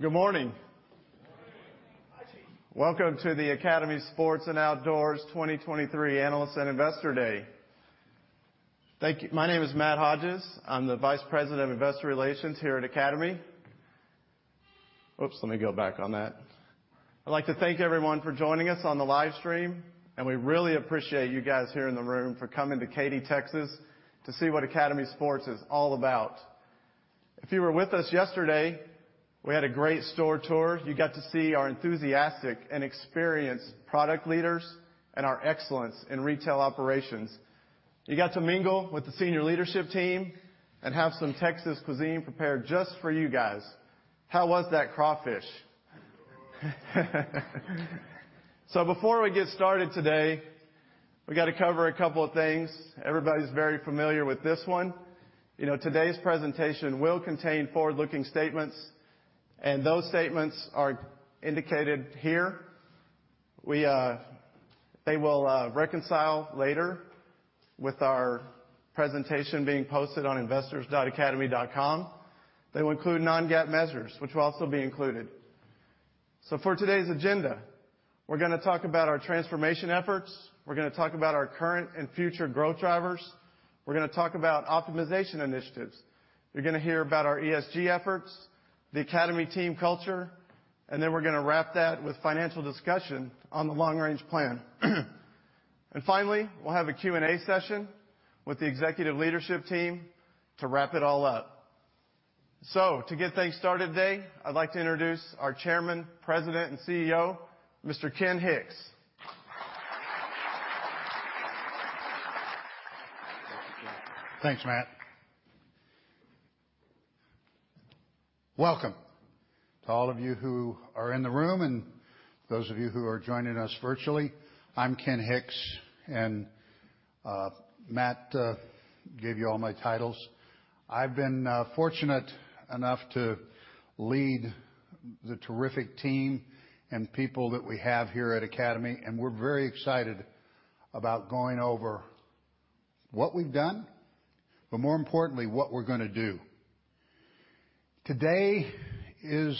Good morning. Welcome to the Academy Sports and Outdoors 2023 Analysts and Investor Day. My name is Matt Hodges. I'm the Vice President of Investor Relations here at Academy. Oops, let me go back on that. I'd like to thank everyone for joining us on the live stream, and we really appreciate you guys here in the room for coming to Katy, Texas, to see what Academy Sports is all about. If you were with us yesterday, we had a great store tour. You got to see our enthusiastic and experienced product leaders and our excellence in retail operations. You got to mingle with the senior leadership team and have some Texas cuisine prepared just for you guys. How was that crawfish? Before we get started today, we gotta cover a couple of things. Everybody's very familiar with this one. You know, today's presentation will contain forward-looking statements, and those statements are indicated here. They will reconcile later with our presentation being posted on investors.academy.com. They will include non-GAAP measures, which will also be included. For today's agenda, we're gonna talk about our transformation efforts, we're gonna talk about our current and future growth drivers, we're gonna talk about optimization initiatives. You're gonna hear about our ESG efforts, the Academy team culture, and then we're gonna wrap that with financial discussion on the long-range plan. Finally, we'll have a Q&A session with the executive leadership team to wrap it all up. To get things started today, I'd like to introduce our Chairman, President, and CEO, Mr. Ken Hicks. Thank you, Ken. Thanks, Matt. Welcome to all of you who are in the room and those of you who are joining us virtually. I'm Ken Hicks, and Matt gave you all my titles. I've been fortunate enough to lead the terrific team and people that we have here at Academy. We're very excited about going over what we've done, but more importantly, what we're gonna do. Today is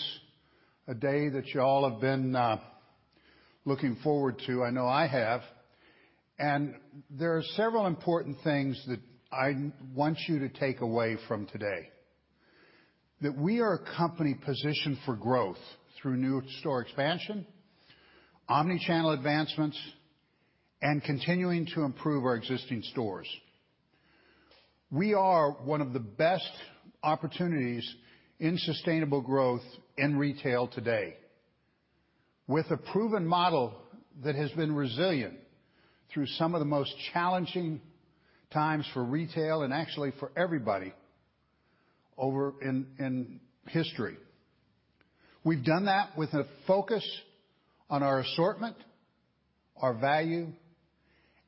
a day that y'all have been looking forward to. I know I have. There are several important things that I want you to take away from today, that we are a company positioned for growth through new store expansion, omni-channel advancements, and continuing to improve our existing stores. We are one of the best opportunities in sustainable growth in retail today, with a proven model that has been resilient through some of the most challenging times for retail and actually for everybody over in history. We've done that with a focus on our assortment, our value,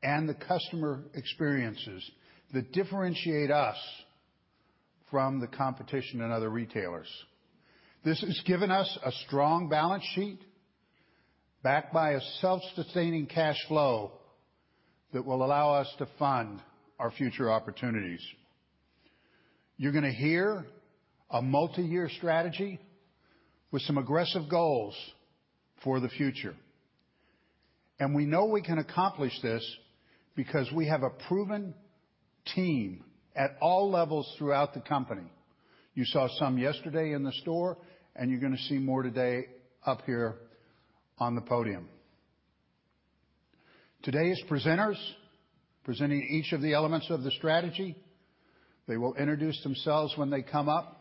and the customer experiences that differentiate us from the competition and other retailers. This has given us a strong balance sheet backed by a self-sustaining cash flow that will allow us to fund our future opportunities. You're gonna hear a multi-year strategy with some aggressive goals for the future. We know we can accomplish this because we have a proven team at all levels throughout the company. You saw some yesterday in the store, and you're gonna see more today up here on the podium. Today's presenters, presenting each of the elements of the strategy, they will introduce themselves when they come up,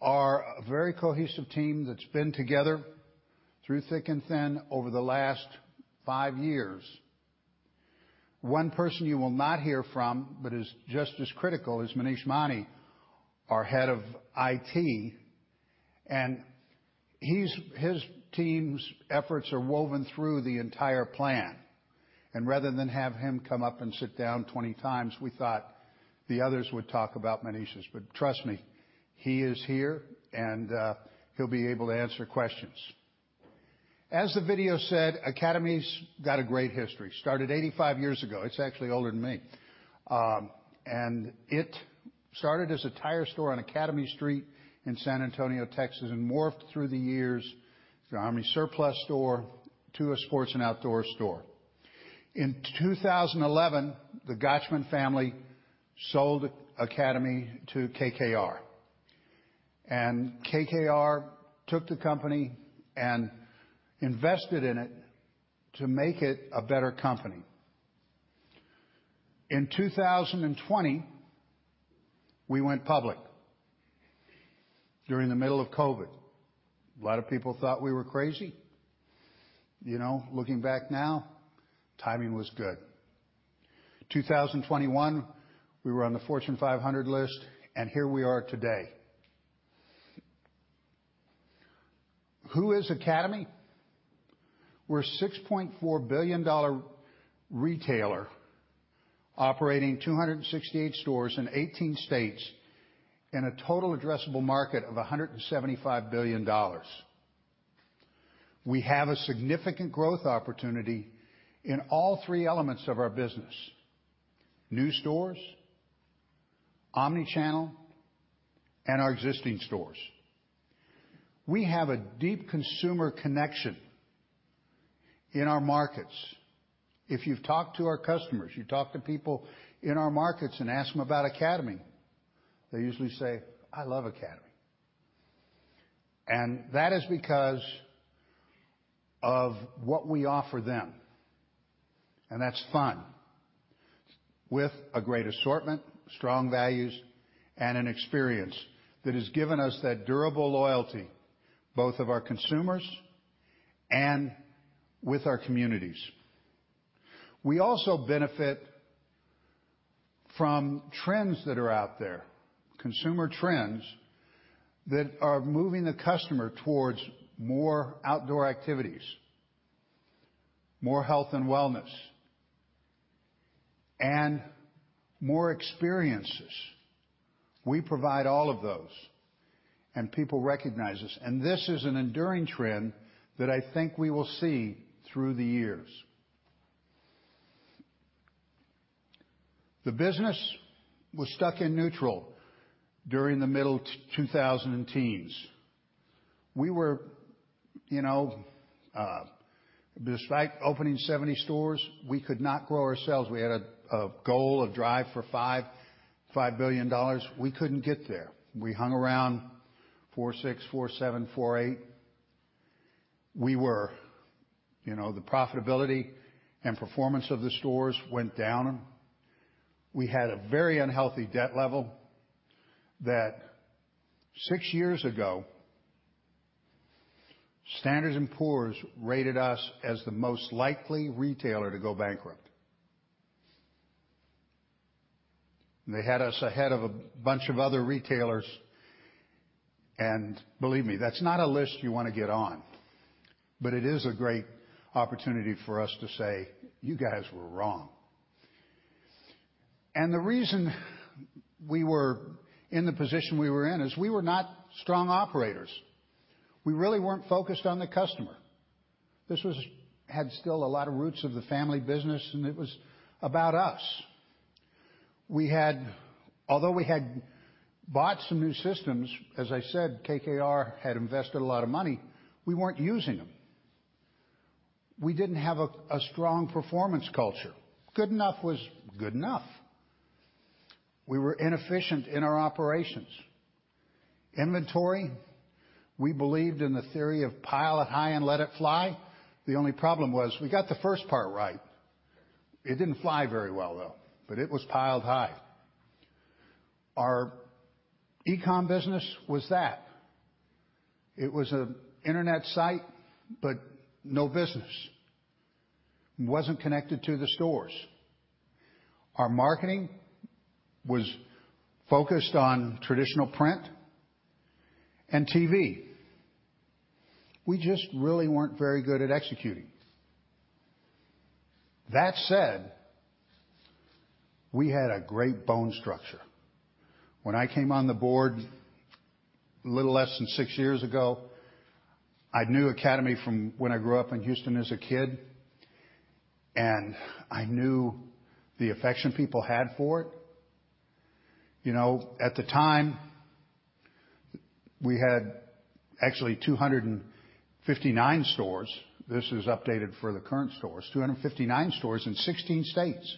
are a very cohesive team that's been together through thick and thin over the last five years. One person you will not hear from, but is just as critical, is Manish Maini, our head of IT, and his team's efforts are woven through the entire plan. Rather than have him come up and sit down 20 times, we thought the others would talk about Manish's. Trust me, he is here, and he'll be able to answer questions. As the video said, Academy's got a great history. Started 85 years ago. It's actually older than me. It started as a tire store on Academy Street in San Antonio, Texas, and morphed through the years from an army surplus store to a sports and outdoor store. In 2011, the Gochman family sold Academy to KKR. KKR took the company and invested in it to make it a better company. In 2020, we went public during the middle of COVID. A lot of people thought we were crazy. You know, looking back now, timing was good. 2021, we were on the Fortune 500 list, and here we are today. Who is Academy? We're a $6.4 billion retailer operating 268 stores in 18 states in a total addressable market of $175 billion. We have a significant growth opportunity in all three elements of our business: new stores, omnichannel, and our existing stores. We have a deep consumer connection in our markets. If you've talked to our customers, you talk to people in our markets and ask them about Academy, they usually say, "I love Academy." That is because of what we offer them, and that's fun, with a great assortment, strong values, and an experience that has given us that durable loyalty, both of our consumers and with our communities. We also benefit from trends that are out there, consumer trends that are moving the customer towards more outdoor activities, more health and wellness, and more experiences. We provide all of those, and people recognize us. This is an enduring trend that I think we will see through the years. The business was stuck in neutral during the middle 2,000 and teens. We were, you know, despite opening 70 stores, we could not grow our sales. We had a goal of Drive for Five, $5 billion. We couldn't get there. We hung around $4.6 billion, $4.7 billion, $4.8 billion. You know, the profitability and performance of the stores went down. We had a very unhealthy debt level that six years ago, Standard & Poor's rated us as the most likely retailer to go bankrupt. They had us ahead of a bunch of other retailers. Believe me, that's not a list you wanna get on, but it is a great opportunity for us to say, "You guys were wrong." The reason we were in the position we were in is we were not strong operators. We really weren't focused on the customer. This had still a lot of roots of the family business, and it was about us. Although we had bought some new systems, as I said, KKR had invested a lot of money, we weren't using them. We didn't have a strong performance culture. Good enough was good enough. We were inefficient in our operations. Inventory, we believed in the theory of pile it high and let it fly. The only problem was we got the first part right. It didn't fly very well, though, but it was piled high. Our e-com business was that. It was a Internet site, but no business. It wasn't connected to the stores. Our marketing was focused on traditional print and TV. We just really weren't very good at executing. That said, we had a great bone structure. When I came on the board little less than six years ago, I knew Academy from when I grew up in Houston as a kid, I knew the affection people had for it. You know, at the time, we had actually 259 stores. This is updated for the current stores. 259 stores in 16 states.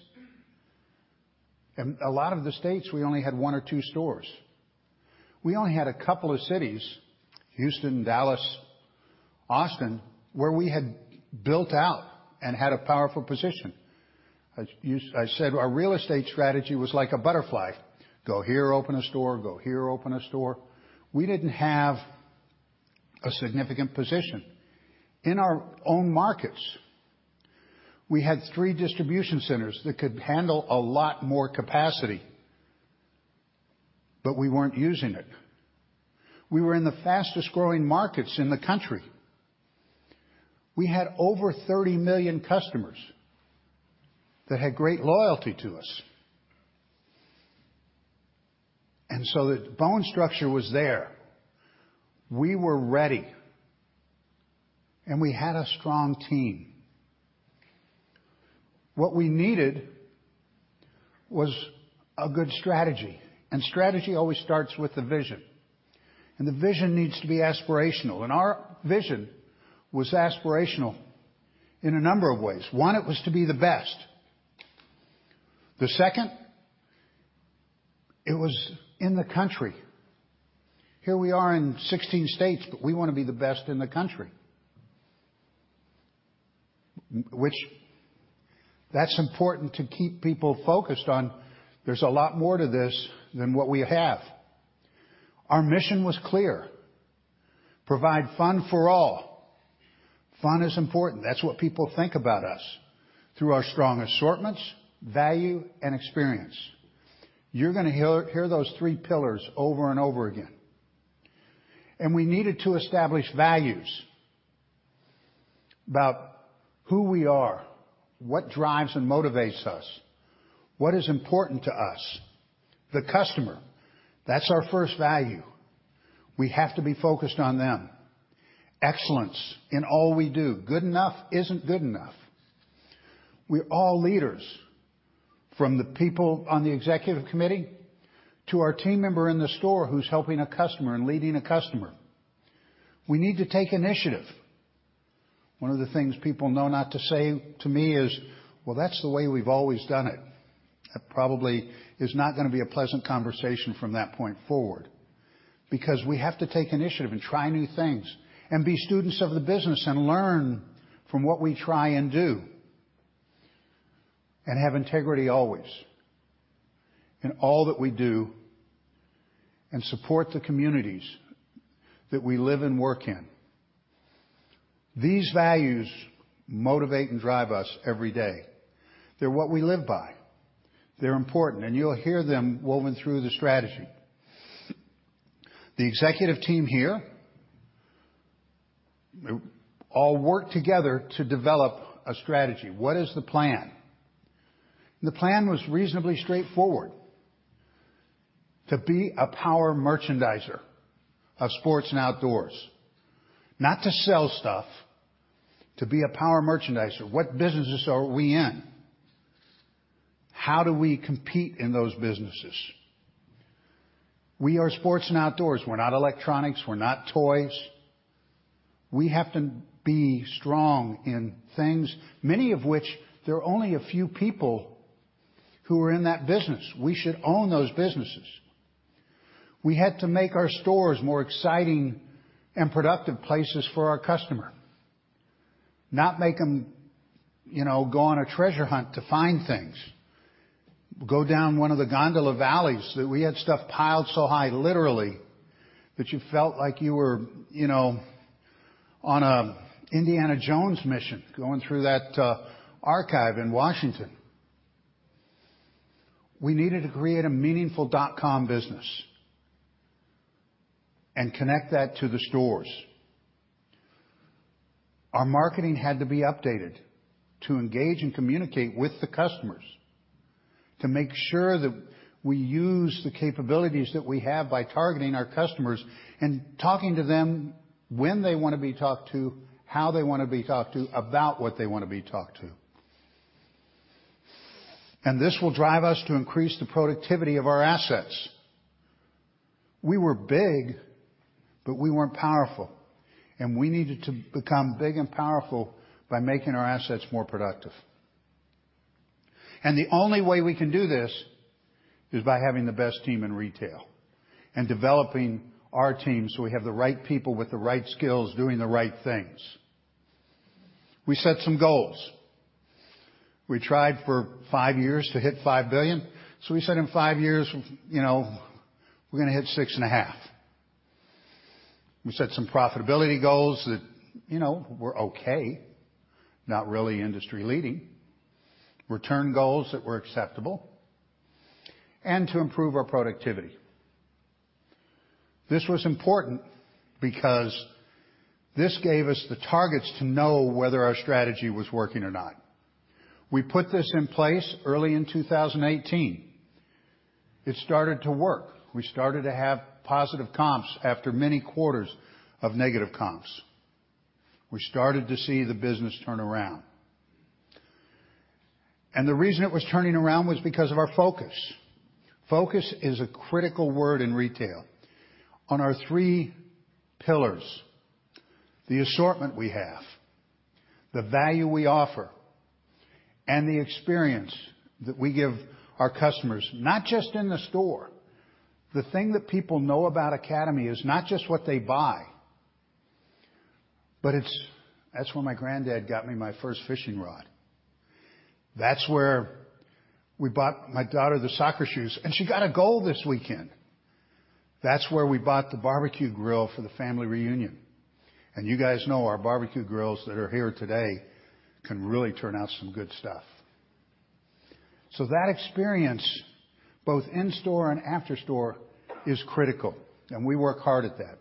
A lot of the states, we only had one or two stores. We only had a couple of cities, Houston, Dallas, Austin, where we had built out and had a powerful position. I said our real estate strategy was like a butterfly. Go here, open a store. Go here, open a store. We didn't have a significant position in our own markets. We had three distribution centers that could handle a lot more capacity, we weren't using it. We were in the fastest-growing markets in the country. We had over 30 million customers that had great loyalty to us. The bone structure was there. We were ready, and we had a strong team. What we needed was a good strategy, and strategy always starts with the vision, and the vision needs to be aspirational, and our vision was aspirational in a number of ways. One, it was to be the best. The second, it was in the country. Here we are in 16 states, but we wanna be the best in the country. Which that's important to keep people focused on there's a lot more to this than what we have. Our mission was clear: provide fun for all. Fun is important. That's what people think about us through our strong assortments, value, and experience. You're gonna hear those three pillars over and over again. We needed to establish values about who we are, what drives and motivates us. What is important to us, the customer, that's our first value. We have to be focused on them. Excellence in all we do. Good enough isn't good enough. We're all leaders, from the people on the executive committee to our team member in the store who's helping a customer and leading a customer. We need to take initiative. One of the things people know not to say to me is, "Well, that's the way we've always done it." That probably is not gonna be a pleasant conversation from that point forward, because we have to take initiative and try new things and be students of the business and learn from what we try and do, and have integrity always in all that we do, and support the communities that we live and work in. These values motivate and drive us every day. They're what we live by. They're important. You'll hear them woven through the strategy. The executive team here all work together to develop a strategy. What is the plan? The plan was reasonably straightforward: to be a power merchandiser of sports and outdoors. Not to sell stuff, to be a power merchandiser. What businesses are we in? How do we compete in those businesses? We are sports and outdoors. We're not electronics. We're not toys. We have to be strong in things, many of which there are only a few people who are in that business. We should own those businesses. We had to make our stores more exciting and productive places for our customer, not make them, you know, go on a treasure hunt to find things. Go down one of the gondola valleys. We had stuff piled so high, literally, that you felt like you were, you know, on a Indiana Jones mission going through that archive in Washington. We needed to create a meaningful dot-com business and connect that to the stores. Our marketing had to be updated to engage and communicate with the customers, to make sure that we use the capabilities that we have by targeting our customers and talking to them when they wanna be talked to, how they wanna be talked to, about what they wanna be talked to. This will drive us to increase the productivity of our assets. We were big, but we weren't powerful, and we needed to become big and powerful by making our assets more productive. The only way we can do this is by having the best team in retail and developing our team so we have the right people with the right skills doing the right things. We set some goals. We tried for five years to hit $5 billion. We said in five years, you know, we're gonna hit $6.5 billion. We set some profitability goals that, you know, were okay, not really industry-leading. Return goals that were acceptable, to improve our productivity. This was important because this gave us the targets to know whether our strategy was working or not. We put this in place early in 2018. It started to work. We started to have positive comps after many quarters of negative comps. We started to see the business turn around. The reason it was turning around was because of our focus. Focus is a critical word in retail. On our three pillars, the assortment we have, the value we offer, and the experience that we give our customers, not just in the store. The thing that people know about Academy is not just what they buy, but it's, "That's where my granddad got me my first fishing rod. That's where we bought my daughter the soccer shoes, and she got a goal this weekend. That's where we bought the barbecue grill for the family reunion." You guys know our barbecue grills that are here today can really turn out some good stuff. That experience, both in-store and after store, is critical, and we work hard at that.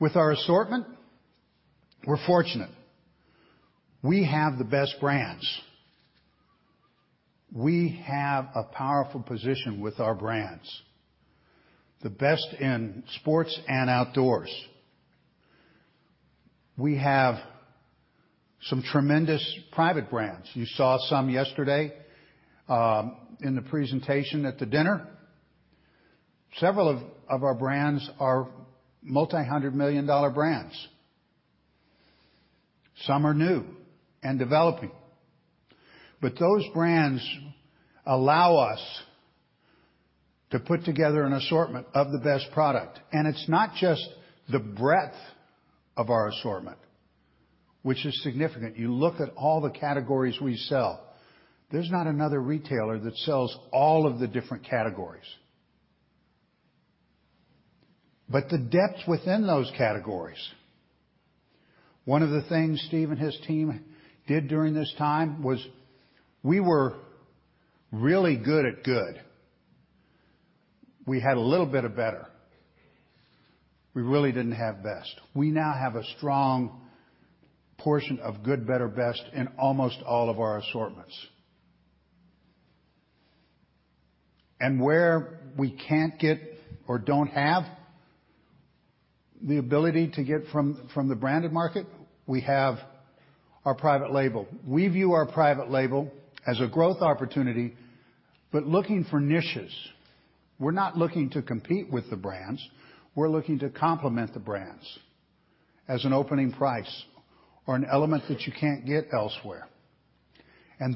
With our assortment, we're fortunate. We have the best brands. We have a powerful position with our brands, the best in sports and outdoors. We have some tremendous private brands. You saw some yesterday in the presentation at the dinner. Several of our brands are multi-hundred million-dollar brands. Some are new and developing. Those brands allow us to put together an assortment of the best product. It's not just the breadth of our assortment, which is significant. You look at all the categories we sell. There's not another retailer that sells all of the different categories. The depth within those categories. One of the things Steve and his team did during this time was we were really good at good. We had a little bit of better. We really didn't have best. We now have a strong portion of good, better, best in almost all of our assortments. Where we can't get or don't have the ability to get from the branded market, we have our private label. We view our private label as a growth opportunity, looking for niches. We're not looking to compete with the brands. We're looking to complement the brands as an opening price or an element that you can't get elsewhere.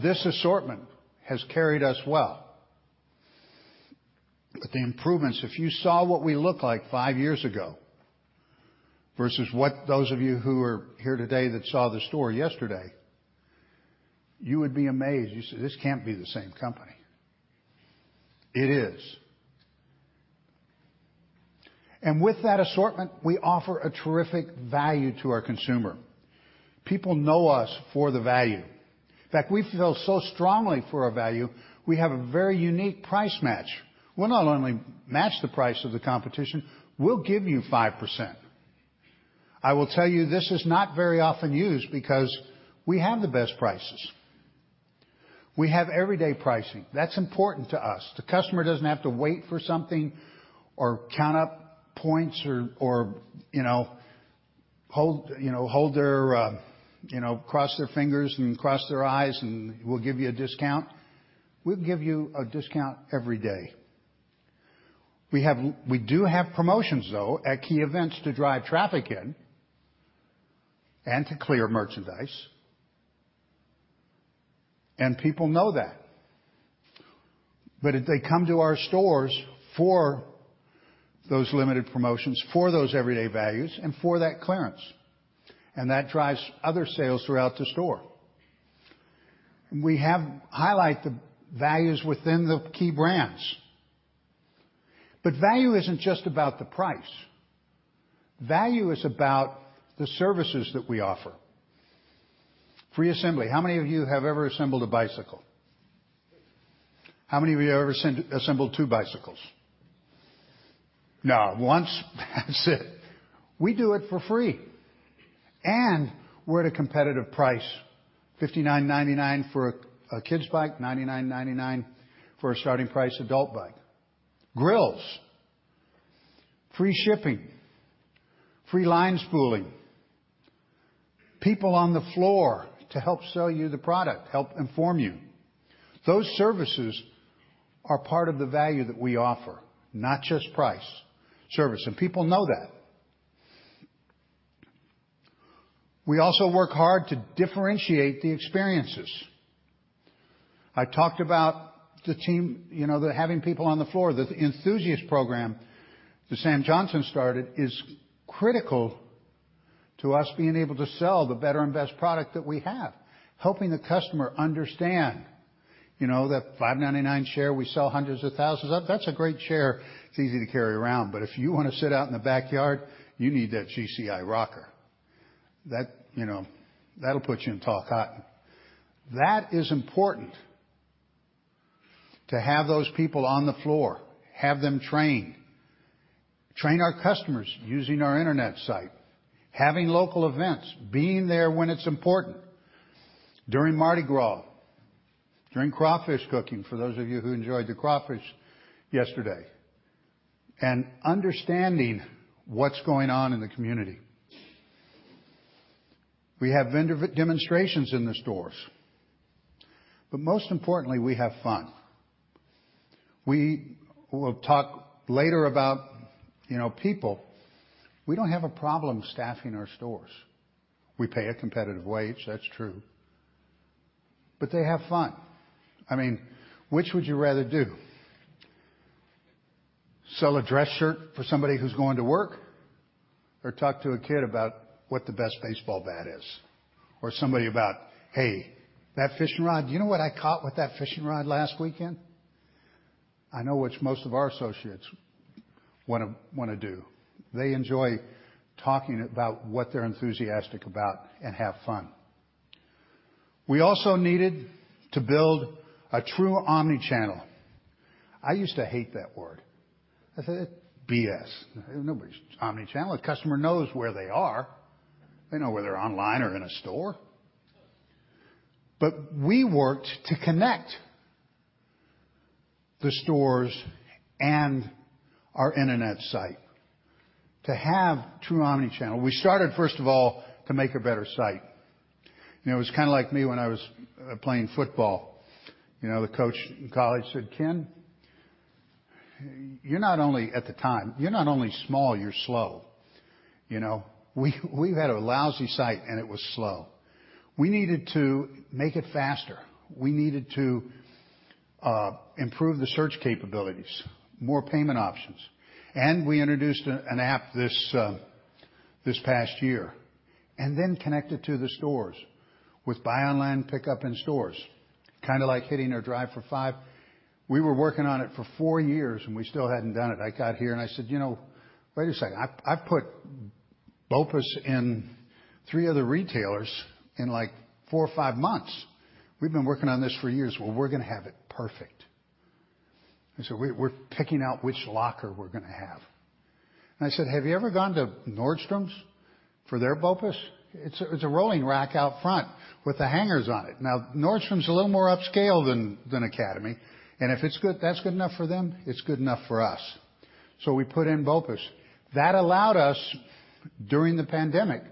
This assortment has carried us well. If you saw what we looked like five years ago versus what those of you who are here today that saw the store yesterday, you would be amazed. You'd say, "This can't be the same company." It is. And with that assortment, we offer a terrific value to our consumer. People know us for the value. In fact, we feel so strongly for our value, we have a very unique price match. We'll not only match the price of the competition, we'll give you 5%. I will tell you this is not very often used because we have the best prices. We have everyday pricing. That's important to us. The customer doesn't have to wait for something or count up points or, you know, hold their, you know, cross their fingers and cross their eyes. We'll give you a discount. We'll give you a discount every day. We do have promotions, though, at key events to drive traffic in and to clear merchandise. People know that. If they come to our stores for those limited promotions, for those everyday values, and for that clearance, and that drives other sales throughout the store. We have highlight the values within the key brands. Value isn't just about the price. Value is about the services that we offer. Free assembly. How many of you have ever assembled a bicycle? How many of you have ever assembled two bicycles? No. Once. That's it. We do it for free. We're at a competitive price. $59.99 for a kid's bike, $99.99 for a starting price adult bike. Grills, free shipping, free line spooling, people on the floor to help sell you the product, help inform you. Those services are part of the value that we offer, not just price. Service. People know that. We also work hard to differentiate the experiences. I talked about the team, you know, the having people on the floor. The Enthusiast program that Sam Johnson started is critical to us being able to sell the better and best product that we have, helping the customer understand, you know, that $5.99 chair we sell hundreds of thousands of. That's a great chair. It's easy to carry around. If you wanna sit out in the backyard, you need that GCI rocker. You know, that'll put you in tall cotton. That is important to have those people on the floor, have them trained. Train our customers using our Internet site, having local events, being there when it's important. During Mardi Gras, during crawfish cooking, for those of you who enjoyed the crawfish yesterday, and understanding what's going on in the community. We have vendor demonstrations in the stores. Most importantly, we have fun. We will talk later about, you know, people. We don't have a problem staffing our stores. We pay a competitive wage, that's true. They have fun. I mean, which would you rather do? Sell a dress shirt for somebody who's going to work or talk to a kid about what the best baseball bat is? Somebody about, "Hey, that fishing rod, do you know what I caught with that fishing rod last weekend?" I know which most of our associates wanna do. They enjoy talking about what they're enthusiastic about and have fun. We also needed to build a true omni-channel. I used to hate that word. I'd say that's BS. Nobody's omni-channel. A customer knows where they are. They know whether online or in a store. We worked to connect the stores and our Internet site to have true omni-channel. We started, first of all, to make a better site. It was kinda like me when I was playing football. You know, the coach in college said, "Ken, you're not only," at the time, "you're not only small, you're slow." You know, we've had a lousy site, and it was slow. We needed to make it faster. We needed to improve the search capabilities, more payment options. We introduced an app this past year. Connect it to the stores with buy online, pickup in stores. Kinda like hitting our Drive for Five. We were working on it for four years, and we still hadn't done it. I got here, I said, "You know, wait a second. I've put BOPUS and thee other retailers in like four or five months. We've been working on this for years. Well, we're gonna have it perfect. We're picking out which locker we're gonna have. I said, "Have you ever gone to Nordstrom's for their BOPUS? It's a rolling rack out front with the hangers on it. Nordstrom's a little more upscale than Academy, if that's good enough for them, it's good enough for us. We put in BOPUS. That allowed us, during the pandemic,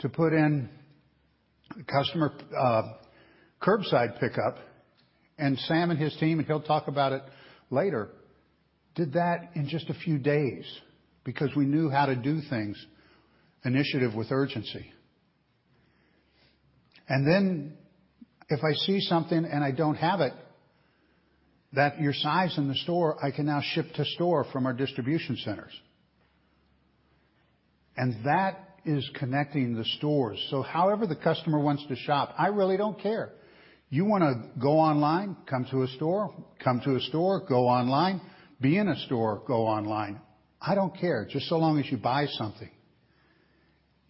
to put in customer curbside pickup. Sam and his team, he'll talk about it later, did that in just a few days because we knew how to do things initiative with urgency. If I see something and I don't have it, that your size in the store, I can now ship to store from our distribution centers. That is connecting the stores. However the customer wants to shop, I really don't care. You wanna go online, come to a store, go online, be in a store, go online, I don't care just so long as you buy something.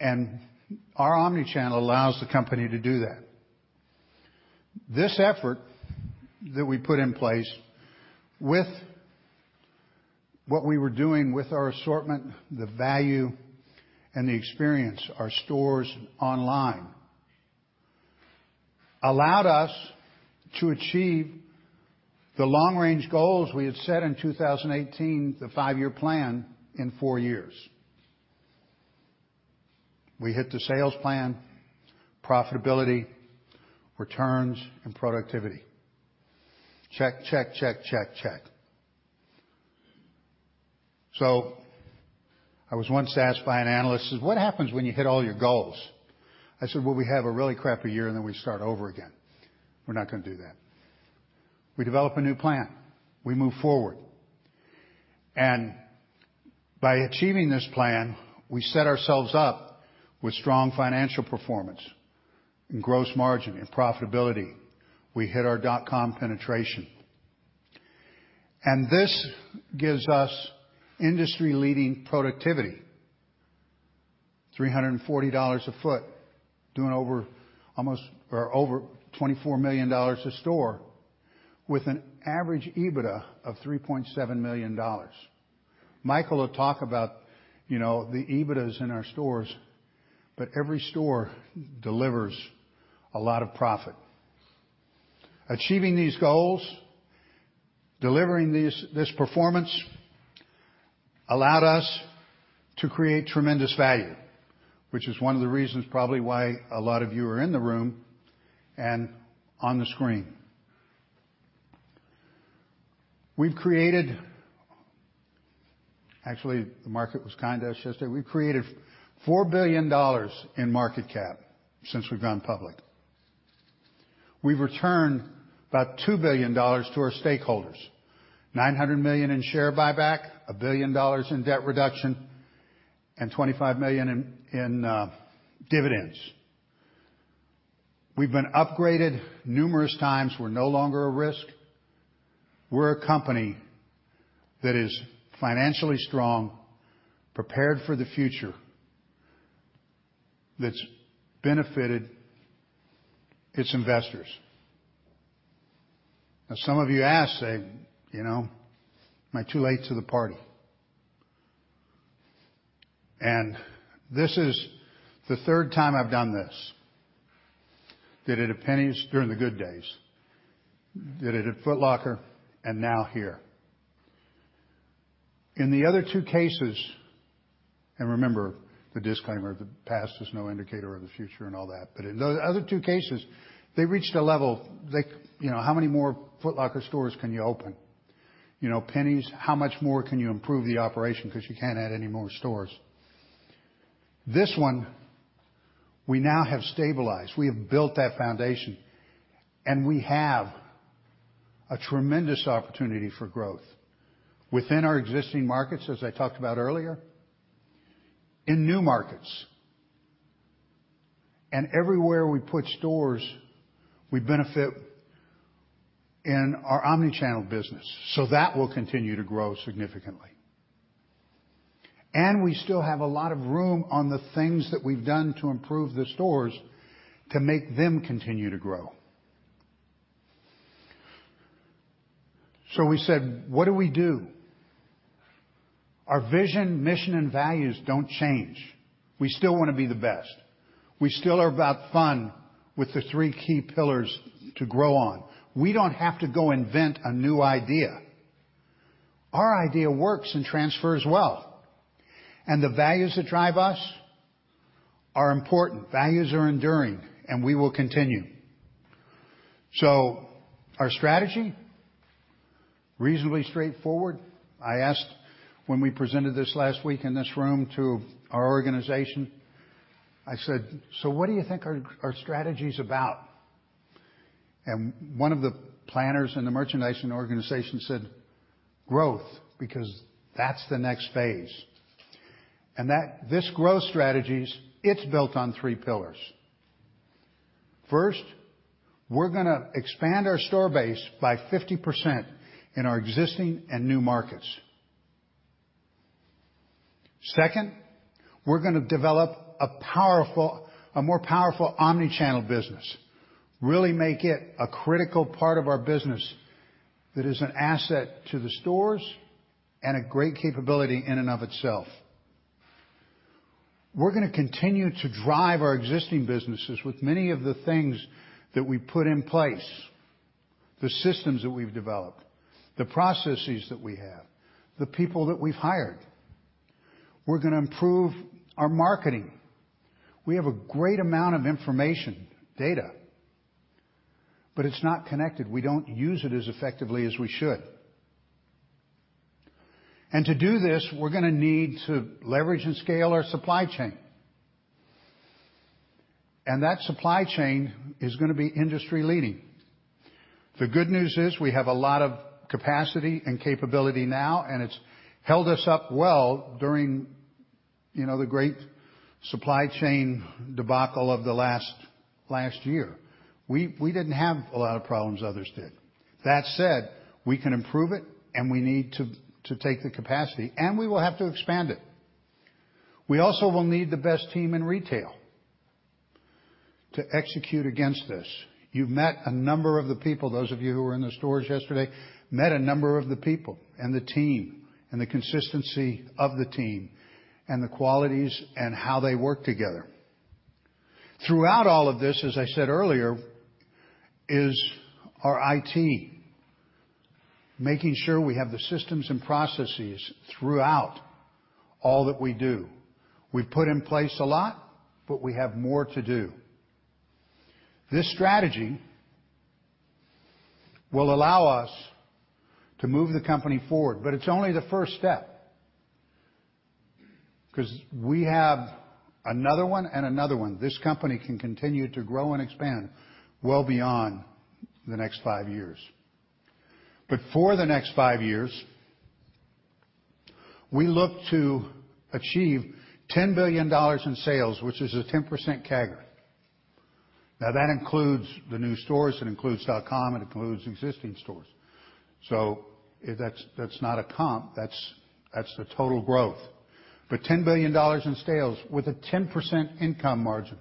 Our omnichannel allows the company to do that. This effort that we put in place with what we were doing with our assortment, the value and the experience, our stores online, allowed us to achieve the long-range goals we had set in 2018, the five-year plan in four years. We hit the sales plan, profitability, returns, and productivity. Check, check, check. I was once asked by an analyst, says, "What happens when you hit all your goals?" I said, "Well, we have a really crappy year, and then we start over again." We're not gonna do that. We develop a new plan. We move forward. By achieving this plan, we set ourselves up with strong financial performance and gross margin and profitability. We hit our dot-com penetration. This gives us industry-leading productivity, $340 a foot, doing over $24 million a store with an average EBITDA of $3.7 million. Michael will talk about, you know, the EBITDAs in our stores. Every store delivers a lot of profit. Achieving these goals, delivering this performance allowed us to create tremendous value, which is one of the reasons probably why a lot of you are in the room and on the screen. The market was kind to us yesterday. We created $4 billion in market cap since we've gone public. We've returned about $2 billion to our stakeholders, $900 million in share buyback, $1 billion in debt reduction, and $25 million in dividends. We've been upgraded numerous times. We're no longer a risk. We're a company that is financially strong, prepared for the future, that's benefited its investors. Some of you ask, say, "You know am I too late to the party?" This is the third time I've done this. Did it at Penney's during the good days. Did it at Foot Locker and now here. In the other two cases, remember the disclaimer, the past is no indicator of the future and all that, in the other two cases, they reached a level they... You know, how many more Foot Locker stores can you open? You know, Penney's, how much more can you improve the operation 'cause you can't add any more stores. This one we now have stabilized. We have built that foundation, we have a tremendous opportunity for growth within our existing markets, as I talked about earlier, in new markets. Everywhere we put stores, we benefit in our omni-channel business, so that will continue to grow significantly. We still have a lot of room on the things that we've done to improve the stores to make them continue to grow. We said, "What do we do?" Our vision, mission, and values don't change. We still wanna be the best. We still are about fun with the three key pillars to grow on. We don't have to go invent a new idea. Our idea works and transfers well. The values that drive us are important. Values are enduring, and we will continue. Our strategy, reasonably straightforward. I asked when we presented this last week in this room to our organization, I said, "So what do you think our our strategy is about?" One of the planners in the merchandising organization said, "Growth, because that's the next phase." That this growth strategies, it's built on three pillars. First, we're gonna expand our store base by 50% in our existing and new markets. Second, we're gonna develop a more powerful omni-channel business. Really make it a critical part of our business that is an asset to the stores and a great capability in and of itself. We're gonna continue to drive our existing businesses with many of the things that we put in place, the systems that we've developed, the processes that we have, the people that we've hired. We're gonna improve our marketing. We have a great amount of information, data, but it's not connected. We don't use it as effectively as we should. To do this, we're gonna need to leverage and scale our supply chain. That supply chain is gonna be industry-leading. The good news is we have a lot of capacity and capability now, and it's held us up well during, you know, the great supply chain debacle of the last year. We didn't have a lot of problems others did. That said, we can improve it, and we need to take the capacity, and we will have to expand it. We also will need the best team in retail to execute against this. You've met a number of the people, those of you who were in the stores yesterday, met a number of the people and the team and the consistency of the team and the qualities and how they work together. Throughout all of this, as I said earlier, is our IT, making sure we have the systems and processes throughout all that we do. We've put in place a lot, but we have more to do. This strategy will allow us to move the company forward, but it's only the first step. 'Cause we have another one and another one. This company can continue to grow and expand well beyond the next five years. For the next five years, we look to achieve $10 billion in sales, which is a 10% CAGR. That includes the new stores, it includes dot-com, it includes existing stores. That's not a comp. That's the total growth. In sales with a 10% income margin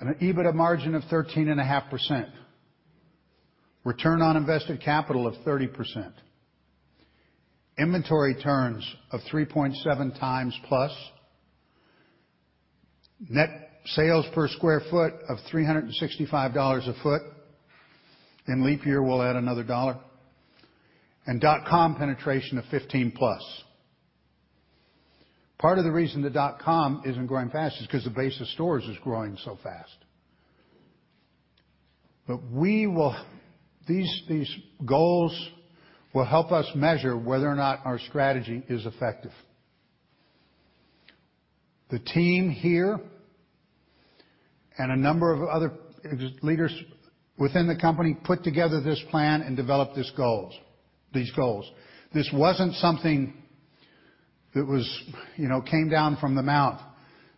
and an EBITDA margin of 13.5%. ROIC of 30%. Inventory turns of 3.7 times-plus. Net sales per square foot of $365 a foot. In leap year, we'll add another $1. Dot-com penetration of 15+. Part of the reason the dot-com isn't growing fast is 'cause the base of stores is growing so fast. These goals will help us measure whether or not our strategy is effective. The team here and a number of other leaders within the company put together this plan and developed these goals. This wasn't something that was, you know, came down from the mount.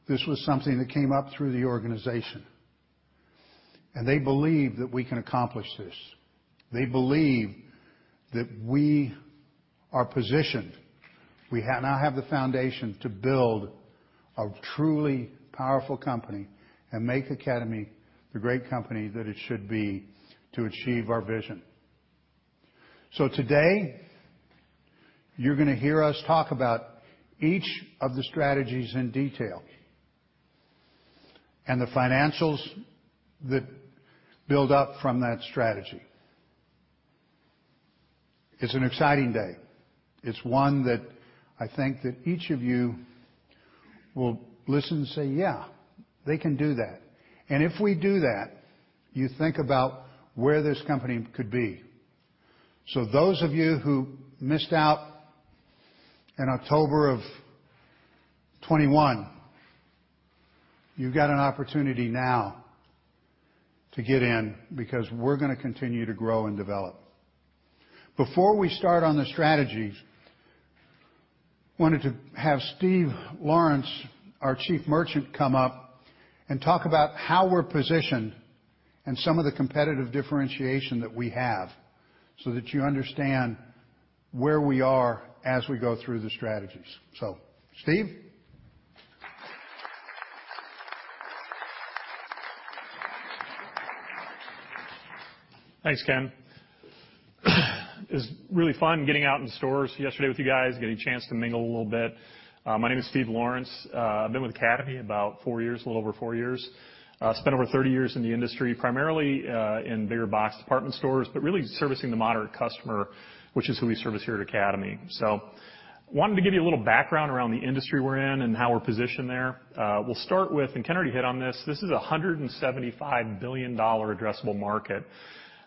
This was something that came up through the organization. They believe that we can accomplish this. They believe that we are positioned. We now have the foundation to build a truly powerful company and make Academy the great company that it should be to achieve our vision. Today, you're gonna hear us talk about each of the strategies in detail and the financials that build up from that strategy. It's an exciting day. It's one that I think that each of you will listen and say, "Yeah, they can do that." If we do that, you think about where this company could be. Those of you who missed out in October of 2021, you've got an opportunity now to get in because we're gonna continue to grow and develop. Before we start on the strategies, wanted to have Steve Lawrence, our chief merchant, come up and talk about how we're positioned and some of the competitive differentiation that we have so that you understand where we are as we go through the strategies. Steve. Thanks, Ken. It was really fun getting out in stores yesterday with you guys, getting a chance to mingle a little bit. My name is Steve Lawrence. I've been with Academy about four years, a little over four years. Spent over 30 years in the industry, primarily, in bigger box department stores, but really servicing the moderate customer, which is who we service here at Academy. Wanted to give you a little background around the industry we're in and how we're positioned there. We'll start with, and Ken already hit on this is a $175 billion addressable market.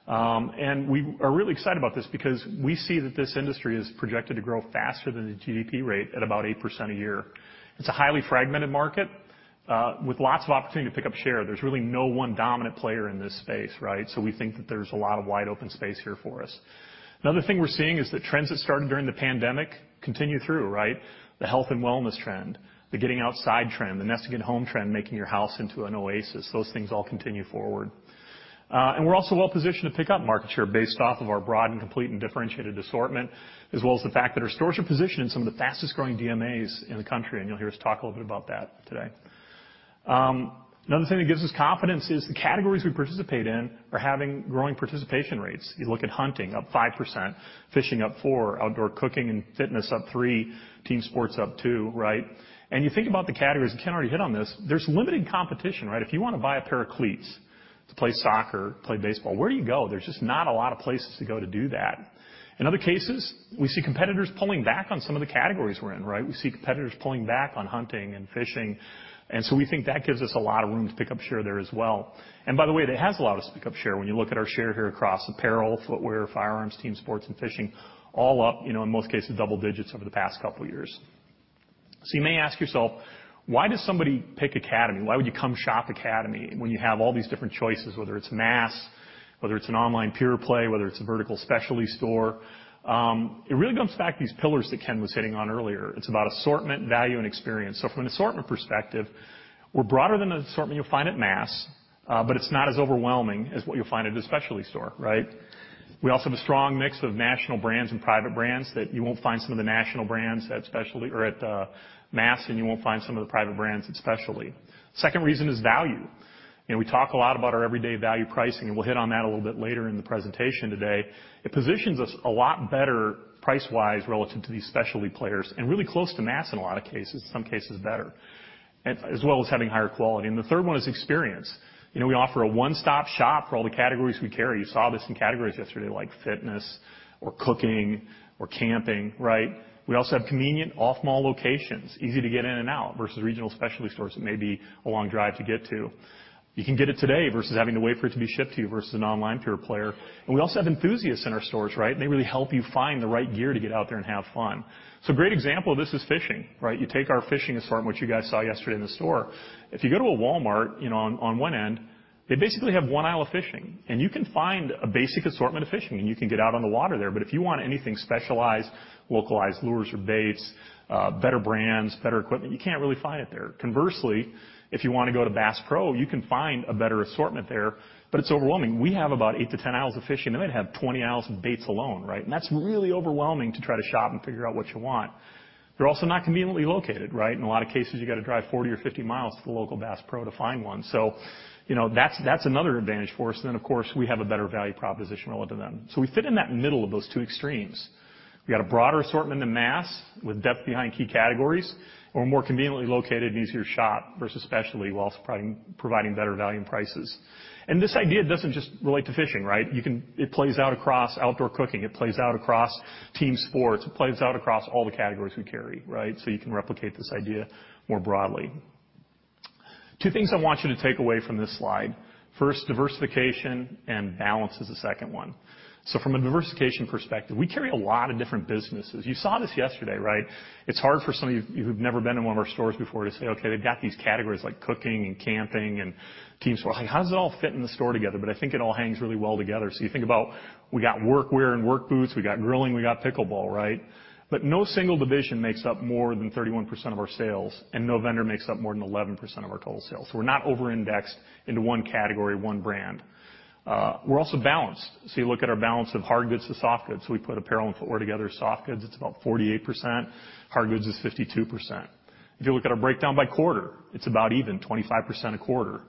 We are really excited about this because we see that this industry is projected to grow faster than the GDP rate at about 8% a year. It's a highly fragmented market, with lots of opportunity to pick up share. There's really no one dominant player in this space, right? We think that there's a lot of wide-open space here for us. Another thing we're seeing is that trends that started during the pandemic continue through, right? The health and wellness trend, the getting outside trend, the nesting at home trend, making your house into an oasis, those things all continue forward. And we're also well-positioned to pick up market share based off of our broad and complete and differentiated assortment, as well as the fact that our stores are positioned in some of the fastest-growing DMAs in the country, and you'll hear us talk a little bit about that today. Another thing that gives us confidence is the categories we participate in are having growing participation rates. You look at hunting, up 5%, fishing up 4%, outdoor cooking and fitness up 3%, team sports up 2%, right? You think about the categories, and Ken already hit on this, there's limited competition, right? If you wanna buy a pair of cleats to play soccer, to play baseball, where do you go? There's just not a lot of places to go to do that. In other cases, we see competitors pulling back on some of the categories we're in, right? We see competitors pulling back on hunting and fishing, and so we think that gives us a lot of room to pick up share there as well. By the way, that has allowed us to pick up share. When you look at our share here across apparel, footwear, firearms, team sports, and fishing, all up, you know, in most cases, double digits over the past couple years. You may ask yourself, "Why does somebody pick Academy? Why would you come shop Academy when you have all these different choices, whether it's mass, whether it's an online pure play, whether it's a vertical specialty store?" It really comes back to these pillars that Ken was hitting on earlier. It's about assortment, value, and experience. From an assortment perspective, we're broader than the assortment you'll find at mass, but it's not as overwhelming as what you'll find at a specialty store, right? We also have a strong mix of national brands and private brands that you won't find some of the national brands at specialty or at mass, and you won't find some of the private brands at specialty. Second reason is value. You know, we talk a lot about our everyday value pricing, and we'll hit on that a little bit later in the presentation today. It positions us a lot better price-wise relative to these specialty players and really close to mass in a lot of cases, some cases better, and as well as having higher quality. The third one is experience. You know, we offer a one-stop shop for all the categories we carry. You saw this in categories yesterday like fitness or cooking or camping, right? We also have convenient off-mall locations, easy to get in and out versus regional specialty stores that may be a long drive to get to. You can get it today versus having to wait for it to be shipped to you versus an online pure player. We also have enthusiasts in our stores, right? They really help you find the right gear to get out there and have fun. A great example of this is fishing, right? You take our fishing assortment, which you guys saw yesterday in the store. If you go to a Walmart, you know, on one end, they basically have one aisle of fishing, and you can find a basic assortment of fishing, and you can get out on the water there. If you want anything specialized, localized lures or baits, better brands, better equipment, you can't really find it there. Conversely, if you wanna go to Bass Pro, you can find a better assortment there, but it's overwhelming. We have about eight to 10 aisles of fishing. They'd have 20 aisles of baits alone, right? That's really overwhelming to try to shop and figure out what you want. They're also not conveniently located, right? In a lot of cases, you gotta drive 40 or 50 miles to the local Bass Pro to find one. You know, that's another advantage for us. Of course, we have a better value proposition relative to them. We fit in that middle of those two extremes. We got a broader assortment than mass with depth behind key categories, we're more conveniently located and easier to shop versus specialty whilst providing better value and prices. This idea doesn't just relate to fishing, right? It plays out across outdoor cooking. It plays out across team sports. It plays out across all the categories we carry, right? You can replicate this idea more broadly. Two things I want you to take away from this slide. First, diversification, balance is the second one. From a diversification perspective, we carry a lot of different businesses. You saw this yesterday, right? It's hard for some of you who've never been in one of our stores before to say, "Okay, they've got these categories like cooking and camping and team sport." Like, how does it all fit in the store together? I think it all hangs really well together. You think about we got workwear and work boots, we got grilling, we got pickleball, right? No single division makes up more than 31% of our sales, and no vendor makes up more than 11% of our total sales. We're not over-indexed into one category, one brand. We're also balanced. You look at our balance of hard goods to soft goods. We put apparel and footwear together. Soft goods, it's about 48%. Hard goods is 52%. If you look at our breakdown by quarter, it's about even, 25% a quarter.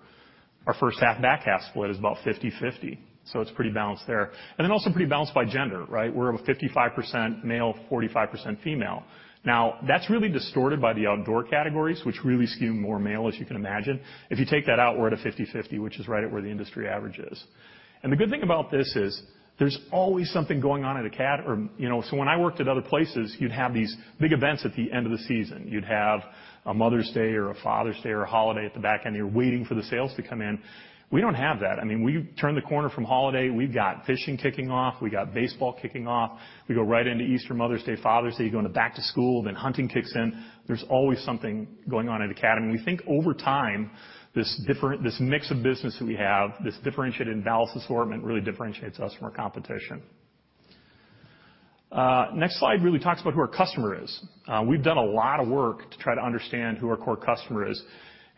Our first half, back half split is about 50/50, so it's pretty balanced there. Also pretty balanced by gender, right? We're over 55% male, 45% female. That's really distorted by the outdoor categories, which really skew more male, as you can imagine. If you take that out, we're at a 50/50, which is right at where the industry average is. The good thing about this is there's always something going on at, you know. When I worked at other places, you'd have these big events at the end of the season. You'd have a Mother's Day or a Father's Day or a holiday at the back end, and you're waiting for the sales to come in. We don't have that. I mean, we turn the corner from holiday, we've got fishing kicking off. We got baseball kicking off. We go right into Easter, Mother's Day, Father's Day. You go into back to school, hunting kicks in. There's always something going on at Academy. We think over time, this mix of business that we have, this differentiated and balanced assortment really differentiates us from our competition. Next slide really talks about who our customer is. We've done a lot of work to try to understand who our core customer is,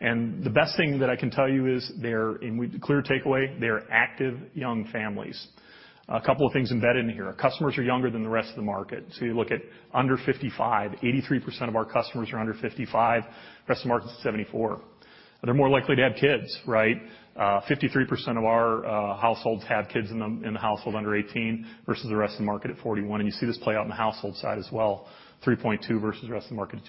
and the best thing that I can tell you is, and with the clear takeaway, they are active young families. A couple of things embedded in here. Our customers are younger than the rest of the market. You look at under 55, 83% of our customers are under 55. The rest of the market is 74. They're more likely to have kids, right? 53% of our households have kids in the household under 18 versus the rest of the market at 41. You see this play out in the household side as well, 3.2% versus the rest of the market at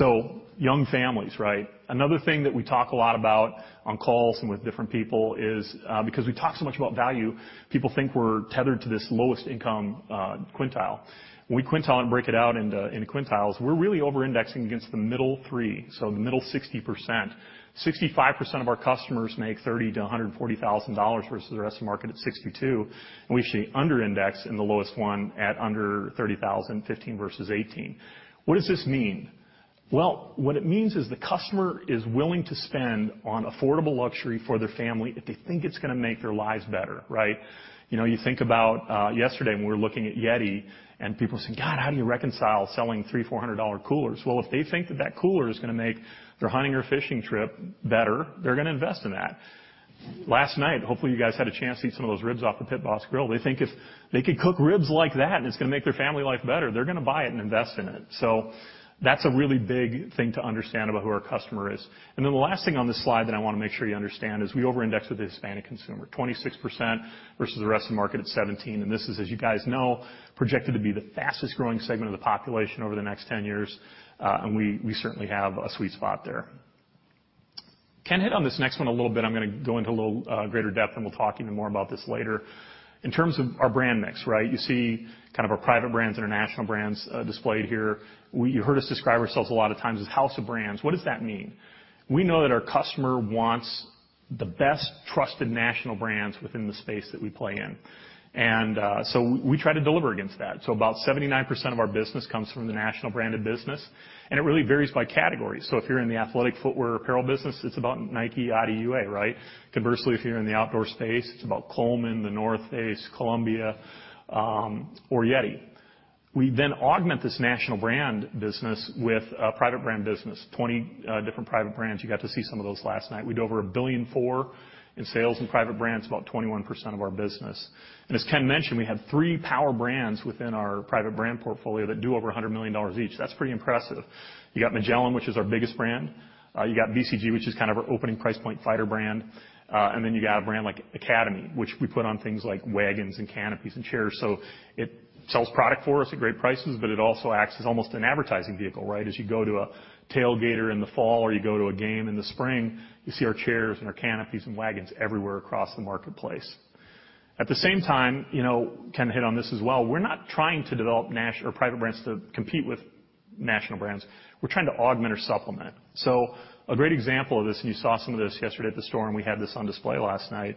2.9%. Young families, right? Another thing that we talk a lot about on calls and with different people is, because we talk so much about value, people think we're tethered to this lowest income quintile. When we quintile and break it out into quintiles, we're really over-indexing against the middle three, so the middle 60%. 65% of our customers make $30,000 to $140,000 versus the rest of the market at 62%. We actually under-index in the lowest one at under $30,000, 15% versus 18%. What does this mean? Well, what it means is the customer is willing to spend on affordable luxury for their family if they think it's gonna make their lives better, right? You know, you think about yesterday when we were looking at YETI and people saying, "God, how do you reconcile selling $300-$400 coolers?" Well, if they think that that cooler is gonna make their hunting or fishing trip better, they're gonna invest in that. Last night, hopefully, you guys had a chance to eat some of those ribs off the Pit Boss grill. They think if they could cook ribs like that, and it's gonna make their family life better, they're gonna buy it and invest in it. That's a really big thing to understand about who our customer is. The last thing on this slide that I wanna make sure you understand is we over-index with the Hispanic consumer. 26% versus the rest of the market at 17%. This is, as you guys know, projected to be the fastest-growing segment of the population over the next 10 years. We certainly have a sweet spot there. Ken hit on this next one a little bit. I'm gonna go into a little greater depth, and we'll talk even more about this later. In terms of our brand mix, right? You see kind of our private brands, international brands, displayed here. You heard us describe ourselves a lot of times as house of brands. What does that mean? We know that our customer wants the best trusted national brands within the space that we play in. We try to deliver against that. About 79% of our business comes from the national branded business, and it really varies by category. If you're in the athletic footwear apparel business, it's about Nike, Adi, UA, right? Conversely, if you're in the outdoor space, it's about Coleman, The North Face, Columbia, or YETI. We augment this national brand business with a private brand business, 20 different private brands. You got to see some of those last night. We do over $1.4 billion in sales and private brands, about 21% of our business. As Ken mentioned, we have three power brands within our private brand portfolio that do over $100 million each. That's pretty impressive. You got Magellan, which is our biggest brand. You got BCG, which is kind of our opening price point fighter brand. You got a brand like Academy, which we put on things like wagons and canopies and chairs. It sells product for us at great prices, but it also acts as almost an advertising vehicle, right? As you go to a tailgater in the fall, or you go to a game in the spring, you see our chairs and our canopies and wagons everywhere across the marketplace. At the same time, you know, Ken hit on this as well, we're not trying to develop or private brands to compete with national brands. We're trying to augment or supplement. A great example of this, and you saw some of this yesterday at the store, and we had this on display last night.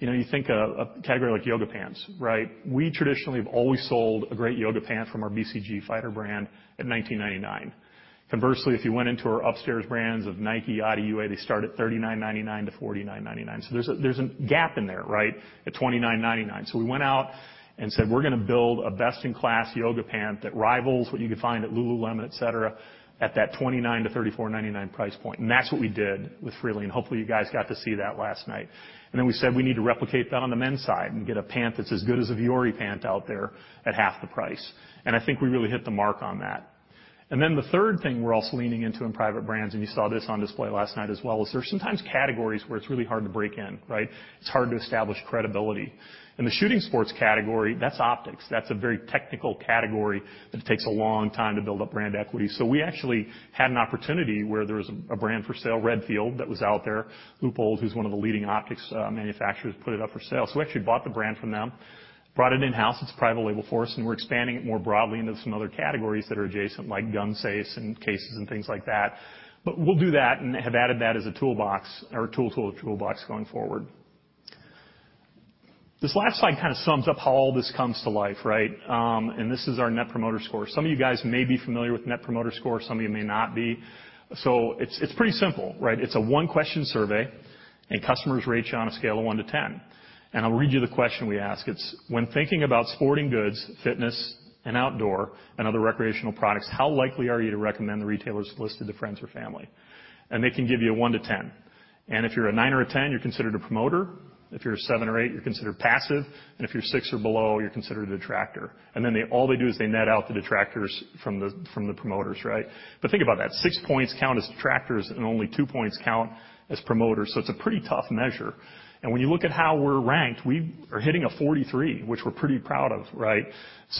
You know, you think of a category like yoga pants, right? We traditionally have always sold a great yoga pant from our BCG fighter brand at $19.99. Conversely, if you went into our upstairs brands of Nike, Adi, UA, they start at $39.99-$49.99. There's a gap in there, right, at $29.99. We went out and said, "We're gonna build a best-in-class yoga pant that rivals what you could find at lululemon, et cetera, at that $29-$34.99 price point." That's what we did with Freely, and hopefully, you guys got to see that last night. Then we said, "We need to replicate that on the men's side and get a pant that's as good as a Vuori pant out there at half the price." I think we really hit the mark on that. Then the third thing we're also leaning into in private brands, and you saw this on display last night as well. Sometimes categories where it's really hard to break in, right? It's hard to establish credibility. In the shooting sports category, that's optics. That's a very technical category that takes a long time to build up brand equity. We actually had an opportunity where there was a brand for sale, Redfield, that was out there. Leupold, who's one of the leading optics manufacturers, put it up for sale. We actually bought the brand from them, brought it in-house. It's private label for us, and we're expanding it more broadly into some other categories that are adjacent, like gun safes and cases and things like that. We'll do that and have added that as a toolbox or tool toolbox going forward. This last slide kind of sums up how all this comes to life, right? This is our Net Promoter Score. Some of you guys may be familiar with Net Promoter Score, some of you may not be. It's pretty simple, right? It's a one-question survey, customers rate you on a scale of one to 10. I'll read you the question we ask. It's, "When thinking about sporting goods, fitness and outdoor, and other recreational products, how likely are you to recommend the retailers listed to friends or family?" They can give you a one to 10. If you're a nine or a 10, you're considered a promoter. If you're a seven or eight, you're considered passive. If you're six or below, you're considered a detractor. Then all they do is they net out the detractors from the promoters, right? Think about that. Six points count as detractors and only two points count as promoters. It's a pretty tough measure. When you look at how we're ranked, we are hitting a 43, which we're pretty proud of, right?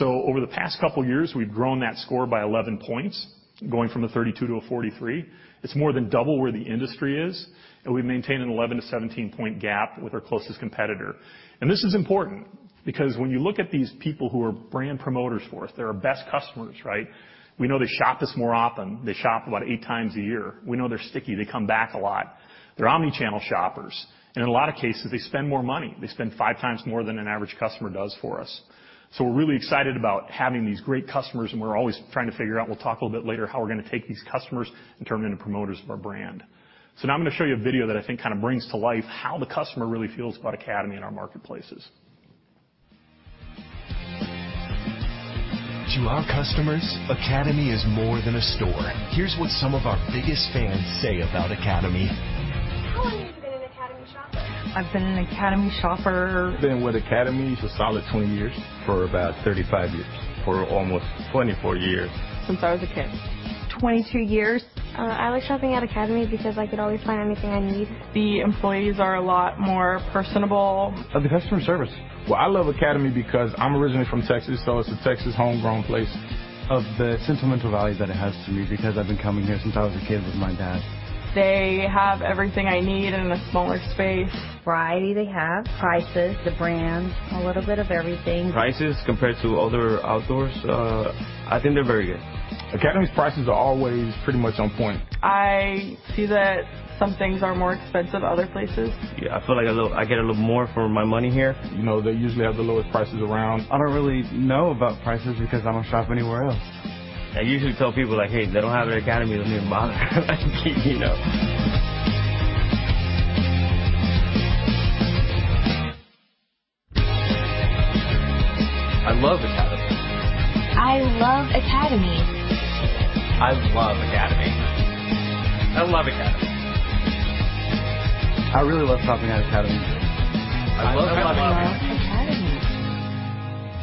Over the past couple years, we've grown that score by 11 points, going from a 32 to a 43. It's more than double where the industry is, and we maintain an 11-17 point gap with our closest competitor. This is important because when you look at these people who are brand promoters for us, they're our best customers, right? We know they shop us more often. They shop about 8x a year. We know they're sticky. They come back a lot. They're omni-channel shoppers. In a lot of cases, they spend more money. They spend 5x more than an average customer does for us. We're really excited about having these great customers, and we're always trying to figure out, we'll talk a little bit later, how we're gonna take these customers and turn them into promoters of our brand. Now I'm gonna show you a video that I think kinda brings to life how the customer really feels about Academy in our marketplaces. To our customers, Academy is more than a store. Here's what some of our biggest fans say about Academy. How long have you been an Academy shopper? I've been an Academy shopper. Been with Academy a solid 20 years. For about 3five years. For almost 24 years. Since I was a kid. 2two years. I like shopping at Academy because I could always find anything I need. The employees are a lot more personable. The customer service. Well, I love Academy because I'm originally from Texas, so it's a Texas homegrown place. Of the sentimental value that it has to me because I've been coming here since I was a kid with my dad. They have everything I need in a smaller space. Variety they have, prices, the brands, a little bit of everything. Prices compared to other outdoors, I think they're very good. Academy's prices are always pretty much on point. I see that some things are more expensive other places. Yeah, I feel like I get a little more for my money here. You know, they usually have the lowest prices around. I don't really know about prices because I don't shop anywhere else. I usually tell people, like, "Hey, if they don't have it at Academy, don't even bother like, you know? Academy. I love Academy. I love Academy. I really love shopping at Academy. I love Academy. I love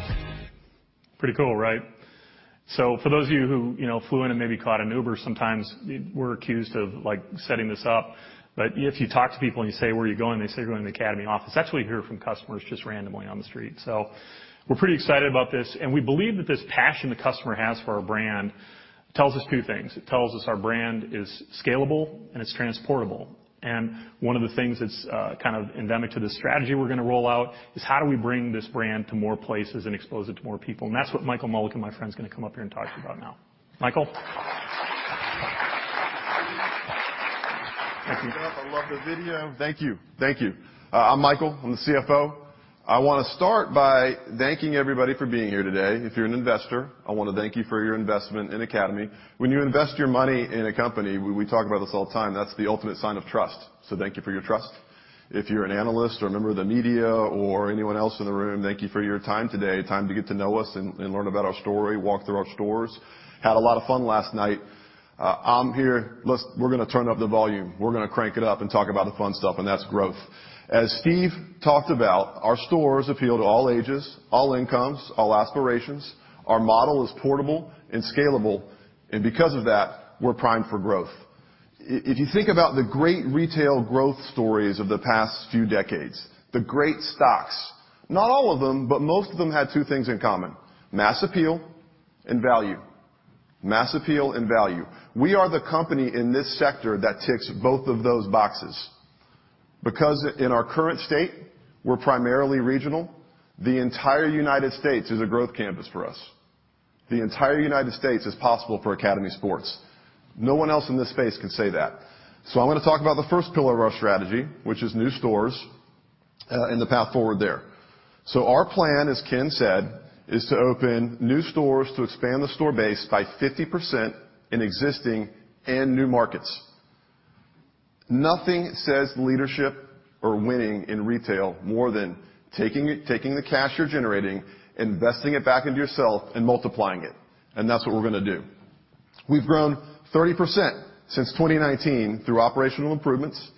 Academy. Pretty cool, right? For those of you who, you know, flew in and maybe caught an Uber, sometimes we're accused of, like, setting this up. If you talk to people and you say, "Where are you going?" They say, "We're going to the Academy office." That's what we hear from customers just randomly on the street. We're pretty excited about this, and we believe that this passion the customer has for our brand tells us two things. It tells us our brand is scalable and it's transportable. One of the things that's kind of endemic to the strategy we're gonna roll out is how do we bring this brand to more places and expose it to more people? That's what Michael Mullican, my friend, is gonna come up here and talk to you about now. Michael. Thank you. I love the video. Thank you. Thank you. I'm Michael. I'm the CFO. I wanna start by thanking everybody for being here today. If you're an investor, I wanna thank you for your investment in Academy. When you invest your money in a company, we talk about this all the time, that's the ultimate sign of trust. Thank you for your trust. If you're an analyst or a member of the media or anyone else in the room, thank you for your time today. Time to get to know us and learn about our story, walk through our stores. Had a lot of fun last night. I'm here. We're gonna turn up the volume. We're gonna crank it up and talk about the fun stuff, and that's growth. As Steve talked about, our stores appeal to all ages, all incomes, all aspirations. Our model is portable and scalable, and because of that, we're primed for growth. If you think about the great retail growth stories of the past few decades, the great stocks, not all of them, but most of them had two things in common: mass appeal and value. Mass appeal and value. We are the company in this sector that ticks both of those boxes. Because in our current state, we're primarily regional, the entire United States is a growth campus for us. The entire United States is possible for Academy Sports. No one else in this space can say that. I'm gonna talk about the first pillar of our strategy, which is new stores, and the path forward there. Our plan, as Ken said, is to open new stores to expand the store base by 50% in existing and new markets. Nothing says leadership or winning in retail more than taking the cash you're generating, investing it back into yourself and multiplying it, that's what we're going to do. We've grown 30% since 2019 through operational improvements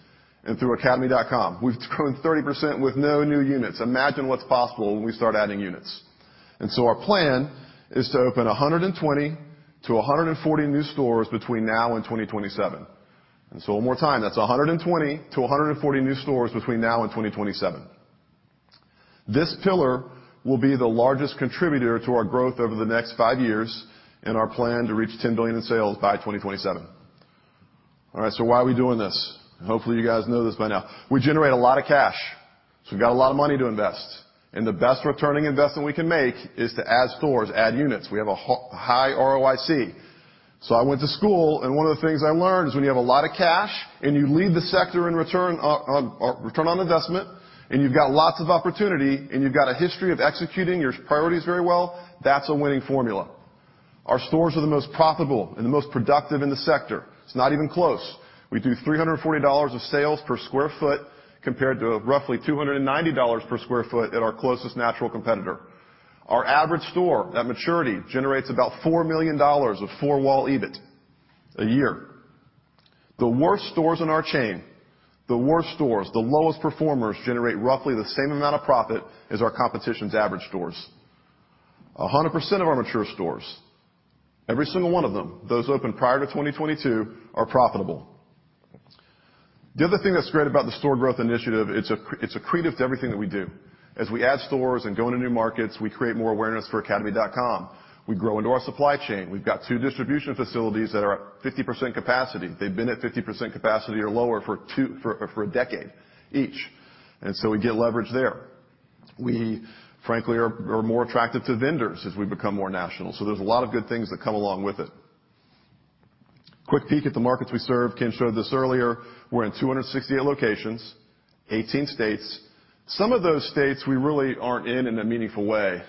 and through academy.com. We've grown 30% with no new units. Imagine what's possible when we start adding units. Our plan is to open 120 to 140 new stores between now and 2027. One more time, that's 120 to 140 new stores between now and 2027. This pillar will be the largest contributor to our growth over the next five years and our plan to reach $10 billion in sales by 2027. All right, why are we doing this? Hopefully you guys know this by now. We generate a lot of cash, so we got a lot of money to invest, and the best returning investment we can make is to add stores, add units. We have a high ROIC. I went to school, and one of the things I learned is when you have a lot of cash and you lead the sector in return on investment, and you've got lots of opportunity, and you've got a history of executing your priorities very well, that's a winning formula. Our stores are the most profitable and the most productive in the sector. It's not even close. We do $340 of sales per sq ft compared to roughly $290 per sq ft at our closest natural competitor. Our average store, at maturity, generates about $4 million of four wall EBIT a year. The worst stores in our chain, the worst stores, the lowest performers generate roughly the same amount of profit as our competition's average stores. 100% of our mature stores, every single one of them, those opened prior to 2022, are profitable. The other thing that's great about the store growth initiative, it's accretive to everything that we do. We add stores and go into new markets, we create more awareness for academy.com. We grow into our supply chain. We've got two distribution facilities that are at 50% capacity. They've been at 50% capacity or lower for a decade each. We get leverage there. We frankly are more attractive to vendors as we become more national. There's a lot of good things that come along with it. Quick peek at the markets we serve. Ken showed this earlier. We're in 268 locations, 18 states. Some of those states we really aren't in in a meaningful way.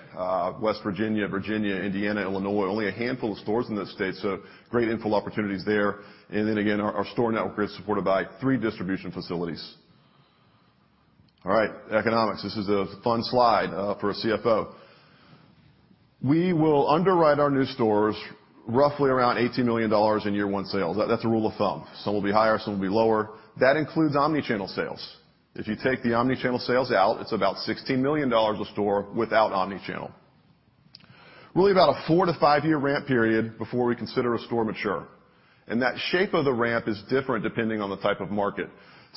West Virginia, Indiana, Illinois, only a handful of stores in those states, great infill opportunities there. Again, our store network is supported by three distribution facilities. All right, economics. This is a fun slide for a CFO. We will underwrite our new stores roughly around $18 million in year one sales. That's a rule of thumb. Some will be higher, some will be lower. That includes omni-channel sales. If you take the omni-channel sales out, it's about $16 million a store without omni-channel. Really about a four-five year ramp period before we consider a store mature, that shape of the ramp is different depending on the type of market.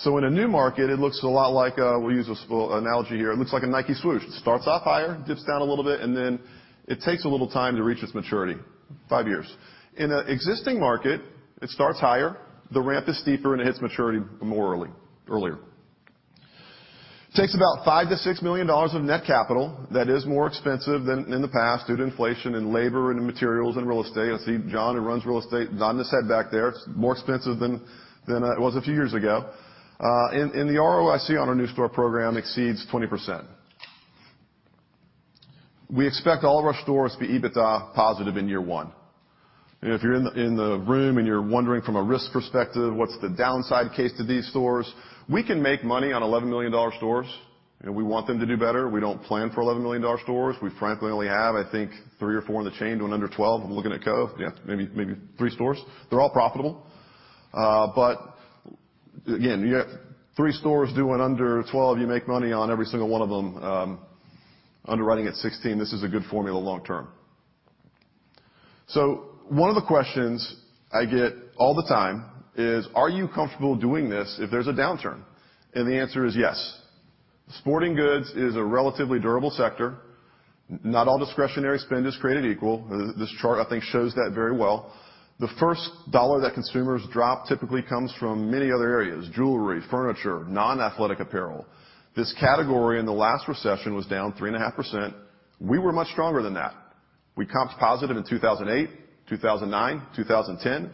In a new market, it looks a lot like, we'll use this analogy here, it looks like a Nike swoosh. It starts off higher, dips down a little bit, and then it takes a little time to reach its maturity. Five years. In an existing market, it starts higher, the ramp is steeper, and it hits maturity more early, earlier. Takes about $5 million-$6 million of net capital. That is more expensive than in the past due to inflation in labor and materials and real estate. I see John, who runs real estate, nodding his head back there. It's more expensive than it was a few years ago. The ROIC on our new store program exceeds 20%. We expect all of our stores to be EBITDA positive in year one. If you're in the, in the room, and you're wondering from a risk perspective, what's the downside case to these stores, we can make money on $11 million stores, and we want them to do better. We don't plan for $11 million stores. We frankly only have, I think three or four in the chain doing under 12. I'm looking at Cove. Yeah, maybe three stores. They're all profitable. But, again, you have three stores doing under 12, you make money on every single one of them, underwriting at 16, this is a good formula long term. One of the questions I get all the time is, are you comfortable doing this if there's a downturn? The answer is yes. Sporting goods is a relatively durable sector. Not all discretionary spend is created equal. This chart I think shows that very well. The first dollar that consumers drop typically comes from many other areas, jewelry, furniture, non-athletic apparel. This category in the last recession was down 3.5%. We were much stronger than that. We comped positive in 2008, 2009, 2010.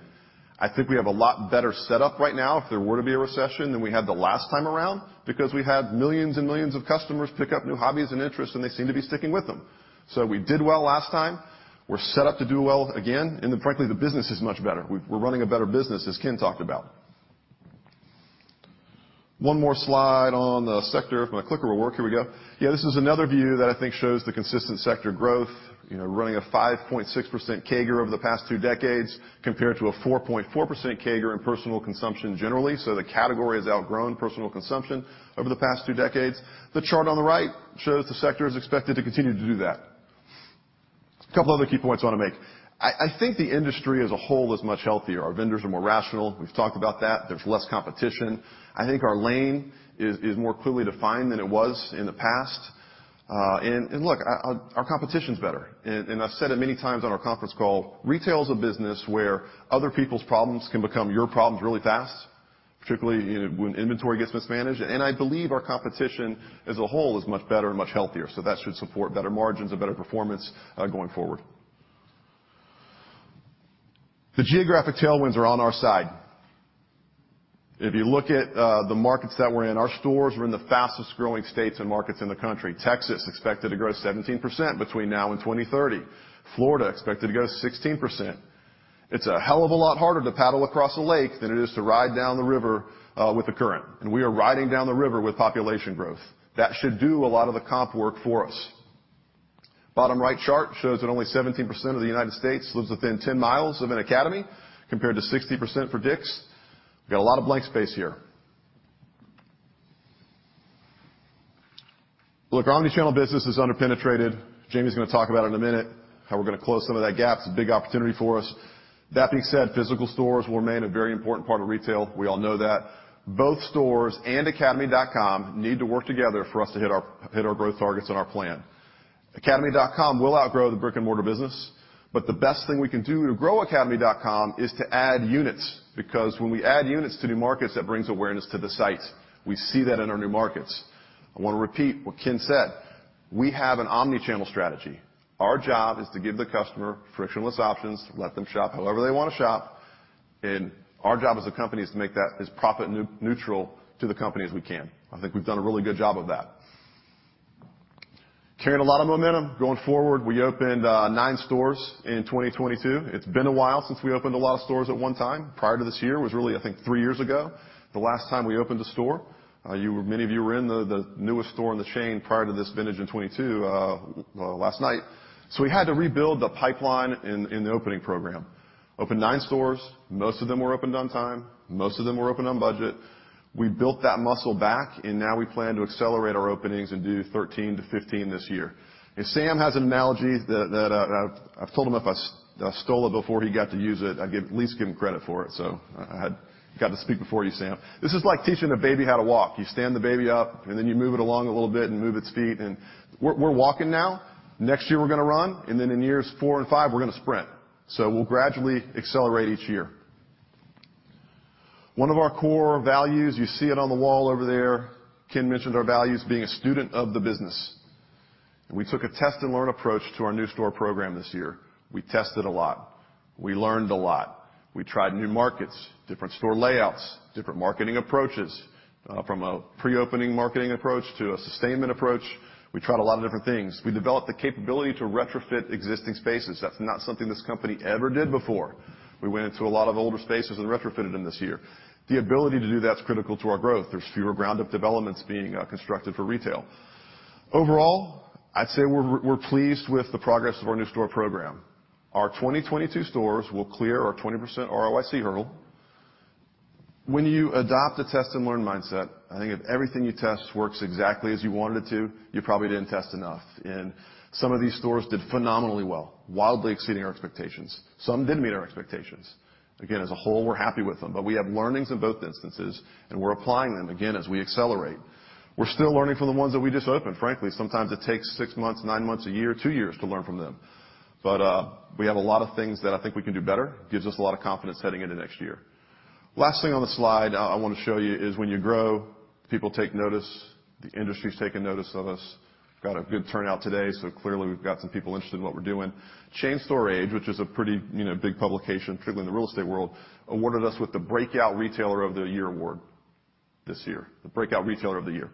I think we have a lot better setup right now if there were to be a recession than we had the last time around because we had millions and millions of customers pick up new hobbies and interests, and they seem to be sticking with them. We did well last time. We're set up to do well again. Frankly, the business is much better. We're running a better business, as Ken talked about. One more slide on the sector. If my clicker will work, here we go. This is another view that I think shows the consistent sector growth, you know, running a 5.6% CAGR over the past two decades compared to a 4.4% CAGR in personal consumption generally. The category has outgrown personal consumption over the past two decades. A couple other key points I want to make. I think the industry as a whole is much healthier. Our vendors are more rational. We've talked about that. There's less competition. I think our lane is more clearly defined than it was in the past. Look, our competition's better. I've said it many times on our conference call, retail is a business where other people's problems can become your problems really fast, particularly when inventory gets mismanaged. I believe our competition as a whole is much better and much healthier. That should support better margins and better performance going forward. The geographic tailwinds are on our side. If you look at the markets that we're in, our stores are in the fastest-growing states and markets in the country. Texas expected to grow 17% between now and 2030. Florida expected to grow 16%. It's a hell of a lot harder to paddle across a lake than it is to ride down the river with the current. We are riding down the river with population growth. That should do a lot of the comp work for us. Bottom right chart shows that only 17% of the United States lives within 10 miles of an Academy, compared to 60% for Dick's. We got a lot of blank space here. Look, our omnichannel business is under-penetrated. Jamey's gonna talk about it in a minute, how we're gonna close some of that gap. It's a big opportunity for us. That being said, physical stores will remain a very important part of retail. We all know that. Both stores and academy.com need to work together for us to hit our growth targets and our plan. Academy.com will outgrow the brick-and-mortar business. The best thing we can do to grow academy.com is to add units, because when we add units to new markets, that brings awareness to the site. We see that in our new markets. I want to repeat what Ken said. We have an omni-channel strategy. Our job is to give the customer frictionless options, let them shop however they want to shop. Our job as a company is to make that as profit-neutral to the company as we can. I think we've done a really good job of that. Carrying a lot of momentum going forward. We opened nine stores in 2022. It's been a while since we opened a lot of stores at one time. Prior to this year was really, I think, three years ago, the last time we opened a store. Many of you were in the newest store in the chain prior to this vintage in 2022 last night. We had to rebuild the pipeline in the opening program. Opened nine stores. Most of them were opened on time. Most of them were opened on budget. We built that muscle back, now we plan to accelerate our openings and do 13-15 this year. Sam has an analogy that I've told him if I stole it before he got to use it, I'd at least give him credit for it. I had got to speak before you, Sam. This is like teaching a baby how to walk. You stand the baby up, then you move it along a little bit and move its feet. We're walking now. Next year, we're gonna run. In years four and five, we're gonna sprint. We'll gradually accelerate each year. One of our core values, you see it on the wall over there. Ken mentioned our values being a student of the business. We took a test-and-learn approach to our new store program this year. We tested a lot. We learned a lot. We tried new markets, different store layouts, different marketing approaches, from a pre-opening marketing approach to a sustainment approach. We tried a lot of different things. We developed the capability to retrofit existing spaces. That's not something this company ever did before. We went into a lot of older spaces and retrofitted them this year. The ability to do that's critical to our growth. There's fewer ground-up developments being constructed for retail. Overall, I'd say we're pleased with the progress of our new store program. Our 2022 stores will clear our 20% ROIC hurdle. When you adopt a test-and-learn mindset, I think if everything you test works exactly as you wanted it to, you probably didn't test enough. Some of these stores did phenomenally well, wildly exceeding our expectations. Some didn't meet our expectations. Again, as a whole, we're happy with them, but we have learnings in both instances, and we're applying them, again, as we accelerate. We're still learning from the ones that we just opened, frankly. Sometimes it takes six months, nine months, one year, two years to learn from them. We have a lot of things that I think we can do better. Gives us a lot of confidence heading into next year. Last thing on the slide I want to show you is when you grow, people take notice. The industry's taken notice of us. Got a good turnout today. Clearly we've got some people interested in what we're doing. Chain Store Age, which is a pretty, you know, big publication, particularly in the real estate world, awarded us with the Breakout Retailer of the Year award. This year. The Breakout Retailer of the Year.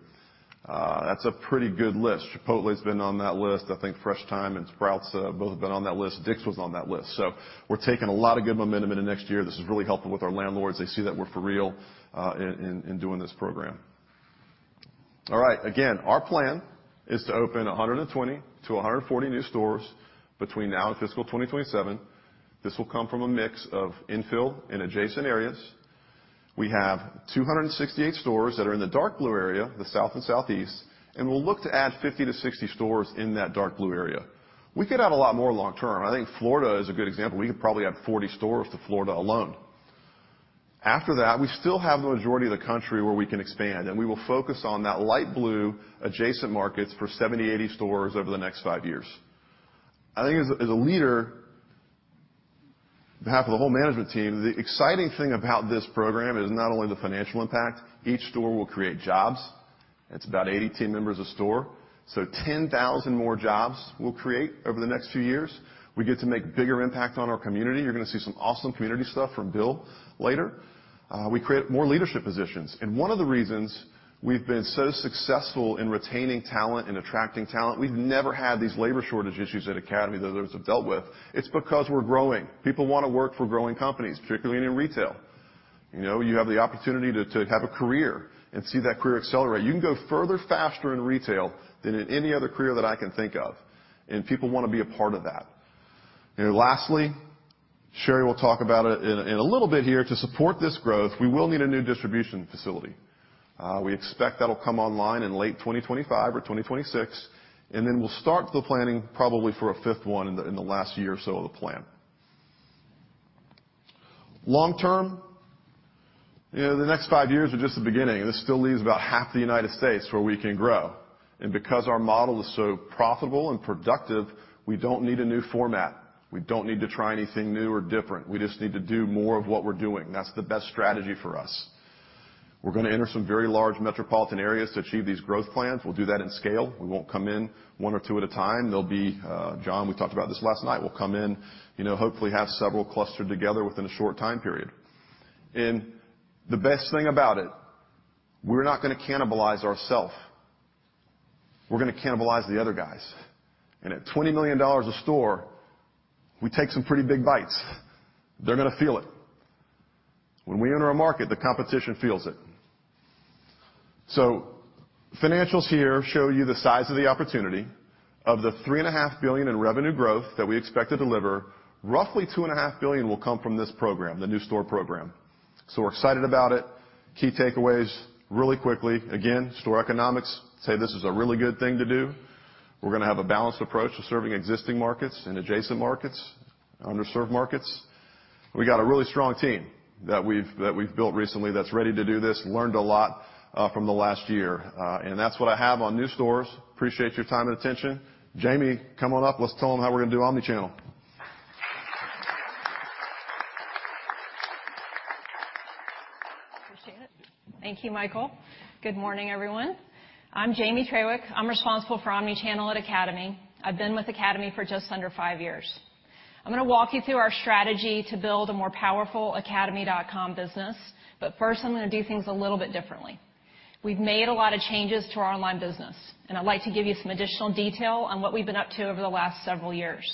That's a pretty good list. Chipotle's been on that list. I think Fresh Thyme and Sprouts, both have been on that list. DICK'S was on that list. We're taking a lot of good momentum into next year. This is really helpful with our landlords. They see that we're for real, in doing this program. All right. Again, our plan is to open 120-140 new stores between now and fiscal 2027. This will come from a mix of infill in adjacent areas. We have 268 stores that are in the dark blue area, the South and Southeast, and we'll look to add 50-60 stores in that dark blue area. We could add a lot more long term. I think Florida is a good example. We could probably add 40 stores to Florida alone. After that, we still have the majority of the country where we can expand, and we will focus on that light blue adjacent markets for 70-80 stores over the next five years. I think as a leader, on behalf of the whole management team, the exciting thing about this program is not only the financial impact, each store will create jobs. It's about 80 team members a store, so 10,000 more jobs we'll create over the next few years. We get to make bigger impact on our community. You're gonna see some awesome community stuff from Bill later. We create more leadership positions. One of the reasons we've been so successful in retaining talent and attracting talent, we've never had these labor shortage issues at Academy that others have dealt with. It's because we're growing. People wanna work for growing companies, particularly in retail. You know, you have the opportunity to have a career and see that career accelerate. You can go further, faster in retail than in any other career that I can think of, and people wanna be a part of that. Lastly, Sherry will talk about it in a little bit here. To support this growth, we will need a new distribution facility. We expect that'll come online in late 2025 or 2026. Then we'll start the planning probably for a fifth one in the last year or so of the plan. Long-term, you know, the next five years are just the beginning, and this still leaves about half the United States where we can grow. Because our model is so profitable and productive, we don't need a new format. We don't need to try anything new or different. We just need to do more of what we're doing. That's the best strategy for us. We're gonna enter some very large metropolitan areas to achieve these growth plans. We'll do that in scale. We won't come in one or two at a time. There'll be, John, we talked about this last night, we'll come in, you know, hopefully have several clustered together within a short time period. The best thing about it, we're not gonna cannibalize ourself. We're gonna cannibalize the other guys. At $20 million a store, we take some pretty big bites. They're gonna feel it. When we enter a market, the competition feels it. Financials here show you the size of the opportunity. Of the $3.5 billion in revenue growth that we expect to deliver, roughly $2.5 billion will come from this program, the new store program. We're excited about it. Key takeaways really quickly. Again, store economics say this is a really good thing to do. We're gonna have a balanced approach to serving existing markets and adjacent markets, underserved markets. We got a really strong team that we've built recently that's ready to do this. Learned a lot from the last year. That's what I have on new stores. Appreciate your time and attention. Jamey, come on up. Let's tell them how we're gonna do omnichannel. Appreciate it. Thank you, Michael. Good morning, everyone. I'm Jamey Traywick. I'm responsible for omnichannel at Academy. I've been with Academy for just under five years. I'm gonna walk you through our strategy to build a more powerful academy.com business. First, I'm gonna do things a little bit differently. We've made a lot of changes to our online business. I'd like to give you some additional detail on what we've been up to over the last several years.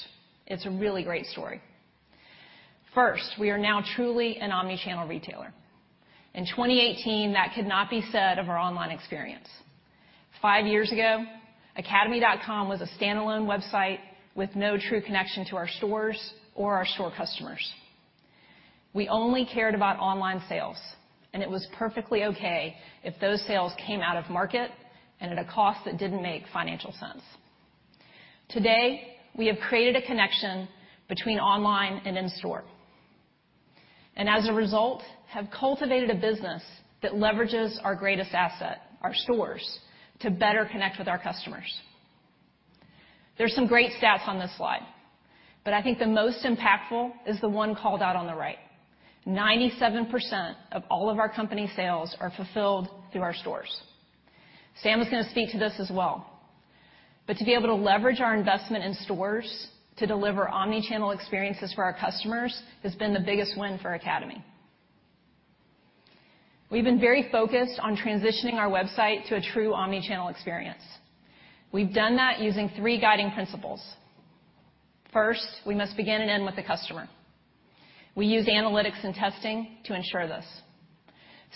It's a really great story. First, we are now truly an omnichannel retailer. In 2018, that could not be said of our online experience. five years ago, academy.com was a standalone website with no true connection to our stores or our store customers. We only cared about online sales, and it was perfectly okay if those sales came out of market and at a cost that didn't make financial sense. Today, we have created a connection between online and in-store. As a result, have cultivated a business that leverages our greatest asset, our stores, to better connect with our customers. There's some great stats on this slide, but I think the most impactful is the one called out on the right. 97% of all of our company sales are fulfilled through our stores. Sam is gonna speak to this as well, but to be able to leverage our investment in stores to deliver omnichannel experiences for our customers has been the biggest win for Academy. We've been very focused on transitioning our website to a true omnichannel experience. We've done that using three guiding principles. First, we must begin and end with the customer. We use analytics and testing to ensure this.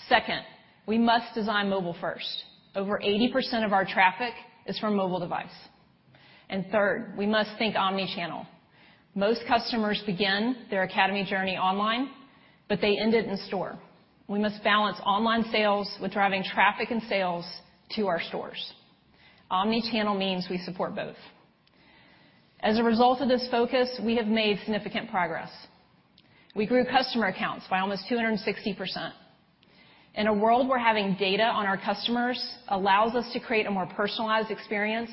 Second, we must design mobile first. Over 80% of our traffic is from mobile device. Third, we must think omnichannel. Most customers begin their Academy journey online, but they end it in store. We must balance online sales with driving traffic and sales to our stores. Omnichannel means we support both. As a result of this focus, we have made significant progress. We grew customer accounts by almost 260%. In a world where having data on our customers allows us to create a more personalized experience,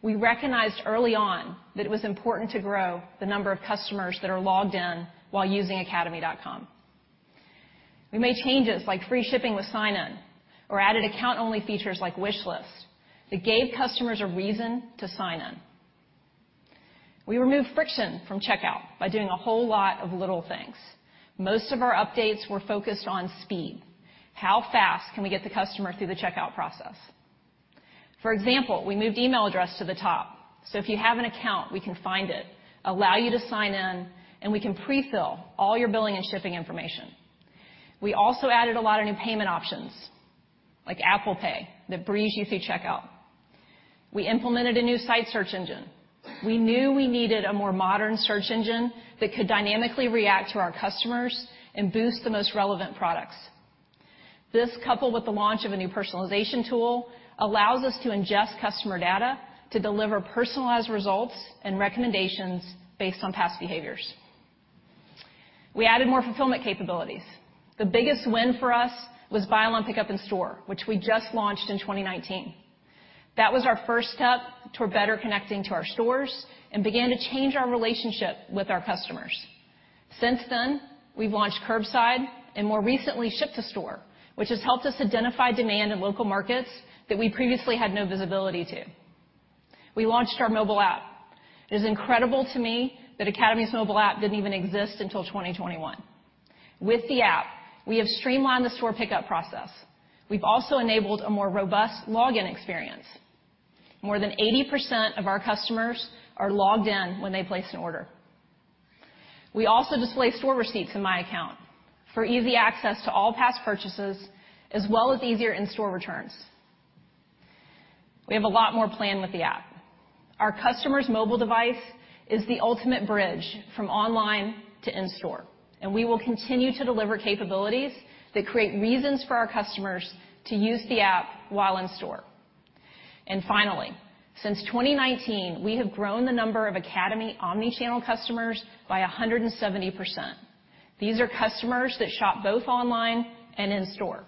we recognized early on that it was important to grow the number of customers that are logged in while using academy.com. We made changes like free shipping with sign-in or added account-only features like wishlists that gave customers a reason to sign in. We removed friction from checkout by doing a whole lot of little things. Most of our updates were focused on speed. How fast can we get the customer through the checkout process? For example, we moved email address to the top, so if you have an account, we can find it, allow you to sign in, and we can pre-fill all your billing and shipping information. We also added a lot of new payment options, like Apple Pay, that breeze you through checkout. We implemented a new site search engine. We knew we needed a more modern search engine that could dynamically react to our customers and boost the most relevant products. This, coupled with the launch of a new personalization tool, allows us to ingest customer data to deliver personalized results and recommendations based on past behaviors. We added more fulfillment capabilities. The biggest win for us was buy online pickup in store, which we just launched in 2019. That was our first step to better connecting to our stores and began to change our relationship with our customers. Since then, we've launched Curbside and more recently, Ship to Store, which has helped us identify demand in local markets that we previously had no visibility to. We launched our mobile app. It is incredible to me that Academy's mobile app didn't even exist until 2021. With the app, we have streamlined the store pickup process. We've also enabled a more robust login experience. More than 80% of our customers are logged in when they place an order. We also display store receipts in my account for easy access to all past purchases, as well as easier in-store returns. We have a lot more planned with the app. Our customer's mobile device is the ultimate bridge from online to in-store, and we will continue to deliver capabilities that create reasons for our customers to use the app while in store. Finally, since 2019, we have grown the number of Academy omni-channel customers by 170%. These are customers that shop both online and in-store.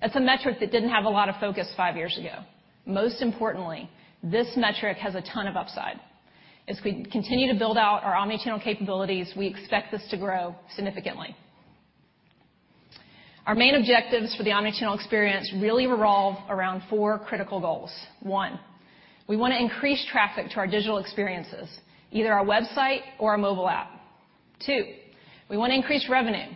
That's a metric that didn't have a lot of focus five years ago. Most importantly, this metric has a ton of upside. As we continue to build out our omni-channel capabilities, we expect this to grow significantly. Our main objectives for the omni-channel experience really revolve around four critical goals. One, we wanna increase traffic to our digital experiences, either our website or our mobile app. Two, we wanna increase revenue.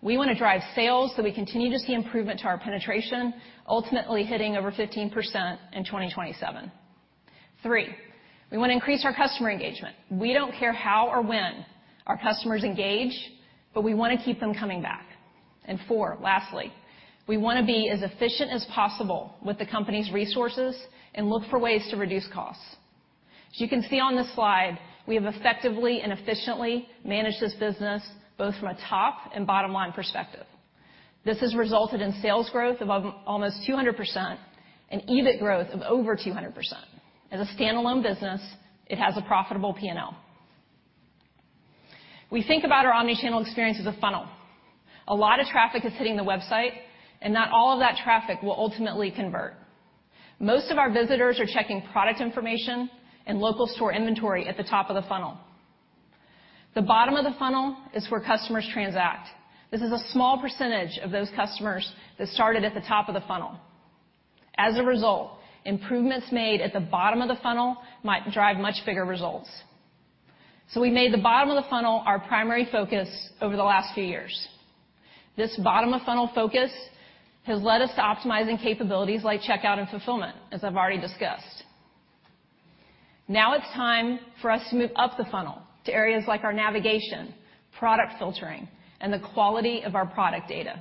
We wanna drive sales, so we continue to see improvement to our penetration, ultimately hitting over 15% in 2027. Three, we wanna increase our customer engagement. We don't care how or when our customers engage, but we wanna keep them coming back. Four, lastly, we wanna be as efficient as possible with the company's resources and look for ways to reduce costs. As you can see on this slide, we have effectively and efficiently managed this business, both from a top and bottom line perspective. This has resulted in sales growth of almost 200% and EBIT growth of over 200%. As a standalone business, it has a profitable P&L. We think about our omni-channel experience as a funnel. A lot of traffic is hitting the website, not all of that traffic will ultimately convert. Most of our visitors are checking product information and local store inventory at the top of the funnel. The bottom of the funnel is where customers transact. This is a small percentage of those customers that started at the top of the funnel. As a result, improvements made at the bottom of the funnel might drive much bigger results. We made the bottom of the funnel our primary focus over the last few years. This bottom of funnel focus has led us to optimizing capabilities like checkout and fulfillment, as I've already discussed. It's time for us to move up the funnel to areas like our navigation, product filtering, and the quality of our product data.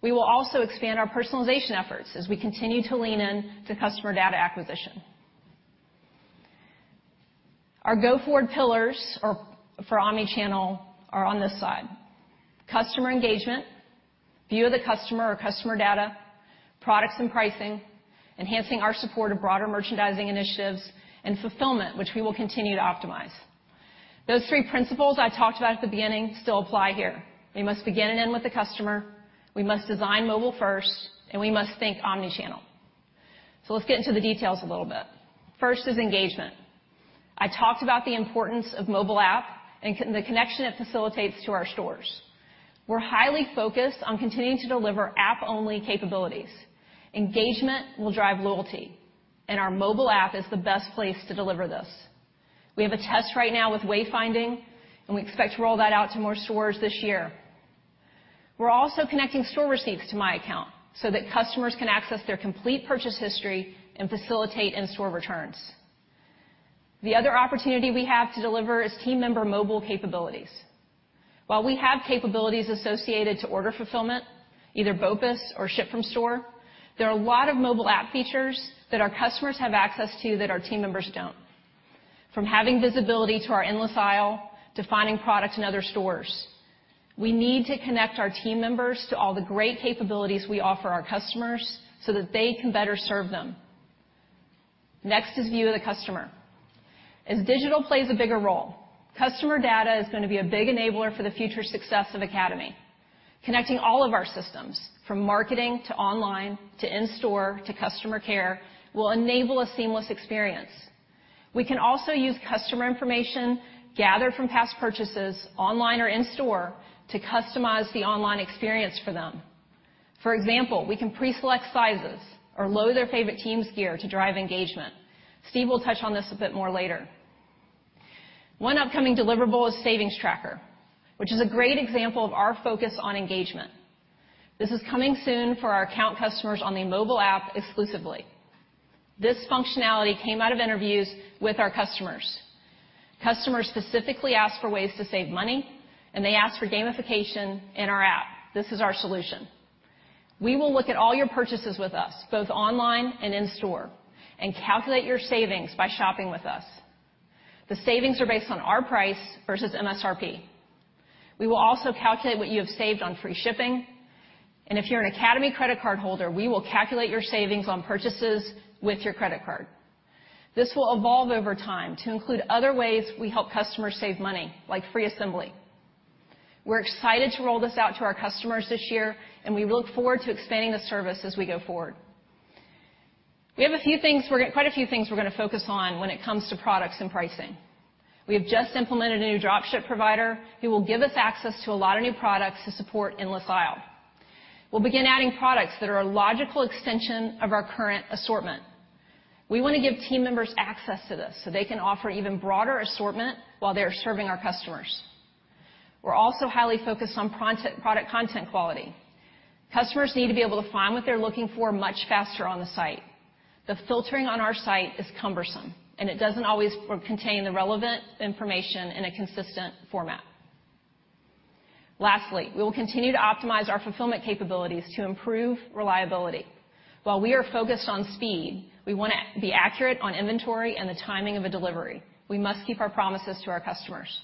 We will also expand our personalization efforts as we continue to lean in to customer data acquisition. Our go-forward pillars for omnichannel are on this side. Customer engagement, view of the customer or customer data, products and pricing, enhancing our support of broader merchandising initiatives, and fulfillment, which we will continue to optimize. Those three principles I talked about at the beginning still apply here. We must begin and end with the customer, we must design mobile first, and we must think omnichannel. Let's get into the details a little bit. First is engagement. I talked about the importance of mobile app and the connection it facilitates to our stores. We're highly focused on continuing to deliver app-only capabilities. Engagement will drive loyalty, and our mobile app is the best place to deliver this. We have a test right now with wayfinding, and we expect to roll that out to more stores this year. We're also connecting store receipts to my account so that customers can access their complete purchase history and facilitate in-store returns. The other opportunity we have to deliver is team member mobile capabilities. While we have capabilities associated to order fulfillment, either BOPUS or ship from store, there are a lot of mobile app features that our customers have access to that our team members don't. From having visibility to our endless aisle, to finding products in other stores. We need to connect our team members to all the great capabilities we offer our customers so that they can better serve them. Next is view of the customer. As digital plays a bigger role, customer data is gonna be a big enabler for the future success of Academy Sports + Outdoors. Connecting all of our systems, from marketing to online to in-store to customer care, will enable a seamless experience. We can also use customer information gathered from past purchases online or in-store to customize the online experience for them. For example, we can pre-select sizes or load their favorite team's gear to drive engagement. Steve will touch on this a bit more later. One upcoming deliverable is Savings Tracker, which is a great example of our focus on engagement. This is coming soon for our account customers on the mobile app exclusively. This functionality came out of interviews with our customers. Customers specifically asked for ways to save money, and they asked for gamification in our app. This is our solution. We will look at all your purchases with us, both online and in store, and calculate your savings by shopping with us. The savings are based on our price versus MSRP. We will also calculate what you have saved on free shipping, and if you're an Academy credit card holder, we will calculate your savings on purchases with your credit card. This will evolve over time to include other ways we help customers save money, like free assembly. We're excited to roll this out to our customers this year, and we look forward to expanding the service as we go forward. Quite a few things we're gonna focus on when it comes to products and pricing. We have just implemented a new drop ship provider who will give us access to a lot of new products to support endless aisle. We'll begin adding products that are a logical extension of our current assortment. We wanna give team members access to this so they can offer even broader assortment while they are serving our customers. We're also highly focused on product content quality. Customers need to be able to find what they're looking for much faster on the site. The filtering on our site is cumbersome, it doesn't always contain the relevant information in a consistent format. Lastly, we will continue to optimize our fulfillment capabilities to improve reliability. While we are focused on speed, we wanna be accurate on inventory and the timing of a delivery. We must keep our promises to our customers.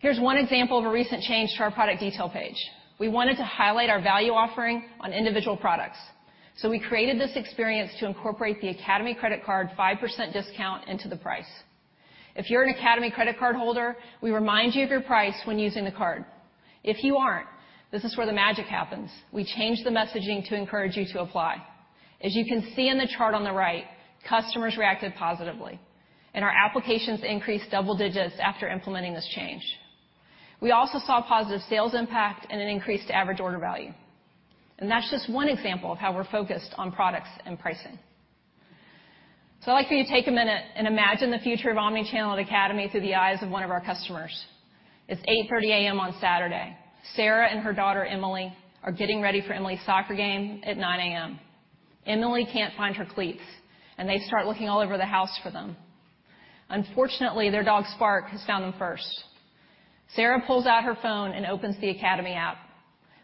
Here's one example of a recent change to our product detail page. We wanted to highlight our value offering on individual products, we created this experience to incorporate the Academy credit card 5% discount into the price. If you're an Academy credit card holder, we remind you of your price when using the card. If you aren't, this is where the magic happens. We change the messaging to encourage you to apply. As you can see in the chart on the right, customers reacted positively, and our applications increased double digits after implementing this change. We also saw positive sales impact and an increased average order value. That's just one example of how we're focused on products and pricing. I'd like for you to take a minute and imagine the future of omnichannel at Academy through the eyes of one of our customers. It's 8:30 A.M. on Saturday. Sarah and her daughter, Emily, are getting ready for Emily's soccer game at 9:00 A.M. Emily can't find her cleats, and they start looking all over the house for them. Unfortunately, their dog, Spark, has found them first. Sarah pulls out her phone and opens the Academy app.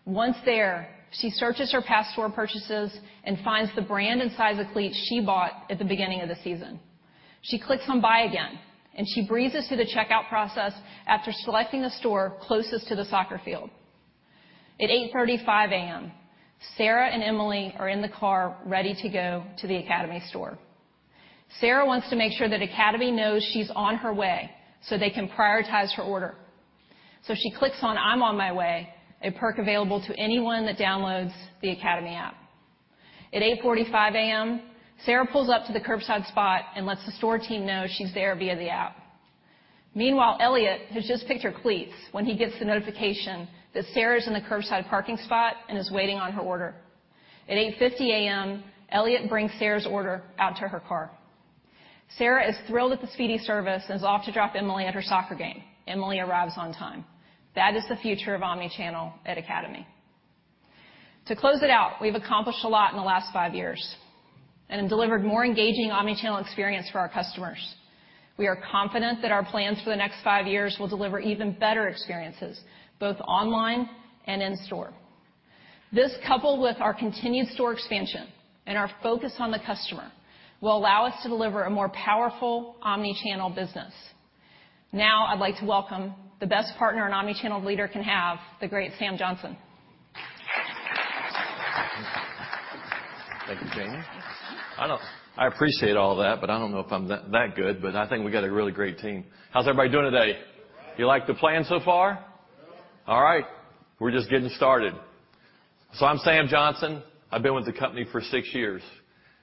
Once there, she searches her past store purchases and finds the brand and size of cleats she bought at the beginning of the season. She clicks on Buy Again. She breezes through the checkout process after selecting a store closest to the soccer field. At 8:35 A.M., Sarah and Emily are in the car ready to go to the Academy store. Sarah wants to make sure that Academy knows she's on her way. They can prioritize her order. She clicks on I'm on my way, a perk available to anyone that downloads the Academy app. At 8:45 A.M., Sarah pulls up to the curbside spot and lets the store team know she's there via the app. Meanwhile, Elliot has just picked her cleats when he gets the notification that Sarah's in the curbside parking spot and is waiting on her order. At 8:50 A.M., Elliot brings Sarah's order out to her car. Sarah is thrilled at the speedy service and is off to drop Emily at her soccer game. Emily arrives on time. That is the future of omnichannel at Academy. To close it out, we've accomplished a lot in the last five years and have delivered more engaging omnichannel experience for our customers. We are confident that our plans for the next five years will deliver even better experiences, both online and in store. This, coupled with our continued store expansion and our focus on the customer, will allow us to deliver a more powerful omnichannel business. Now I'd like to welcome the best partner an omnichannel leader can have, the great Sam Johnson. Thank you, Jamie. I appreciate all that, but I don't know if I'm that good, but I think we got a really great team. How's everybody doing today? All right. You like the plan so far? Yeah. All right, we're just getting started. I'm Sam Johnson. I've been with the company for six years,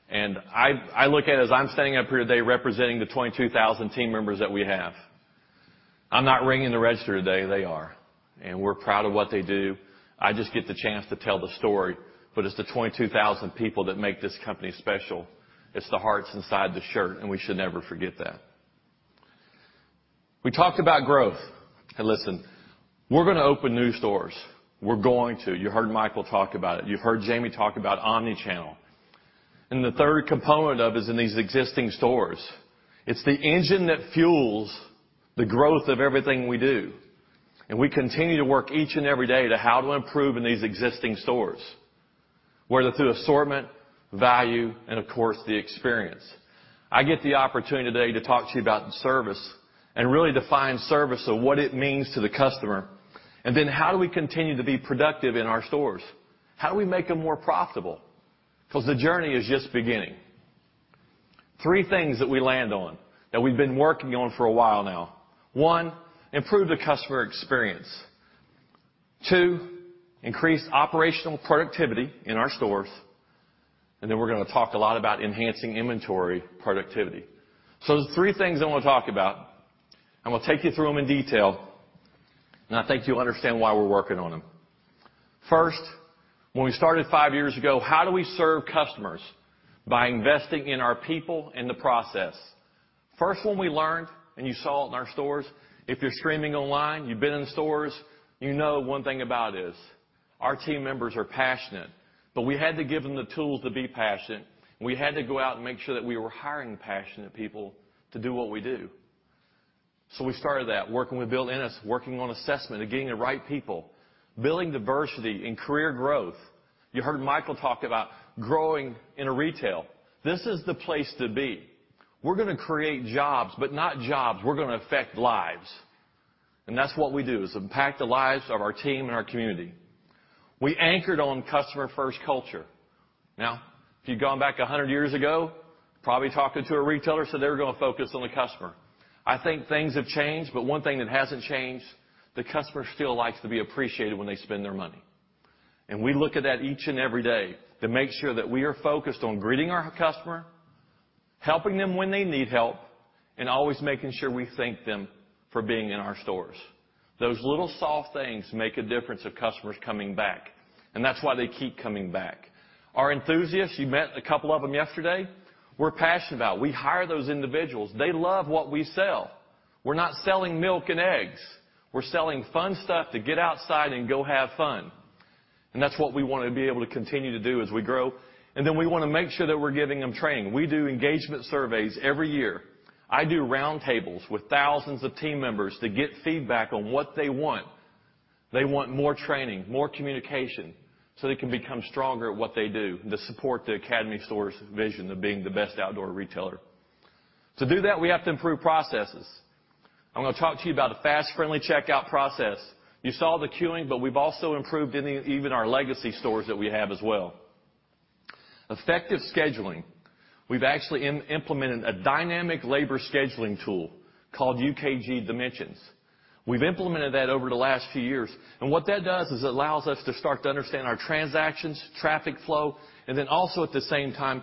and I look at it as I'm standing up here today representing the 22,000 team members that we have. I'm not ringing the register today, they are, and we're proud of what they do. I just get the chance to tell the story. It's the 22,000 people that make this company special. It's the hearts inside the shirt, and we should never forget that. We talked about growth. Listen, we're gonna open new stores. We're going to. You heard Michael talk about it. You've heard Jamey talk about omnichannel. The third component of is in these existing stores. It's the engine that fuels the growth of everything we do, and we continue to work each and every day to how to improve in these existing stores, whether through assortment, value, and of course, the experience. I get the opportunity today to talk to you about the service and really define service of what it means to the customer. How do we continue to be productive in our stores? How do we make them more profitable? 'Cause the journey is just beginning. Three things that we land on, that we've been working on for a while now. One, improve the customer experience. Two, increase operational productivity in our stores. We're gonna talk a lot about enhancing inventory productivity. There's three things I wanna talk about, and we'll take you through them in detail, and I think you'll understand why we're working on them. When we started five years ago, how do we serve customers? By investing in our people and the process. One we learned, you saw it in our stores, if you're streaming online, you've been in the stores, you know one thing about us. Our team members are passionate. We had to give them the tools to be passionate. We had to go out and make sure that we were hiring passionate people to do what we do. We started that, working with Bill Ennis, working on assessment and getting the right people, building diversity and career growth. You heard Michael talk about growing in a retail. This is the place to be. We're gonna create jobs. Not jobs, we're gonna affect lives. That's what we do, is impact the lives of our team and our community. We anchored on customer first culture. Now, if you'd gone back 100 years ago, probably talking to a retailer, so they're gonna focus on the customer. I think things have changed, but one thing that hasn't changed, the customer still likes to be appreciated when they spend their money. We look at that each and every day to make sure that we are focused on greeting our customer, helping them when they need help, and always making sure we thank them for being in our stores. Those little soft things make a difference of customers coming back, and that's why they keep coming back. Our enthusiasts, you met a couple of them yesterday. We're passionate about. We hire those individuals. They love what we sell. We're not selling milk and eggs. We're selling fun stuff to get outside and go have fun. That's what we wanna be able to continue to do as we grow. We wanna make sure that we're giving them training. We do engagement surveys every year. I do roundtables with thousands of team members to get feedback on what they want. They want more training, more communication, so they can become stronger at what they do to support the Academy Sports + Outdoors vision of being the best outdoor retailer. To do that, we have to improve processes. I'm gonna talk to you about the fast, friendly checkout process. You saw the queuing, but we've also improved in even our legacy stores that we have as well. Effective scheduling. We've actually implemented a dynamic labor scheduling tool called UKG Dimensions. We've implemented that over the last few years, and what that does is it allows us to start to understand our transactions, traffic flow, and then also at the same time,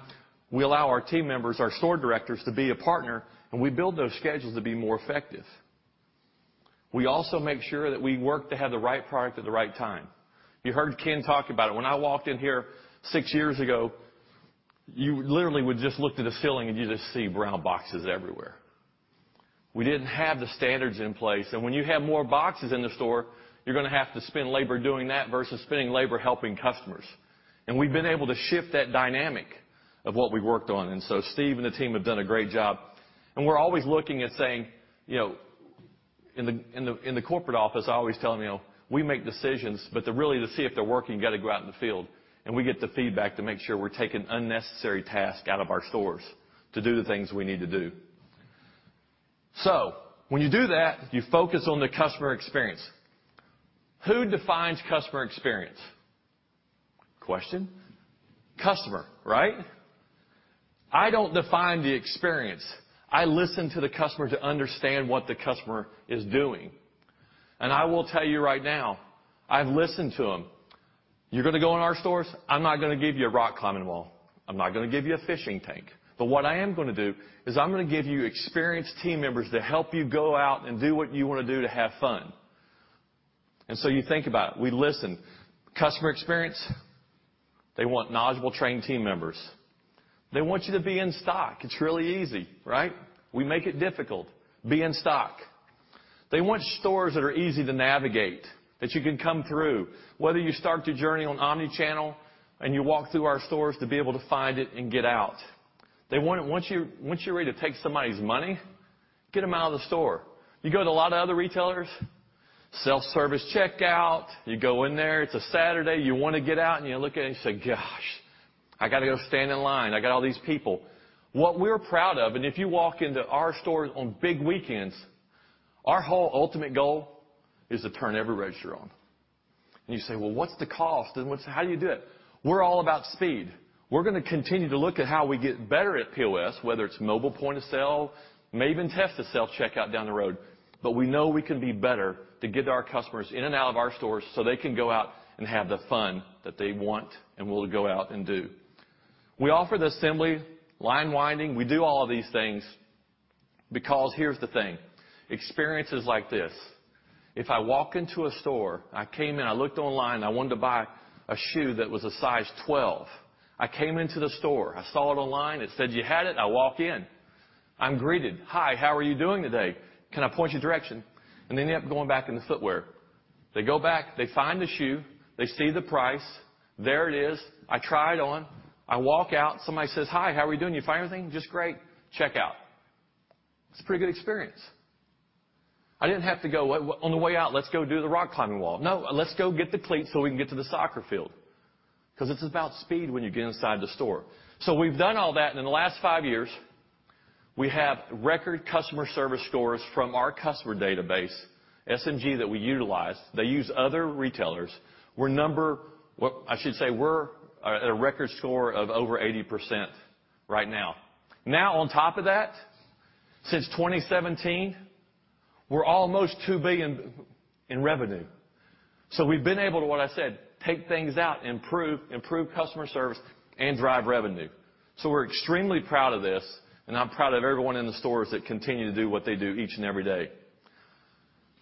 we allow our team members, our store directors, to be a partner, and we build those schedules to be more effective. We also make sure that we work to have the right product at the right time. You heard Ken talk about it. When I walked in here six years ago, you literally would just look to the ceiling and you just see brown boxes everywhere. We didn't have the standards in place, and when you have more boxes in the store, you're gonna have to spend labor doing that versus spending labor helping customers. We've been able to shift that dynamic of what we worked on. Steve and the team have done a great job. We're always looking at saying, you know, in the corporate office, I always tell them, you know, we make decisions, but to really see if they're working, you gotta go out in the field. We get the feedback to make sure we're taking unnecessary task out of our stores to do the things we need to do. When you do that, you focus on the customer experience. Who defines customer experience? Question. Customer, right? I don't define the experience. I listen to the customer to understand what the customer is doing. I will tell you right now, I've listened to them. You're gonna go in our stores. I'm not gonna give you a rock climbing wall. I'm not gonna give you a fishing tank. What I am gonna do is I'm gonna give you experienced team members to help you go out and do what you wanna do to have fun. You think about it. We listen. Customer experience, they want knowledgeable, trained team members. They want you to be in stock. It's really easy, right? We make it difficult. Be in stock. They want stores that are easy to navigate, that you can come through. Whether you start your journey on omnichannel and you walk through our stores to be able to find it and get out. Once you're ready to take somebody's money, get them out of the store. You go to a lot of other retailers, self-service checkout. You go in there, it's a Saturday, you wanna get out, and you look at it and say, "Gosh, I gotta go stand in line. I got all these people." What we're proud of, if you walk into our stores on big weekends, our whole ultimate goal is to turn every register on. You say, "Well, what's the cost, how do you do it?" We're all about speed. We're gonna continue to look at how we get better at POS, whether it's mobile point-of-sale, may even test the self-checkout down the road. We know we can be better to get our customers in and out of our stores so they can go out and have the fun that they want and will go out and do. We offer the assembly, line winding. We do all of these things because here's the thing. Experience is like this. If I walk into a store, I came in, I looked online, I wanted to buy a shoe that was a size 12. I came into the store. I saw it online. It said you had it. I walk in. I'm greeted. "Hi, how are you doing today? Can I point you direction?" They end up going back in the footwear. They go back, they find the shoe, they see the price. There it is. I try it on, I walk out. Somebody says, "Hi, how are we doing? You find everything?" "Just great." Checkout. It's a pretty good experience. I didn't have to go, "On the way out, let's go do the rock climbing wall." "No, let's go get the cleats so we can get to the soccer field." 'Cause it's about speed when you get inside the store. We've done all that, and in the last five years, we have record customer service scores from our customer database, SMG, that we utilize. They use other retailers. Well, I should say we're at a record score of over 80% right now. On top of that, since 2017, we're almost $2 billion in revenue. We've been able to, what I said, take things out, improve customer service, and drive revenue. We're extremely proud of this, and I'm proud of everyone in the stores that continue to do what they do each and every day.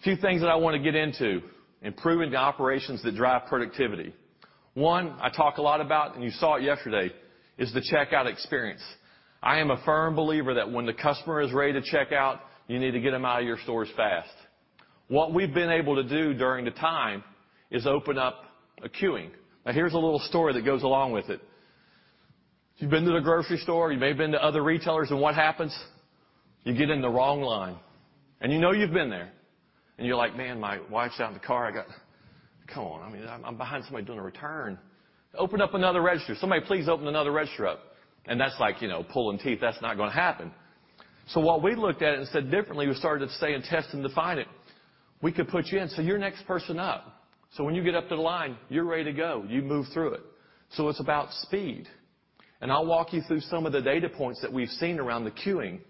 A few things that I wanna get into. Improving the operations that drive productivity. One I talk a lot about, and you saw it yesterday, is the checkout experience. I am a firm believer that when the customer is ready to check out, you need to get them out of your stores fast. What we've been able to do during the time is open up a queuing. Now, here's a little story that goes along with it. If you've been to the grocery store, you may have been to other retailers, and what happens? You get in the wrong line, and you know you've been there. You're like, "Man, my wife's out in the car. Come on. I mean, I'm behind somebody doing a return. Open up another register. Somebody please open another register up." That's like, you know, pulling teeth. That's not gonna happen. What we looked at and said differently, we started to say, and test and define it, we could put you in, so you're next person up, so when you get up to the line, you're ready to go. You move through it. It's about speed. I'll walk you through some of the data points that we've seen around the queuing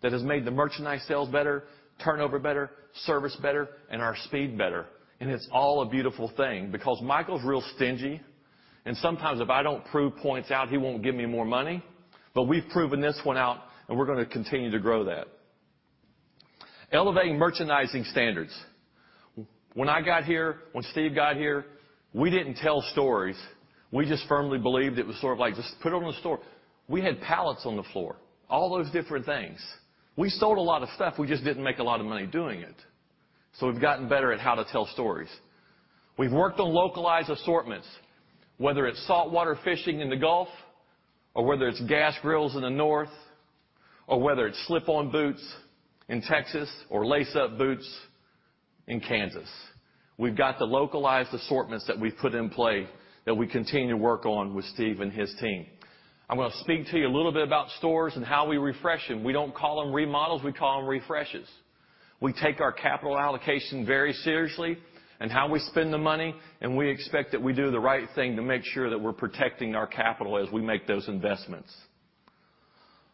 that has made the merchandise sales better, turnover better, service better, and our speed better. It's all a beautiful thing because Michael's real stingy and sometimes if I don't prove points out, he won't give me more money. We've proven this one out, and we're gonna continue to grow that. Elevating merchandising standards. When I got here, when Steve got here, we didn't tell stories. We just firmly believed it was sort of like, just put it on the store. We had pallets on the floor, all those different things. We sold a lot of stuff. We just didn't make a lot of money doing it. We've gotten better at how to tell stories. We've worked on localized assortments, whether it's saltwater fishing in the Gulf or whether it's gas grills in the North or whether it's slip-on boots in Texas or lace-up boots in Kansas. We've got the localized assortments that we've put in play that we continue to work on with Steve and his team. I'm gonna speak to you a little bit about stores and how we refresh them. We don't call them remodels. We call them refreshes. We take our capital allocation very seriously and how we spend the money. We expect that we do the right thing to make sure that we're protecting our capital as we make those investments.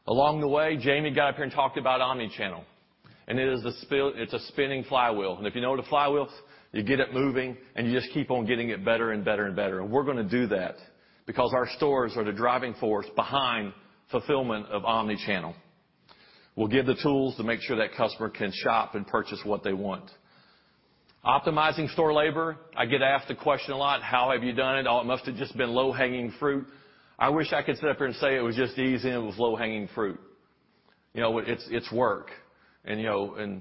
Along the way, Jamey got up here and talked about omni-channel. It is a spinning flywheel. If you know what a flywheel is, you get it moving, and you just keep on getting it better and better and better. We're gonna do that because our stores are the driving force behind fulfillment of omni-channel. We're give the tools to make sure that customer can shop and purchase what they want. Optimizing store labor, I get asked the question a lot, "How have you done it? Oh, it must have just been low-hanging fruit." I wish I could sit up here and say it was just easy and it was low-hanging fruit. You know, it's work. You know,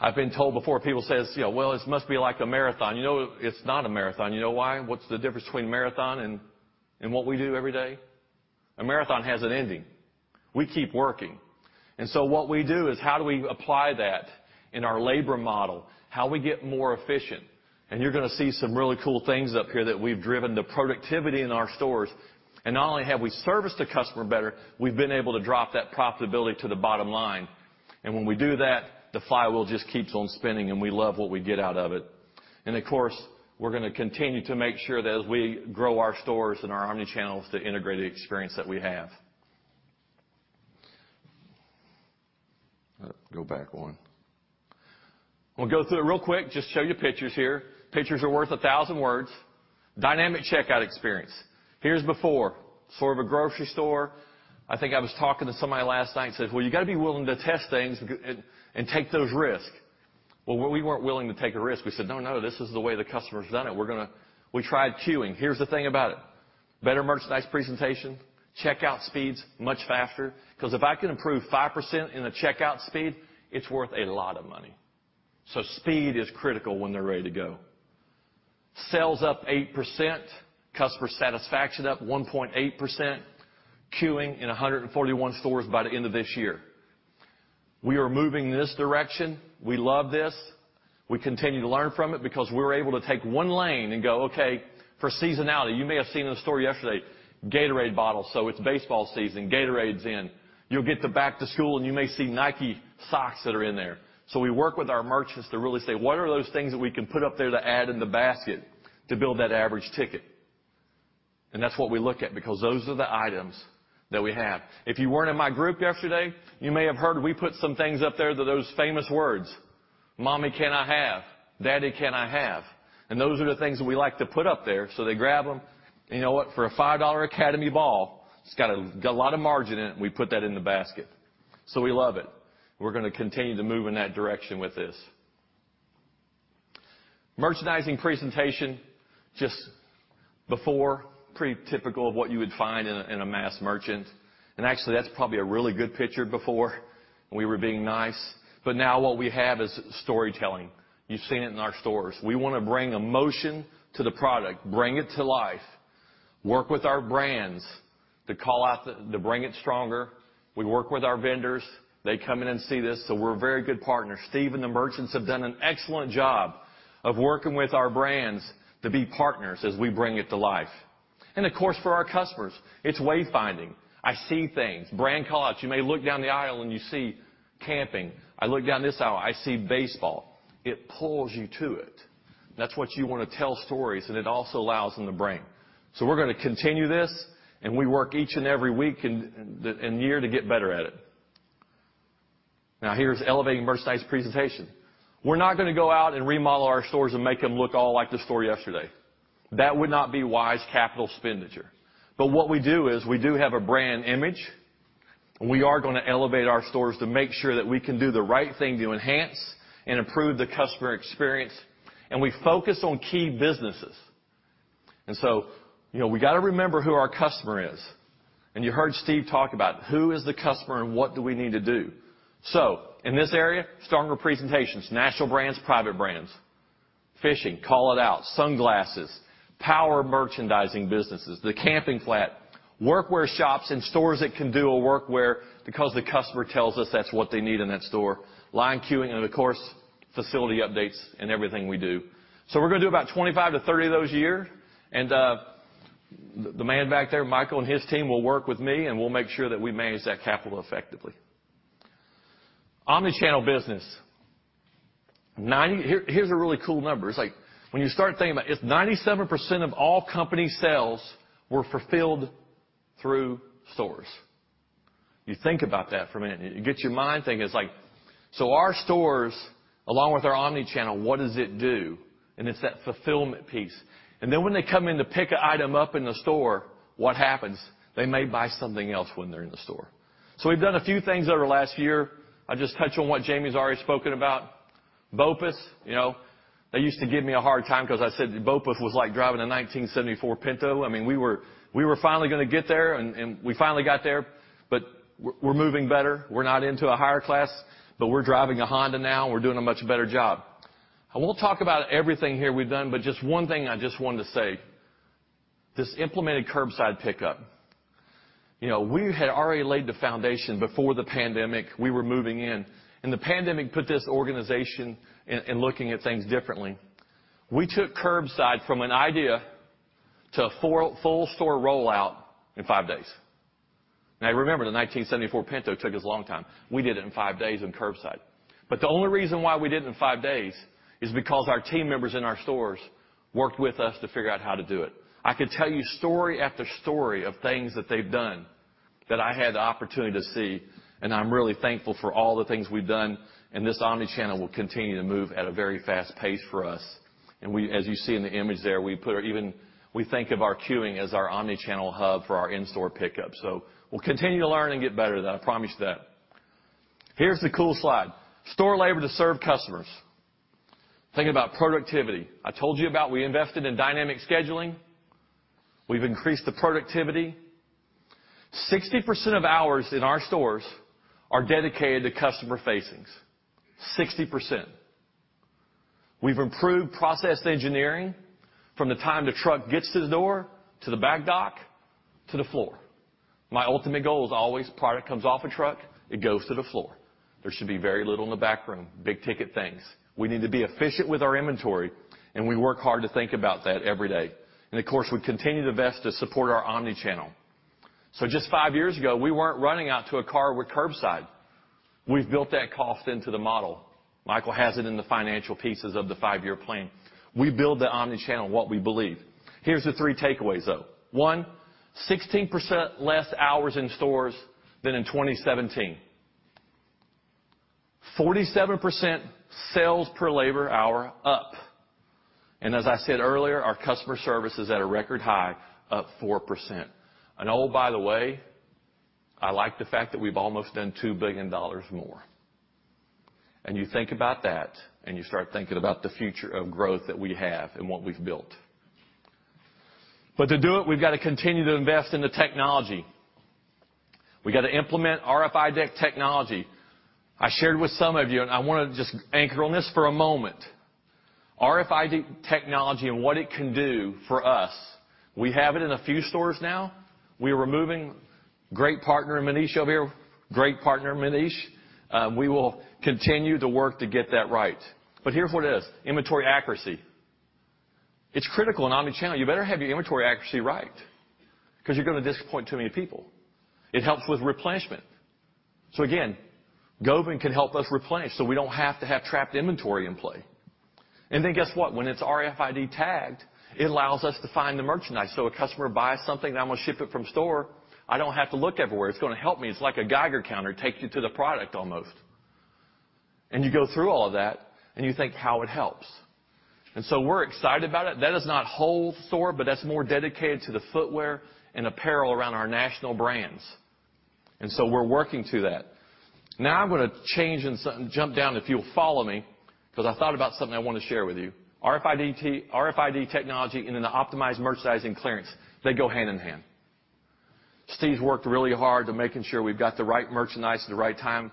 I've been told before, people say, you know, "Well, this must be like the marathon." You know, it's not a marathon. You know why? What's the difference between a marathon and what we do every day? A marathon has an ending. We keep working. What we do is how do we apply that in our labor model, how we get more efficient, and you're gonna see some really cool things up here that we've driven the productivity in our stores. Not only have we serviced the customer better, we've been able to drop that profitability to the bottom line. When we do that, the flywheel just keeps on spinning, and we love what we get out of it. Of course, we're gonna continue to make sure that as we grow our stores and our omni-channels to integrate the experience that we have. Go back one. We'll go through it real quick. Just show you pictures here. Pictures are worth a thousand words. Dynamic checkout experience. Here's before. Sort of a grocery store. I think I was talking to somebody last night and said, "Well, you gotta be willing to test things and take those risks." We weren't willing to take a risk. We said, "No, no, this is the way the customer's done it. We're gonna." We tried queuing. Here's the thing about it. Better merchandise presentation. Checkout speeds much faster. 'Cause if I can improve 5% in the checkout speed, it's worth a lot of money. Speed is critical when they're ready to go. Sales up 8%. Customer satisfaction up 1.8%. Queuing in 141 stores by the end of this year. We are moving in this direction. We love this. We continue to learn from it because we're able to take one lane and go, okay, for seasonality. You may have seen in the story yesterday, Gatorade bottles. It's baseball season. Gatorade's in. You'll get to back to school, and you may see Nike socks that are in there. We work with our merchants to really say, "What are those things that we can put up there to add in the basket to build that average ticket?" That's what we look at because those are the items that we have. If you weren't in my group yesterday, you may have heard we put some things up there that those famous words, "Mommy, can I have? Daddy, can I have?" Those are the things that we like to put up there, so they grab them. You know what? For a $5 Academy ball, it's got a lot of margin in it, and we put that in the basket. We love it. We're gonna continue to move in that direction with this. Merchandising presentation, just before, pretty typical of what you would find in a, in a mass merchant. Actually, that's probably a really good picture before we were being nice. Now what we have is storytelling. You've seen it in our stores. We wanna bring emotion to the product, bring it to life, work with our brands to bring it stronger. We work with our vendors. They come in and see this, so we're a very good partner. Steve and the merchants have done an excellent job of working with our brands to be partners as we bring it to life. Of course, for our customers, it's wayfinding. I see things. Brand call-outs. You may look down the aisle, and you see camping. I look down this aisle, I see baseball. It pulls you to it. That's what you want to tell stories, and it also allows in the brain. We're going to continue this, and we work each and every week and year to get better at it. Now, here's elevating merchandise presentation. We're not going to go out and remodel our stores and make them look all like the store yesterday. That would not be wise capital expenditure. What we do is we do have a brand image, and we are going to elevate our stores to make sure that we can do the right thing to enhance and improve the customer experience, and we focus on key businesses. You know, we got to remember who our customer is, and you heard Steve talk about who is the customer and what do we need to do. In this area, stronger presentations, national brands, private brands, fishing, call it out, sunglasses, power merchandising businesses, the camping flat, workwear shops in stores that can do a workwear because the customer tells us that's what they need in that store, line queuing, and of course, facility updates in everything we do. We're gonna do about 25-30 of those a year, and the man back there, Michael, and his team will work with me, and we'll make sure that we manage that capital effectively. Omnichannel business. Here's a really cool number. It's like when you start thinking about if 97% of all company sales were fulfilled through stores. You think about that for a minute. It gets your mind thinking. It's like our stores, along with our Omnichannel, what does it do? It's that fulfillment piece. When they come in to pick an item up in the store, what happens? They may buy something else when they're in the store. We've done a few things over the last year. I'll just touch on what Jamie's already spoken about. BOPUS, you know. They used to give me a hard time because I said BOPUS was like driving a 1974 Pinto. I mean, we were finally gonna get there, and we finally got there, but we're moving better. We're not into a higher class, but we're driving a Honda now. We're doing a much better job. I won't talk about everything here we've done, but just one thing I just wanted to say, this implemented curbside pickup. You know, we had already laid the foundation before the pandemic. We were moving in. The pandemic put this organization in looking at things differently. We took curbside from an idea to a full store rollout in five days. Remember, the 1974 Pinto took us a long time. We did it in five days in curbside. The only reason why we did it in five days is because our team members in our stores worked with us to figure out how to do it. I could tell you story after story of things that they've done that I had the opportunity to see, and I'm really thankful for all the things we've done, and this omnichannel will continue to move at a very fast pace for us. As you see in the image there, we think of our queuing as our omnichannel hub for our in-store pickup. We'll continue to learn and get better, though. I promise you that. Here's the cool slide. Store labor to serve customers. Think about productivity. I told you about we invested in dynamic scheduling. We've increased the productivity. 60% of hours in our stores are dedicated to customer facings. 60%. We've improved process engineering from the time the truck gets to the door to the back dock to the floor. My ultimate goal is always product comes off a truck, it goes to the floor. There should be very little in the backroom, big-ticket things. We need to be efficient with our inventory, and we work hard to think about that every day. Of course, we continue to invest to support our omnichannel. Just five years ago, we weren't running out to a car with curbside. We've built that cost into the model. Michael has it in the financial pieces of the five-year plan. We build the omnichannel, what we believe. Here's the three takeaways, though. One, 16% less hours in stores than in 2017. 47% sales per labor hour up. As I said earlier, our customer service is at a record high, up 4%. Oh, by the way, I like the fact that we've almost done $2 billion more. You think about that, and you start thinking about the future of growth that we have and what we've built. To do it, we've got to continue to invest in the technology. We got to implement RFID technology. I shared with some of you, and I wanna just anchor on this for a moment. RFID technology and what it can do for us. We have it in a few stores now. We're removing great partner Manish over here. Great partner, Manish. We will continue to work to get that right. Here's what it is. Inventory accuracy. It's critical in omnichannel. You better have your inventory accuracy right 'cause you're gonna disappoint too many people. It helps with replenishment. Again, Govind can help us replenish, so we don't have to have trapped inventory in play. Guess what? When it's RFID tagged, it allows us to find the merchandise. A customer buys something, I'm gonna ship it from store, I don't have to look everywhere. It's gonna help me. It's like a Geiger counter, takes you to the product almost. You go through all of that, and you think how it helps. We're excited about it. That is not whole store, but that's more dedicated to the footwear and apparel around our national brands. We're working to that. Now I'm gonna change, jump down if you'll follow me, because I thought about something I want to share with you. RFID technology and then the optimized merchandising clearance, they go hand in hand. Steve's worked really hard to making sure we've got the right merchandise at the right time.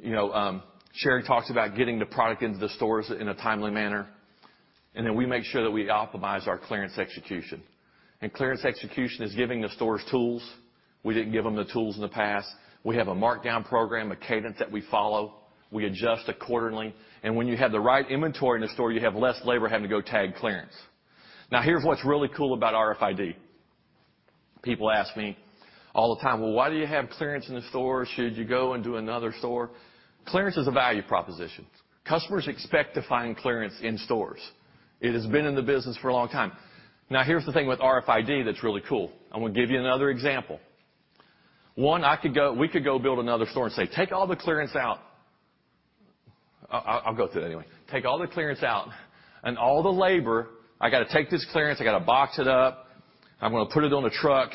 You know, Sherry talks about getting the product into the stores in a timely manner. Then we make sure that we optimize our clearance execution. Clearance execution is giving the stores tools. We didn't give them the tools in the past. We have a markdown program, a cadence that we follow. We adjust it quarterly. When you have the right inventory in the store, you have less labor having to go tag clearance. Here's what's really cool about RFID. People ask me all the time, "Well, why do you have clearance in the store? Should you go and do another store?" Clearance is a value proposition. Customers expect to find clearance in stores. It has been in the business for a long time. Here's the thing with RFID that's really cool. I'm going to give you another example. One, we could go build another store and say, "Take all the clearance out." I'll go through it anyway. Take all the clearance out and all the labor. I got to take this clearance. I got to box it up. I'm going to put it on a truck.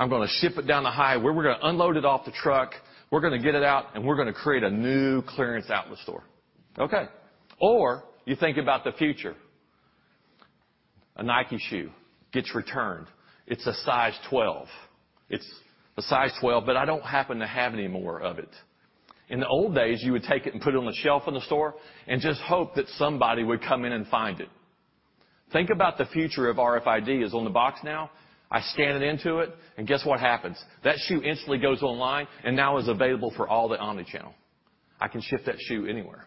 I'm going to ship it down the highway, we're going to unload it off the truck, we're going to get it out, and we're going to create a new clearance out in the store. Okay. You think about the future. A Nike shoe gets returned. It's a size 12. It's a size 12, but I don't happen to have any more of it. In the old days, you would take it and put it on the shelf in the store and just hope that somebody would come in and find it. Think about the future of RFID is on the box now. I scan it into it, and guess what happens. That shoe instantly goes online and now is available for all the omnichannel. I can ship that shoe anywhere.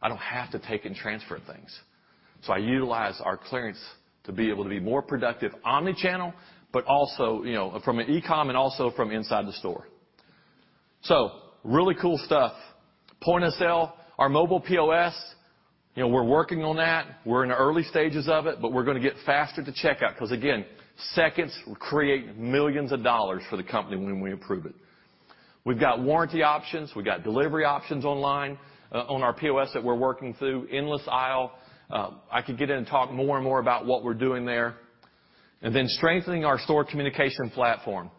I don't have to take and transfer things. I utilize our clearance to be able to be more productive omnichannel, but also, you know, from an e-com and also from inside the store. Really cool stuff. Point of sale. Our mobile POS, you know, we're working on that. We're in the early stages of it, but we're gonna get faster to checkout because, again, seconds create millions of dollars for the company when we improve it. We've got warranty options. We've got delivery options online on our POS that we're working through. Endless aisle. I could get in and talk more and more about what we're doing there. Strengthening our store communication platform.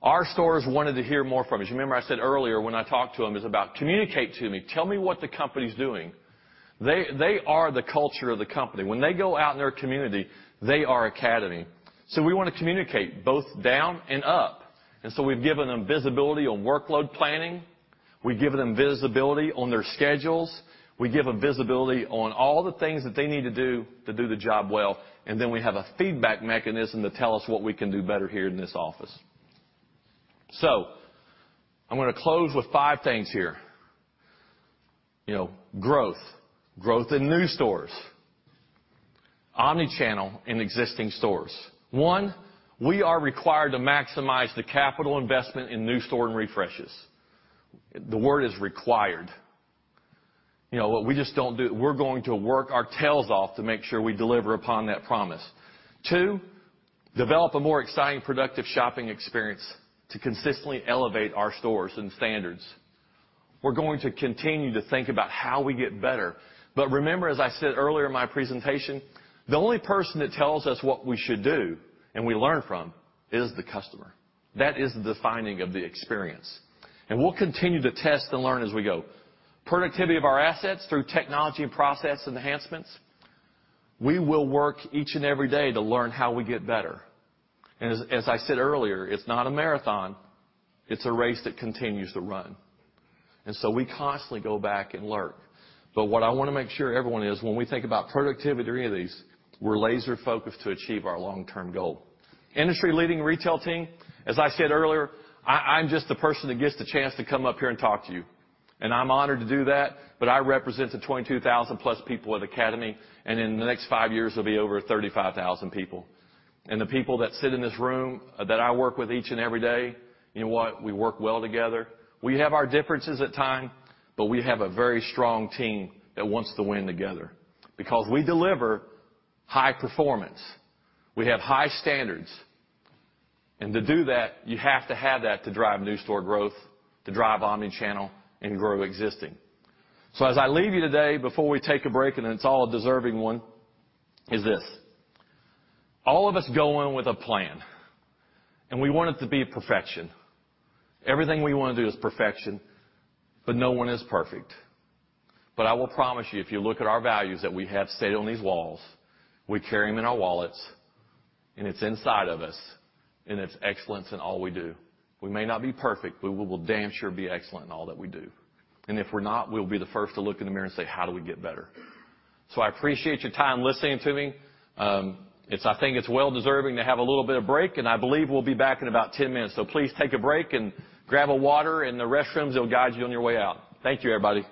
Our stores wanted to hear more from us. You remember I said earlier when I talked to them, it's about communicate to me. Tell me what the company's doing. They are the culture of the company. When they go out in their community, they are Academy. We wanna communicate both down and up. We've given them visibility on workload planning. We've given them visibility on their schedules. We give them visibility on all the things that they need to do to do the job well. We have a feedback mechanism to tell us what we can do better here in this office. I'm gonna close with five things here. You know, growth in new stores, omnichannel in existing stores. One, we are required to maximize the capital investment in new store and refreshes. The word is required. You know what? We're going to work our tails off to make sure we deliver upon that promise. Two, develop a more exciting, productive shopping experience to consistently elevate our stores and standards. We're going to continue to think about how we get better. Remember, as I said earlier in my presentation, the only person that tells us what we should do, and we learn from, is the customer. That is the defining of the experience. We'll continue to test and learn as we go. Productivity of our assets through technology and process enhancements. We will work each and every day to learn how we get better. As I said earlier, it's not a marathon, it's a race that continues to run. We constantly go back and learn. What I wanna make sure everyone is when we think about productivity or any of these, we're laser-focused to achieve our long-term goal. Industry-leading retail team. As I said earlier, I'm just the person that gets the chance to come up here and talk to you. I'm honored to do that, but I represent the 22 plus people at Academy, and in the next five years, there'll be over 35,000 people. The people that sit in this room that I work with each and every day, you know what? We work well together. We have our differences at times, but we have a very strong team that wants to win together because we deliver high performance. We have high standards. To do that, you have to have that to drive new store growth, to drive omnichannel and grow existing. As I leave you today, before we take a break, and it's all a deserving one, is this. All of us go in with a plan, and we want it to be perfection. Everything we wanna do is perfection, but no one is perfect. I will promise you, if you look at our values that we have stated on these walls, we carry them in our wallets, and it's inside of us, and it's excellence in all we do. We may not be perfect, but we will damn sure be excellent in all that we do. If we're not, we'll be the first to look in the mirror and say, "How do we get better?" I appreciate your time listening to me. I think it's well deserving to have a little bit of break, and I believe we'll be back in about 10 minutes. Please take a break and grab a water, and the restrooms will guide you on your way out. Thank you, everybody.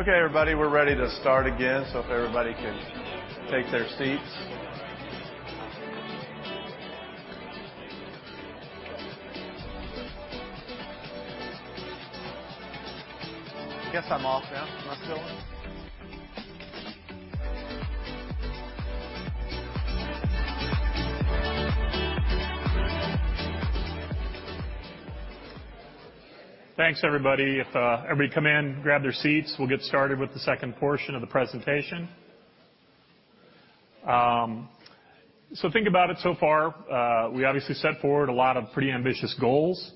Go? Yeah. Okay, everybody, we're ready to start again, so if everybody can take their seats. Guess I'm off now. Am I still on? Thanks, everybody. Everybody come in, grab their seats, we'll get started with the second portion of the presentation. Think about it so far, we obviously set forward a lot of pretty ambitious goals.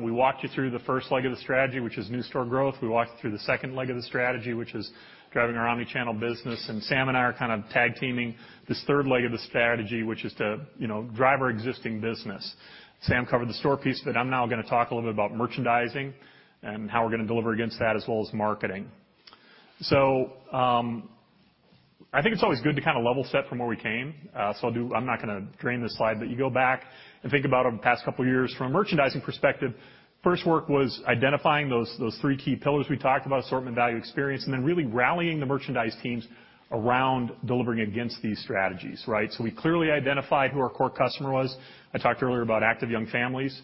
We walked you through the first leg of the strategy, which is new store growth. We walked you through the second leg of the strategy, which is driving our omnichannel business. Sam and I are kind of tag-teaming this third leg of the strategy, which is to, you know, drive our existing business. Sam covered the store piece, I'm now gonna talk a little bit about merchandising and how we're gonna deliver against that as well as marketing. I think it's always good to kind of level set from where we came. I'm not gonna drain this slide, but you go back and think about over the past couple of years from a merchandising perspective, first work was identifying those three key pillars we talked about, assortment, value, experience, and then really rallying the merchandise teams around delivering against these strategies, right. We clearly identified who our core customer was. I talked earlier about active young families.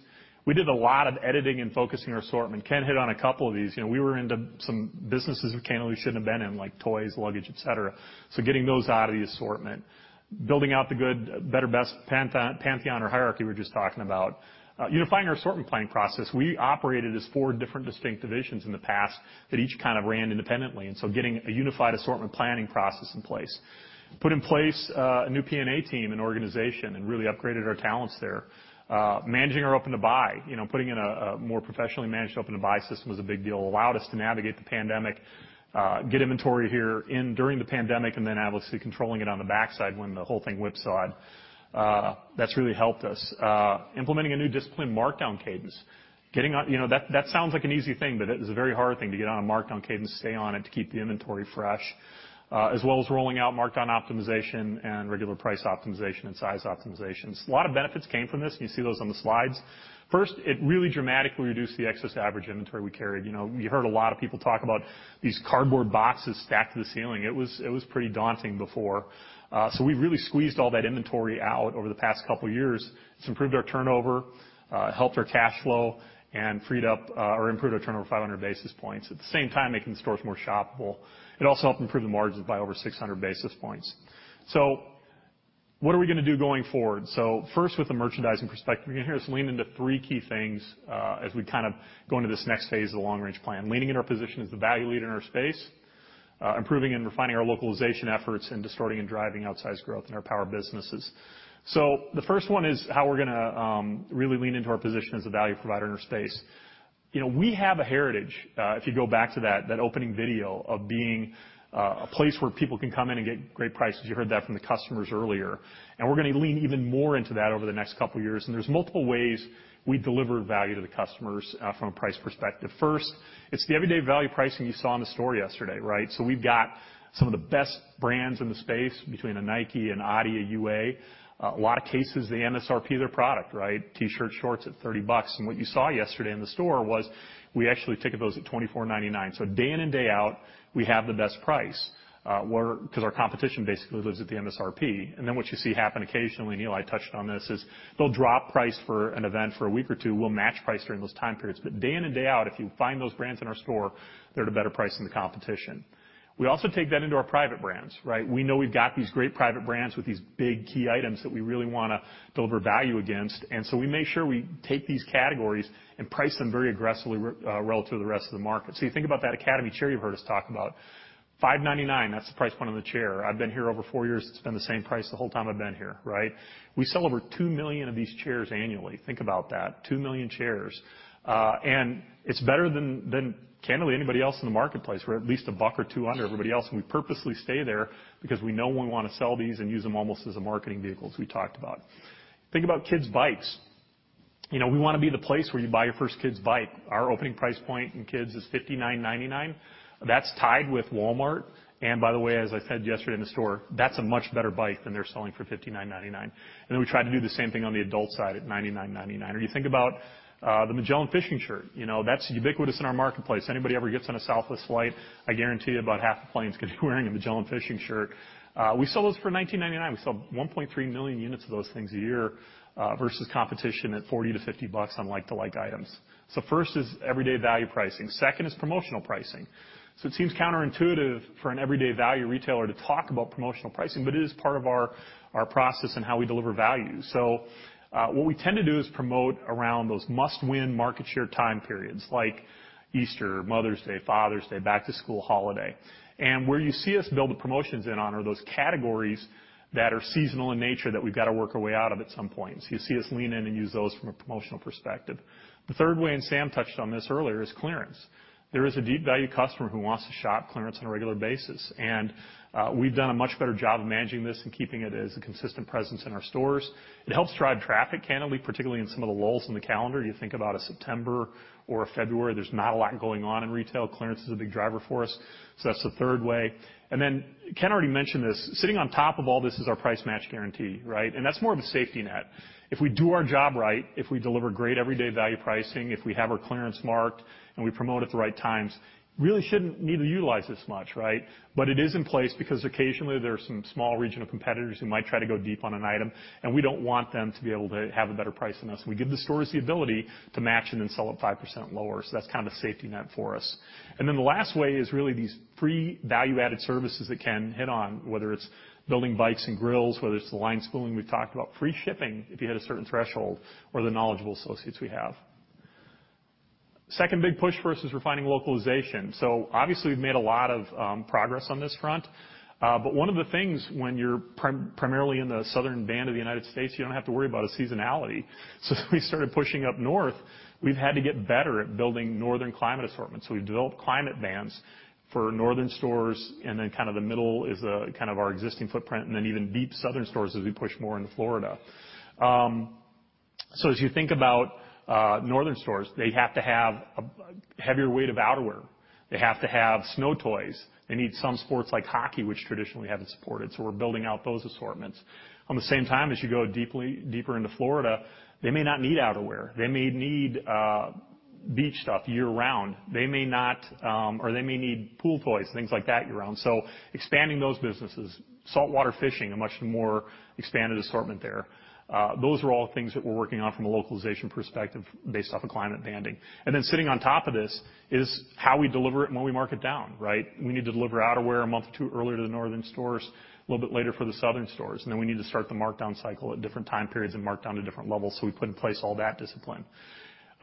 We did a lot of editing and focusing our assortment. Ken hit on a couple of these. You know, we were into some businesses we can't or we shouldn't have been in, like toys, luggage, et cetera. Getting those out of the assortment. Building out the good, better, best pantheon or hierarchy we were just talking about. Unifying our assortment planning process. We operated as four different distinct divisions in the past that each kind of ran independently. Getting a unified assortment planning process in place. Put in place a new PNA team and organization and really upgraded our talents there. Managing our open-to-buy, you know, putting in a more professionally managed open-to-buy system was a big deal. Allowed us to navigate the pandemic, get inventory here in during the pandemic and then obviously controlling it on the backside when the whole thing whipsawed. That's really helped us. Implementing a new disciplined markdown cadence. You know, that sounds like an easy thing, but it is a very hard thing to get on a markdown cadence, stay on it to keep the inventory fresh, as well as rolling out markdown optimization and regular price optimization and size optimizations. A lot of benefits came from this. You see those on the slides. First, it really dramatically reduced the excess average inventory we carried. You know, you heard a lot of people talk about these cardboard boxes stacked to the ceiling. It was pretty daunting before. We've really squeezed all that inventory out over the past couple of years. It's improved our turnover, helped our cash flow and freed up, or improved our turnover 500 basis points. At the same time, making the stores more shoppable. It also helped improve the margins by over 600 basis points. What are we gonna do going forward? First, with the merchandising perspective, you're gonna hear us lean into three key things as we kind of go into this next phase of the long-range plan. Leaning in our position as the value leader in our space, improving and refining our localization efforts and distorting and driving outsized growth in our power businesses. The first one is how we're gonna really lean into our position as a value provider in our space. You know, we have a heritage, if you go back to that opening video of being a place where people can come in and get great prices. You heard that from the customers earlier. We're gonna lean even more into that over the next couple of years. There's multiple ways we deliver value to the customers from a price perspective. First, it's the everyday value pricing you saw in the store yesterday, right? We've got some of the best brands in the space between a Nike, an Adi, a UA. A lot of cases, they MSRP their product, right? T-shirt, shorts at $30. What you saw yesterday in the store was we actually ticket those at $24.99. Day in and day out, we have the best price because our competition basically lives at the MSRP. What you see happen occasionally, Neal, I touched on this, is they'll drop price for an event for a week or two. We'll match price during those time periods. Day in and day out, if you find those brands in our store, they're at a better price than the competition. We also take that into our private brands, right? We know we've got these great private brands with these big key items that we really want to deliver value against. We make sure we take these categories and price them very aggressively relative to the rest of the market. You think about that Academy chair you heard us talk about. $5.99, that's the price point of the chair. I've been here over four years. It's been the same price the whole time I've been here, right? We sell over two million of these chairs annually. Think about that, two million chairs. It's better than candidly anybody else in the marketplace. We're at least a buck or two under everybody else, and we purposely stay there because we know we wanna sell these and use them almost as a marketing vehicle, as we talked about. Think about kids' bikes. You know, we wanna be the place where you buy your first kid's bike. Our opening price point in kids is $59.99. That's tied with Walmart. By the way, as I said yesterday in the store, that's a much better bike than they're selling for $59.99. We try to do the same thing on the adult side at $99.99. You think about the Magellan fishing shirt. You know, that's ubiquitous in our marketplace. Anybody ever gets on a Southwest flight, I guarantee you about half the plane's going to be wearing a Magellan fishing shirt. We sell those for $19.99. We sell 1.3 million units of those things a year versus competition at $40-$50 on like-to-like items. First is everyday value pricing. Second is promotional pricing. It seems counterintuitive for an everyday value retailer to talk about promotional pricing, but it is part of our process and how we deliver value. What we tend to do is promote around those must-win market share time periods like Easter, Mother's Day, Father's Day, back-to-school holiday. Where you see us build the promotions in on are those categories that are seasonal in nature that we've got to work our way out of at some point. You'll see us lean in and use those from a promotional perspective. The third way, Sam touched on this earlier, is clearance. There is a deep value customer who wants to shop clearance on a regular basis. We've done a much better job of managing this and keeping it as a consistent presence in our stores. It helps drive traffic candidly, particularly in some of the lulls in the calendar. You think about a September or a February, there's not a lot going on in retail. Clearance is a big driver for us. That's the third way. Ken already mentioned this. Sitting on top of all this is our price match guarantee, right? That's more of a safety net. If we do our job right, if we deliver great everyday value pricing, if we have our clearance marked and we promote at the right times, really shouldn't need to utilize this much, right? It is in place because occasionally there are some small regional competitors who might try to go deep on an item, and we don't want them to be able to have a better price than us. We give the stores the ability to match and then sell it 5% lower. That's kind of a safety net for us. The last way is really these free value-added services that Ken hit on, whether it's building bikes and grills, whether it's the line spooling we've talked about, free shipping if you hit a certain threshold or the knowledgeable associates we have. Second big push for us is refining localization. Obviously, we've made a lot of progress on this front. One of the things when you're primarily in the Southern band of the United States, you don't have to worry about a seasonality. We started pushing up north. We've had to get better at building northern climate assortments. We've developed climate bands for northern stores and then kind of the middle is kind of our existing footprint and then even deep southern stores as we push more into Florida. As you think about northern stores, they have to have a heavier weight of outerwear. They have to have snow toys. They need some sports like hockey, which traditionally we haven't supported. We're building out those assortments. On the same time, as you go deeper into Florida, they may not need outerwear. They may need beach stuff year-round. They may not, or they may need pool toys, things like that year-round. Expanding those businesses. Saltwater fishing, a much more expanded assortment there. Those are all things that we're working on from a localization perspective based off of climate banding. Sitting on top of this is how we deliver it and when we mark it down, right? We need to deliver outerwear a month or two earlier to the northern stores, a little bit later for the southern stores. We need to start the markdown cycle at different time periods and mark down to different levels. We put in place all that discipline.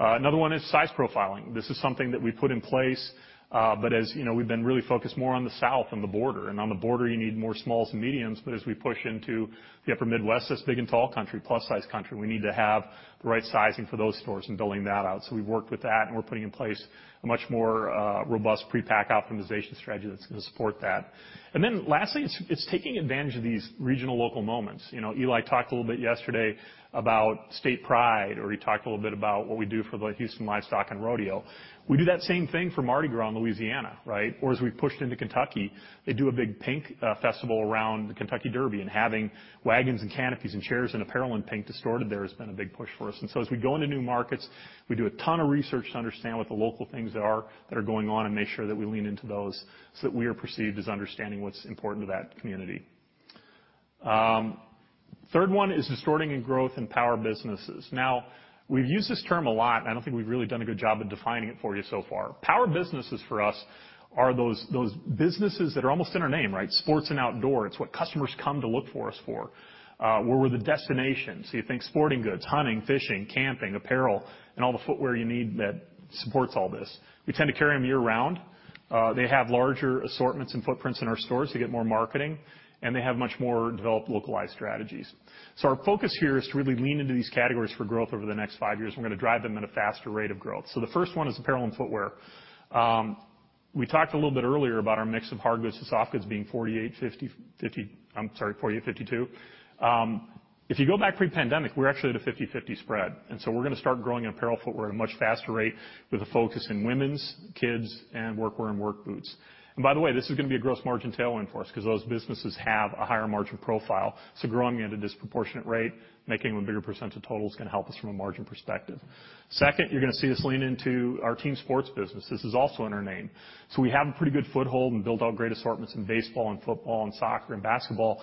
Another one is size profiling. This is something that we put in place, but as you know, we've been really focused more on the South and the border. On the border, you need more smalls and mediums. As we push into the upper Midwest, that's big and tall country, plus size country, we need to have the right sizing for those stores and building that out. We've worked with that, and we're putting in place a much more robust pre-pack optimization strategy that's gonna support that. Lastly, it's taking advantage of these regional local moments. You know, Eli talked a little bit yesterday about state pride, he talked a little bit about what we do for the Houston Livestock and Rodeo. We do that same thing for Mardi Gras in Louisiana, right? As we pushed into Kentucky, they do a big pink festival around the Kentucky Derby. Having wagons and canopies and chairs and apparel in pink to sort there has been a big push for us. As we go into new markets, we do a ton of research to understand what the local things are that are going on and make sure that we lean into those, so that we are perceived as understanding what's important to that community. Third one is assorting and growth in power businesses. We've used this term a lot, and I don't think we've really done a good job of defining it for you so far. Power businesses for us are those businesses that are almost in our name, right? Sports and Outdoors. It's what customers come to look for us for, where we're the destination. You think sporting goods, hunting, fishing, camping, apparel, and all the footwear you need that supports all this. We tend to carry them year-round. They have larger assortments and footprints in our stores. They get more marketing, and they have much more developed localized strategies. Our focus here is to really lean into these categories for growth over the next five years. We're gonna drive them at a faster rate of growth. The first one is apparel and footwear. We talked a little bit earlier about our mix of hardgoods to softgoods being 48-52. If you go back pre-pandemic, we're actually at a 50/50 spread. We're gonna start growing apparel and footwear at a much faster rate with a focus in women's, kids, and workwear and work boots. By the way, this is gonna be a gross margin tailwind for us because those businesses have a higher margin profile. Growing at a disproportionate rate, making them a bigger percentage of total is gonna help us from a margin perspective. Second, you're gonna see us lean into our team sports business. This is also in our name. We have a pretty good foothold and built out great assortments in baseball, and football, and soccer, and basketball.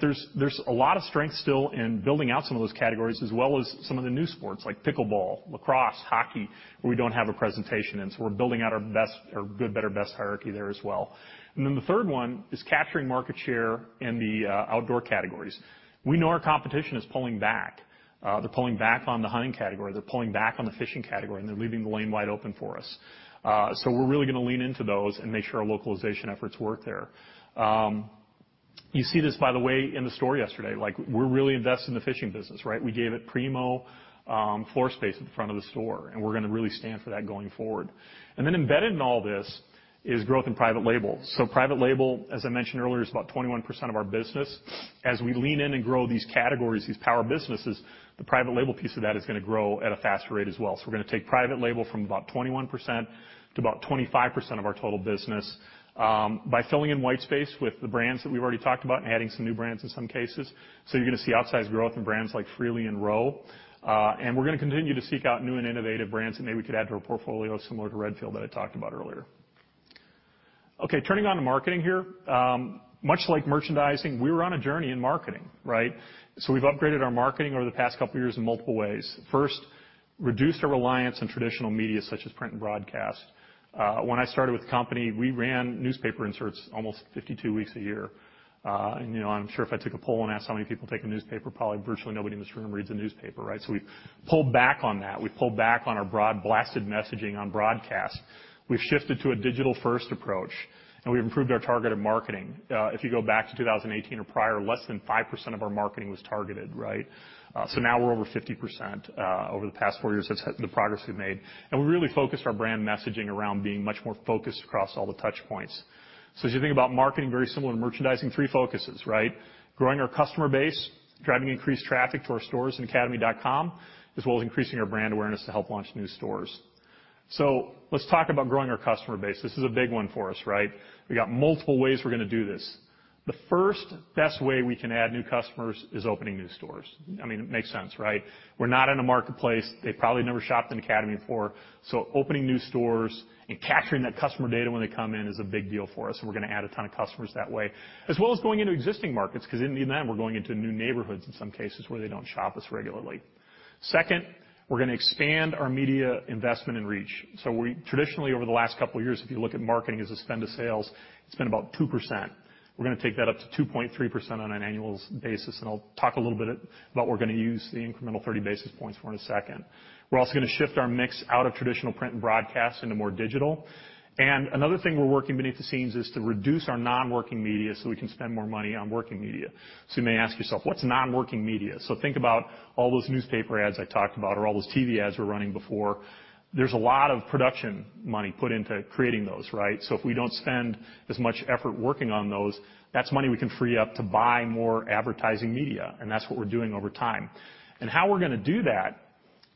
There's a lot of strength still in building out some of those categories, as well as some of the new sports like pickleball, lacrosse, hockey, where we don't have a presentation in. So we're building out our best or good, better, best hierarchy there as well. The third one is capturing market share in the outdoor categories. We know our competition is pulling back. They're pulling back on the hunting category, they're pulling back on the fishing category, and they're leaving the lane wide open for us. So we're really going to lean into those and make sure our localization efforts work there. You see this, by the way, in the store yesterday, like we're really invested in the fishing business, right? We gave it primo floor space at the front of the store, we're going to really stand for that going forward. Embedded in all this is growth in private label. Private label, as I mentioned earlier, is about 21% of our business. As we lean in and grow these categories, these power businesses, the private label piece of that is going to grow at a faster rate as well. We're going to take private label from about 21% to about 25% of our total business by filling in white space with the brands that we've already talked about and adding some new brands in some cases. You're going to see outsized growth in brands like Freely and Row. We're gonna continue to seek out new and innovative brands that maybe we could add to our portfolio similar to Redfield that I talked about earlier. Okay, turning on to marketing here. Much like merchandising, we were on a journey in marketing, right? We've upgraded our marketing over the past couple of years in multiple ways. First, reduced our reliance on traditional media such as print and broadcast. When I started with the company, we ran newspaper inserts almost 52 weeks a year. You know, I'm sure if I took a poll and asked how many people take a newspaper, probably virtually nobody in this room reads a newspaper, right? We've pulled back on that. We pulled back on our broad blasted messaging on broadcast. We've shifted to a digital-first approach, and we've improved our targeted marketing. If you go back to 2018 or prior, less than 5% of our marketing was targeted, right? Now we're over 50% over the past four years, that's the progress we've made. We really focused our brand messaging around being much more focused across all the touch points. As you think about marketing, very similar to merchandising, three focuses, right? Growing our customer base, driving increased traffic to our stores and academy.com, as well as increasing our brand awareness to help launch new stores. Let's talk about growing our customer base. This is a big one for us, right? We got multiple ways we're gonna do this. The first best way we can add new customers is opening new stores. I mean, it makes sense, right? We're not in a marketplace. They probably never shopped in Academy before. Opening new stores and capturing that customer data when they come in is a big deal for us. We're gonna add a ton of customers that way. As well as going into existing markets, because in them, we're going into new neighborhoods in some cases where they don't shop us regularly. Second, we're gonna expand our media investment and reach. We traditionally, over the last couple of years, if you look at marketing as a spend of sales, it's been about 2%. We're gonna take that up to 2.3% on an annual basis, and I'll talk a little bit about we're gonna use the incremental 30 basis points for in a second. We're also gonna shift our mix out of traditional print and broadcast into more digital. Another thing we're working beneath the scenes is to reduce our non-working media, so we can spend more money on working media. You may ask yourself, "What's non-working media?" Think about all those newspaper ads I talked about or all those TV ads we're running before. There's a lot of production money put into creating those, right? If we don't spend as much effort working on those, that's money we can free up to buy more advertising media, and that's what we're doing over time. How we're gonna do that,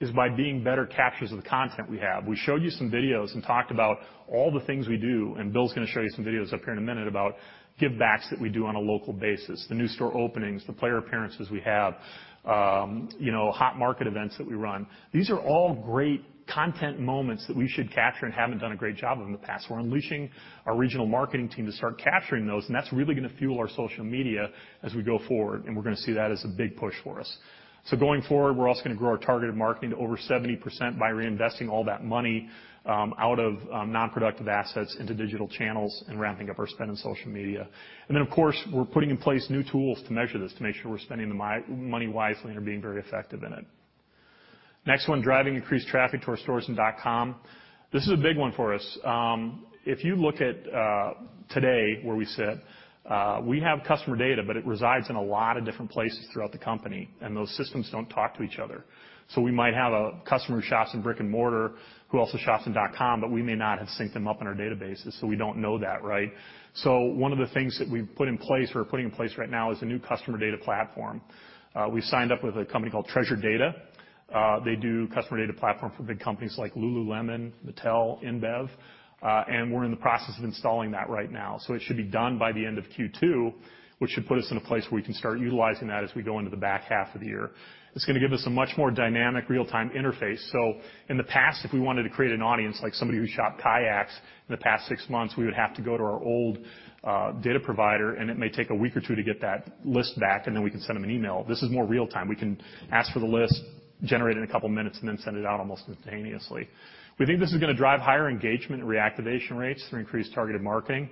is by being better captures of the content we have. We showed you some videos and talked about all the things we do, Bill's gonna show you some videos up here in a minute about givebacks that we do on a local basis, the new store openings, the player appearances we have, you know, hot market events that we run. These are all great content moments that we should capture and haven't done a great job of in the past. We're unleashing our regional marketing team to start capturing those, and that's really gonna fuel our social media as we go forward, and we're gonna see that as a big push for us. Going forward, we're also gonna grow our targeted marketing to over 70% by reinvesting all that money out of non-productive assets into digital channels and ramping up our spend on social media. Of course, we're putting in place new tools to measure this to make sure we're spending the my-money wisely and are being very effective in it. Next one, driving increased traffic to our stores and dot com. This is a big one for us. If you look at today where we sit, we have customer data, but it resides in a lot of different places throughout the company, and those systems don't talk to each other. We might have a customer who shops in brick and mortar who also shops in dot com, but we may not have synced them up in our databases, so we don't know that, right? One of the things that we've put in place, or are putting in place right now is a new customer data platform. We signed up with a company called Treasure Data. They do customer data platform for big companies like lululemon, Mattel, Inbev, we're in the process of installing that right now. It should be done by the end of Q2, which should put us in a place where we can start utilizing that as we go into the back half of the year. It's gonna give us a much more dynamic real-time interface. In the past, if we wanted to create an audience like somebody who shopped kayaks in the past six months, we would have to go to our old data provider, it may take a week or two to get that list back, then we can send them an email. This is more real time. We can ask for the list, generate it in a couple of minutes, send it out almost instantaneously. We think this is gonna drive higher engagement and reactivation rates through increased targeted marketing.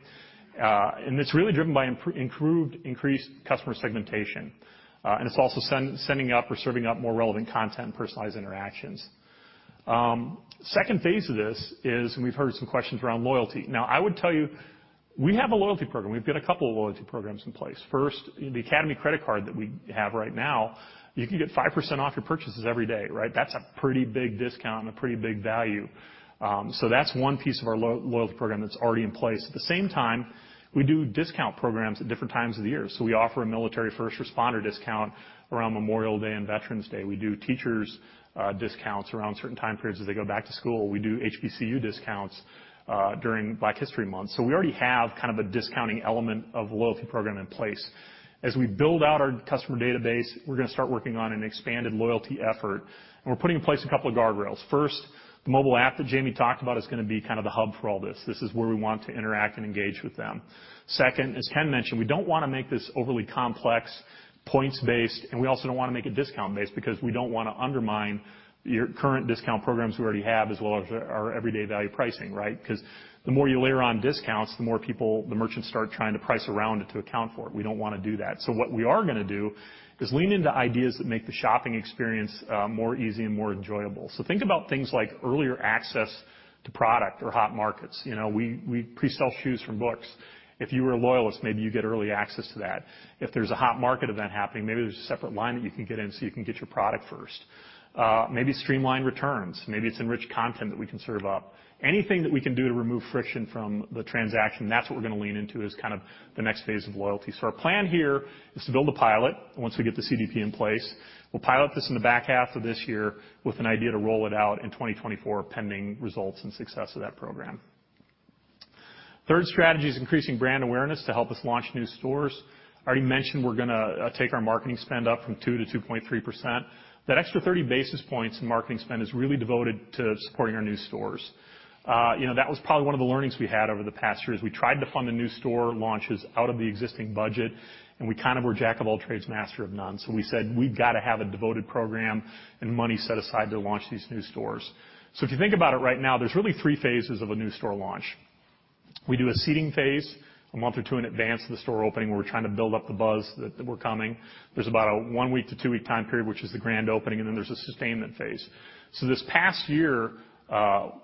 and it's really driven by improved increased customer segmentation. and it's also sending up or serving up more relevant content and personalized interactions. Second phase of this is, and we've heard some questions around loyalty. Now, I would tell you, we have a loyalty program. We've got a couple of loyalty programs in place. First, the Academy credit card that we have right now, you can get 5% off your purchases every day, right? That's a pretty big discount and a pretty big value. That's one piece of our loyalty program that's already in place. At the same time, we do discount programs at different times of the year. We offer a military first responder discount around Memorial Day and Veterans Day. We do teachers, discounts around certain time periods as they go back to school. We do HBCU discounts during Black History Month. We already have kind of a discounting element of the loyalty program in place. As we build out our customer database, we're gonna start working on an expanded loyalty effort, and we're putting in place a couple of guardrails. First, the mobile app that Jamey talked about is gonna be kind of the hub for all this. This is where we want to interact and engage with them. As Ken mentioned, we don't wanna make this overly complex points-based, and we also don't wanna make it discount-based because we don't wanna undermine your current discount programs we already have as well as our everyday value pricing, right? The more you layer on discounts, the more people... the merchants start trying to price around it to account for it. We don't wanna do that. What we are gonna do is lean into ideas that make the shopping experience more easy and more enjoyable. Think about things like earlier access to product or hot markets. You know, we pre-sell shoes from books. If you are a loyalist, maybe you get early access to that. If there's a hot market event happening, maybe there's a separate line that you can get in so you can get your product first. Maybe streamline returns. Maybe it's enriched content that we can serve up. Anything that we can do to remove friction from the transaction, that's what we're gonna lean into as kind of the next phase of loyalty. Our plan here is to build a pilot once we get the CDP in place. We'll pilot this in the back half of this year with an idea to roll it out in 2024 pending results and success of that program. Third strategy is increasing brand awareness to help us launch new stores. Already mentioned we're gonna take our marketing spend up from 2% to 2.3%. That extra 30 basis points in marketing spend is really devoted to supporting our new stores. You know, that was probably one of the learnings we had over the past year, is we tried to fund the new store launches out of the existing budget, and we kind of were jack of all trades, master of none. We said, "We've gotta have a devoted program and money set aside to launch these new stores." If you think about it right now, there's really three phases of a new store launch. We do a seeding phase a month or two in advance of the store opening. We're trying to build up the buzz that we're coming. There's about a one-week to two-week time period, which is the grand opening, and then there's a sustainment phase. This past year,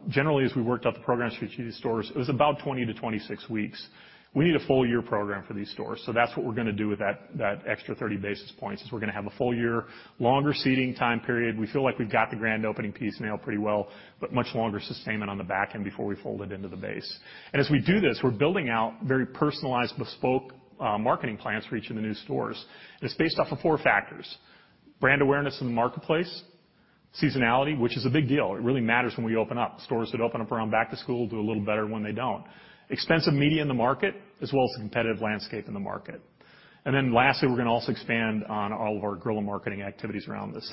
generally as we worked out the program strategy stores, it was about 20 to 26 weeks. We need a full year program for these stores, so that's what we're gonna do with that extra 30 basis points, is we're gonna have a full year longer seeding time period. We feel like we've got the grand opening piece nailed pretty well, but much longer sustainment on the back end before we fold it into the base. As we do this, we're building out very personalized bespoke marketing plans for each of the new stores. It's based off of four factors: brand awareness in the marketplace, seasonality, which is a big deal. It really matters when we open up. Stores that open up around back to school do a little better when they don't. Expensive media in the market, as well as the competitive landscape in the market. Lastly, we're gonna also expand on all of our guerrilla marketing activities around this.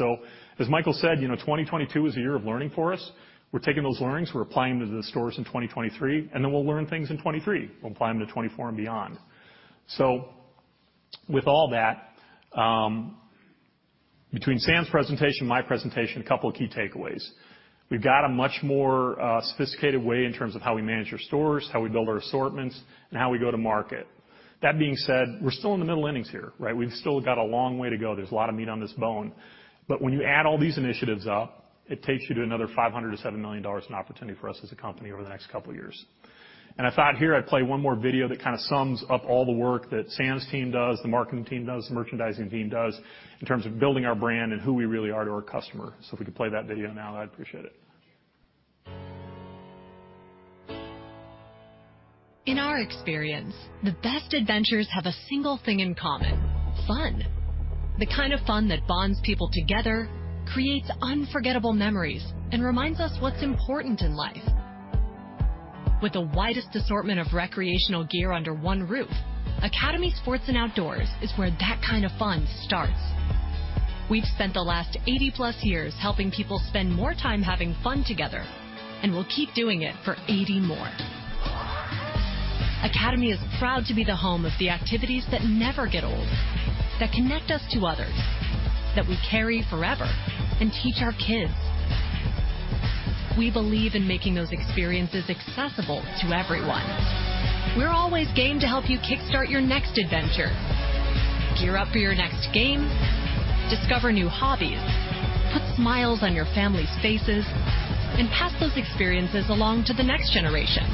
As Michael said, you know, 2022 is a year of learning for us. We're taking those learnings, we're applying them to the stores in 2023, we'll learn things in 2023. We'll apply them to 2024 and beyond. With all that, between Sam's presentation, my presentation, a couple of key takeaways. We've got a much more sophisticated way in terms of how we manage our stores, how we build our assortments, and how we go to market. That being said, we're still in the middle innings here, right? We've still got a long way to go. There's a lot of meat on this bone. When you add all these initiatives up, it takes you to another 500 to $7 million in opportunity for us as a company over the next couple of years. I thought here I'd play one more video that kinda sums up all the work that Sam's team does, the marketing team does, the merchandising team does in terms of building our brand and who we really are to our customer. If we could play that video now, I'd appreciate it. In our experience, the best adventures have a single thing in common, fun. The kind of fun that bonds people together, creates unforgettable memories, and reminds us what's important in life. With the widest assortment of recreational gear under one roof, Academy Sports and Outdoors is where that kind of fun starts. We've spent the last 80-plus years helping people spend more time having fun together, and we'll keep doing it for 80 more. Academy is proud to be the home of the activities that never get old, that connect us to others, that we carry forever and teach our kids. We believe in making those experiences accessible to everyone. We're always game to help you kickstart your next adventure. Gear up for your next game, discover new hobbies, put smiles on your family's faces, and pass those experiences along to the next generation.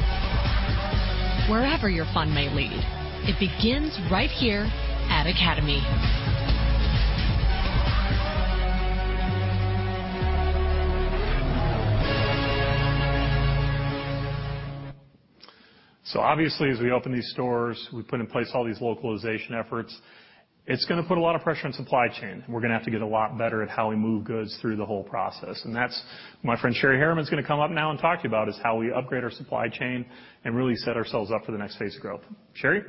Wherever your fun may lead, it begins right here at Academy. Obviously, as we open these stores, we put in place all these localization efforts. It's gonna put a lot of pressure on supply chain. We're gonna have to get a lot better at how we move goods through the whole process. That's my friend, Sherry Harriman is gonna come up now and talk to you about is how we upgrade our supply chain and really set ourselves up for the next phase of growth. Sherry.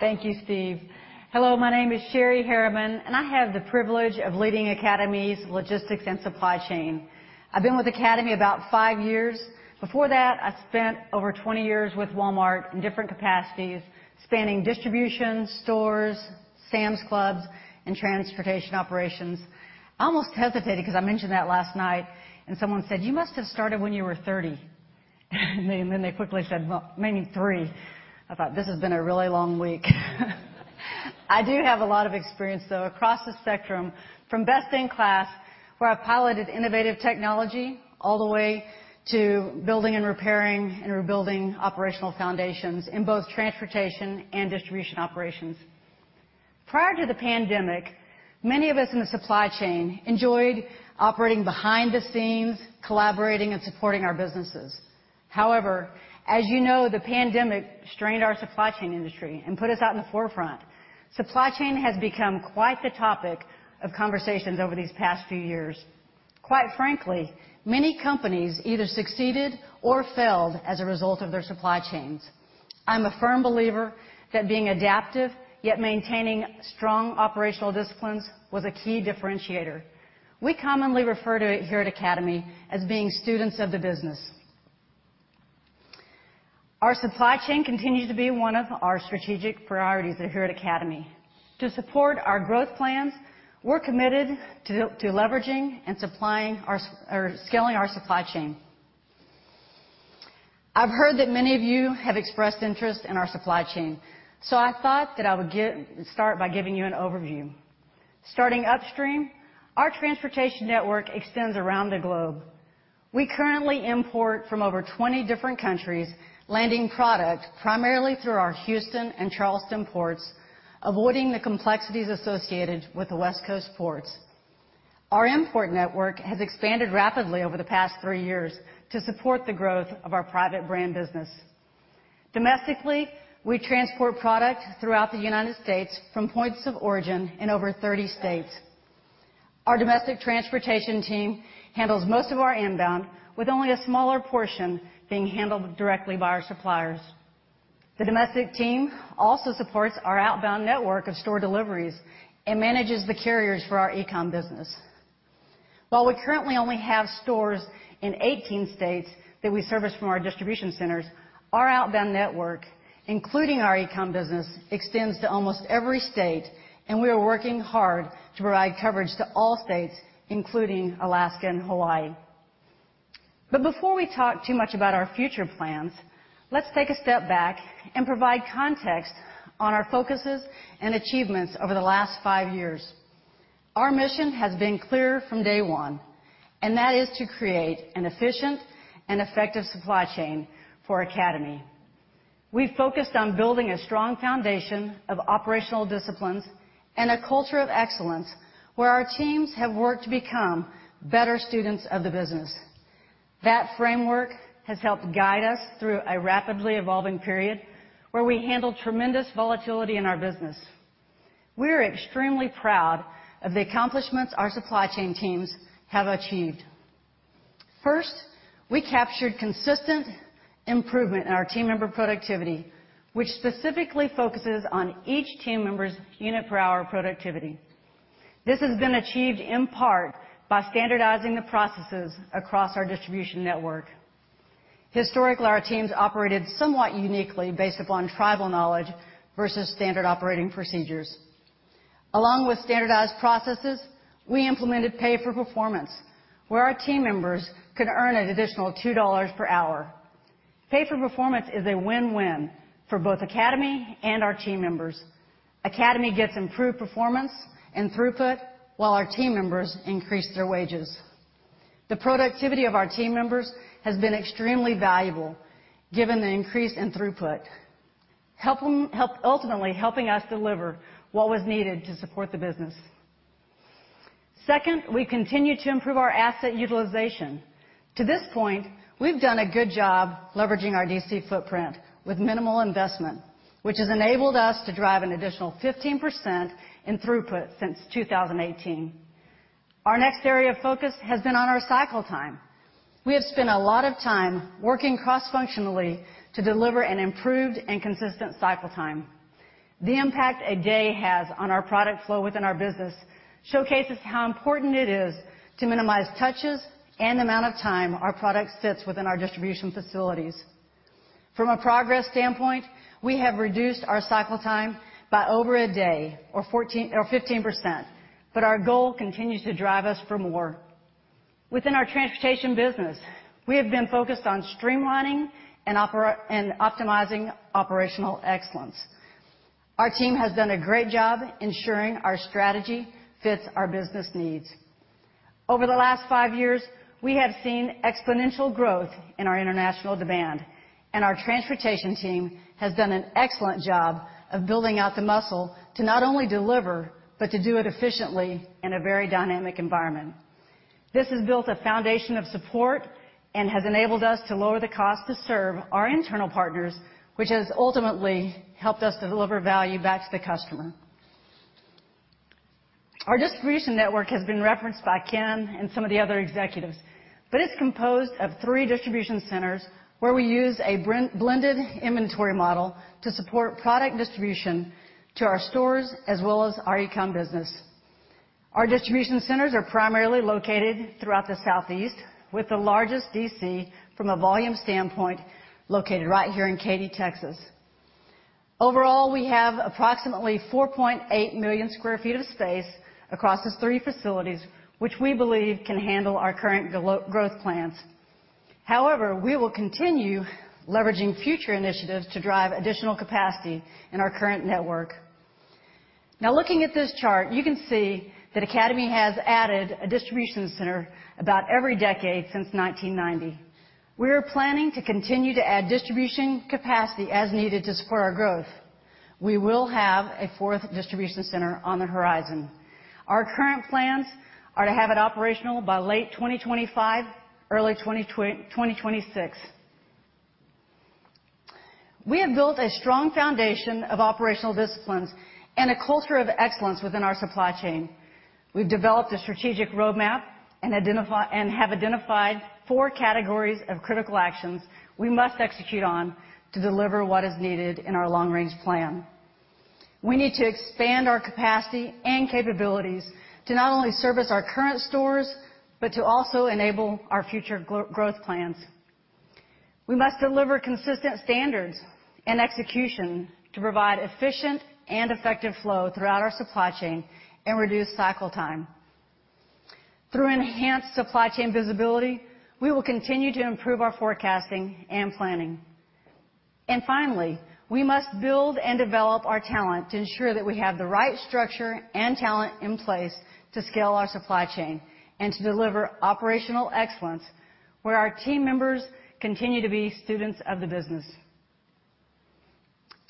Thank you, Steve. Hello. My name is Sherry Harriman, and I have the privilege of leading Academy's Logistics and Supply Chain. I've been with Academy about five years. Before that, I spent over 20 years with Walmart in different capacities, spanning distribution, stores, Sam's Clubs, and transportation operations. I almost hesitated 'cause I mentioned that last night, and someone said, "You must have started when you were 30." Then they quickly said, "Well, maybe three." I thought, "This has been a really long week." I do have a lot of experience, though, across the spectrum, from best in class, where I piloted innovative technology all the way to building and repairing and rebuilding operational foundations in both transportation and distribution operations. Prior to the pandemic, many of us in the supply chain enjoyed operating behind the scenes, collaborating and supporting our businesses. However, as you know, the pandemic strained our supply chain industry and put us out in the forefront. Supply chain has become quite the topic of conversations over these past few years. Many companies either succeeded or failed as a result of their supply chains. I'm a firm believer that being adaptive, yet maintaining strong operational disciplines was a key differentiator. We commonly refer to it here at Academy as being students of the business. Our supply chain continues to be one of our strategic priorities here at Academy. To support our growth plans, we're committed to leveraging and scaling our supply chain. I've heard that many of you have expressed interest in our supply chain. I thought that I would start by giving you an overview. Starting upstream, our transportation network extends around the globe. We currently import from over 20 different countries, landing product primarily through our Houston and Charleston ports, avoiding the complexities associated with the West Coast ports. Our import network has expanded rapidly over the past three years to support the growth of our private brand business. Domestically, we transport product throughout the United States from points of origin in over 30 states. Our domestic transportation team handles most of our inbound, with only a smaller portion being handled directly by our suppliers. The domestic team also supports our outbound network of store deliveries and manages the carriers for our e-com business. While we currently only have stores in 18 states that we service from our distribution centers, our outbound network, including our e-com business, extends to almost every state, and we are working hard to provide coverage to all states, including Alaska and Hawaii. Before we talk too much about our future plans, let's take a step back and provide context on our focuses and achievements over the last five years. Our mission has been clear from day one, and that is to create an efficient and effective supply chain for Academy. We focused on building a strong foundation of operational disciplines and a culture of excellence where our teams have worked to become better students of the business. That framework has helped guide us through a rapidly evolving period where we handled tremendous volatility in our business. We are extremely proud of the accomplishments our supply chain teams have achieved. First, we captured consistent improvement in our team member productivity, which specifically focuses on each team member's unit per hour productivity. This has been achieved in part by standardizing the processes across our distribution network. Historically, our teams operated somewhat uniquely based upon tribal knowledge versus standard operating procedures. Along with standardized processes, we implemented pay for performance where our team members could earn an additional $2 per hour. Pay for performance is a win-win for both Academy and our team members. Academy gets improved performance and throughput while our team members increase their wages. The productivity of our team members has been extremely valuable given the increase in throughput. Ultimately helping us deliver what was needed to support the business. Second, we continue to improve our asset utilization. To this point, we've done a good job leveraging our DC footprint with minimal investment, which has enabled us to drive an additional 15% in throughput since 2018. Our next area of focus has been on our cycle time. We have spent a lot of time working cross-functionally to deliver an improved and consistent cycle time. The impact a day has on our product flow within our business showcases how important it is to minimize touches and amount of time our product sits within our distribution facilities. From a progress standpoint, we have reduced our cycle time by over a day or 15%, our goal continues to drive us for more. Within our transportation business, we have been focused on streamlining and optimizing operational excellence. Our team has done a great job ensuring our strategy fits our business needs. Over the last five years, we have seen exponential growth in our international demand, our transportation team has done an excellent job of building out the muscle to not only deliver, but to do it efficiently in a very dynamic environment. This has built a foundation of support and has enabled us to lower the cost to serve our internal partners, which has ultimately helped us to deliver value back to the customer. Our distribution network has been referenced by Ken and some of the other executives, it's composed of three distribution centers where we use a blended inventory model to support product distribution to our stores as well as our e-com business. Our distribution centers are primarily located throughout the Southeast, with the largest DC from a volume standpoint located right here in Katy, Texas. Overall, we have approximately 4.8 million sq ft of space across these three facilities, which we believe can handle our current growth plans. However, we will continue leveraging future initiatives to drive additional capacity in our current network. Now, looking at this chart, you can see that Academy has added a distribution center about every decade since 1990. We are planning to continue to add distribution capacity as needed to support our growth. We will have a fourth distribution center on the horizon. Our current plans are to have it operational by late 2025, early 2026. We have built a strong foundation of operational disciplines and a culture of excellence within our supply chain. We've developed a strategic roadmap and have identified four categories of critical actions we must execute on to deliver what is needed in our long-range plan. We need to expand our capacity and capabilities to not only service our current stores, but to also enable our future growth plans. We must deliver consistent standards and execution to provide efficient and effective flow throughout our supply chain and reduce cycle time. Through enhanced supply chain visibility, we will continue to improve our forecasting and planning. Finally, we must build and develop our talent to ensure that we have the right structure and talent in place to scale our supply chain and to deliver operational excellence where our team members continue to be students of the business.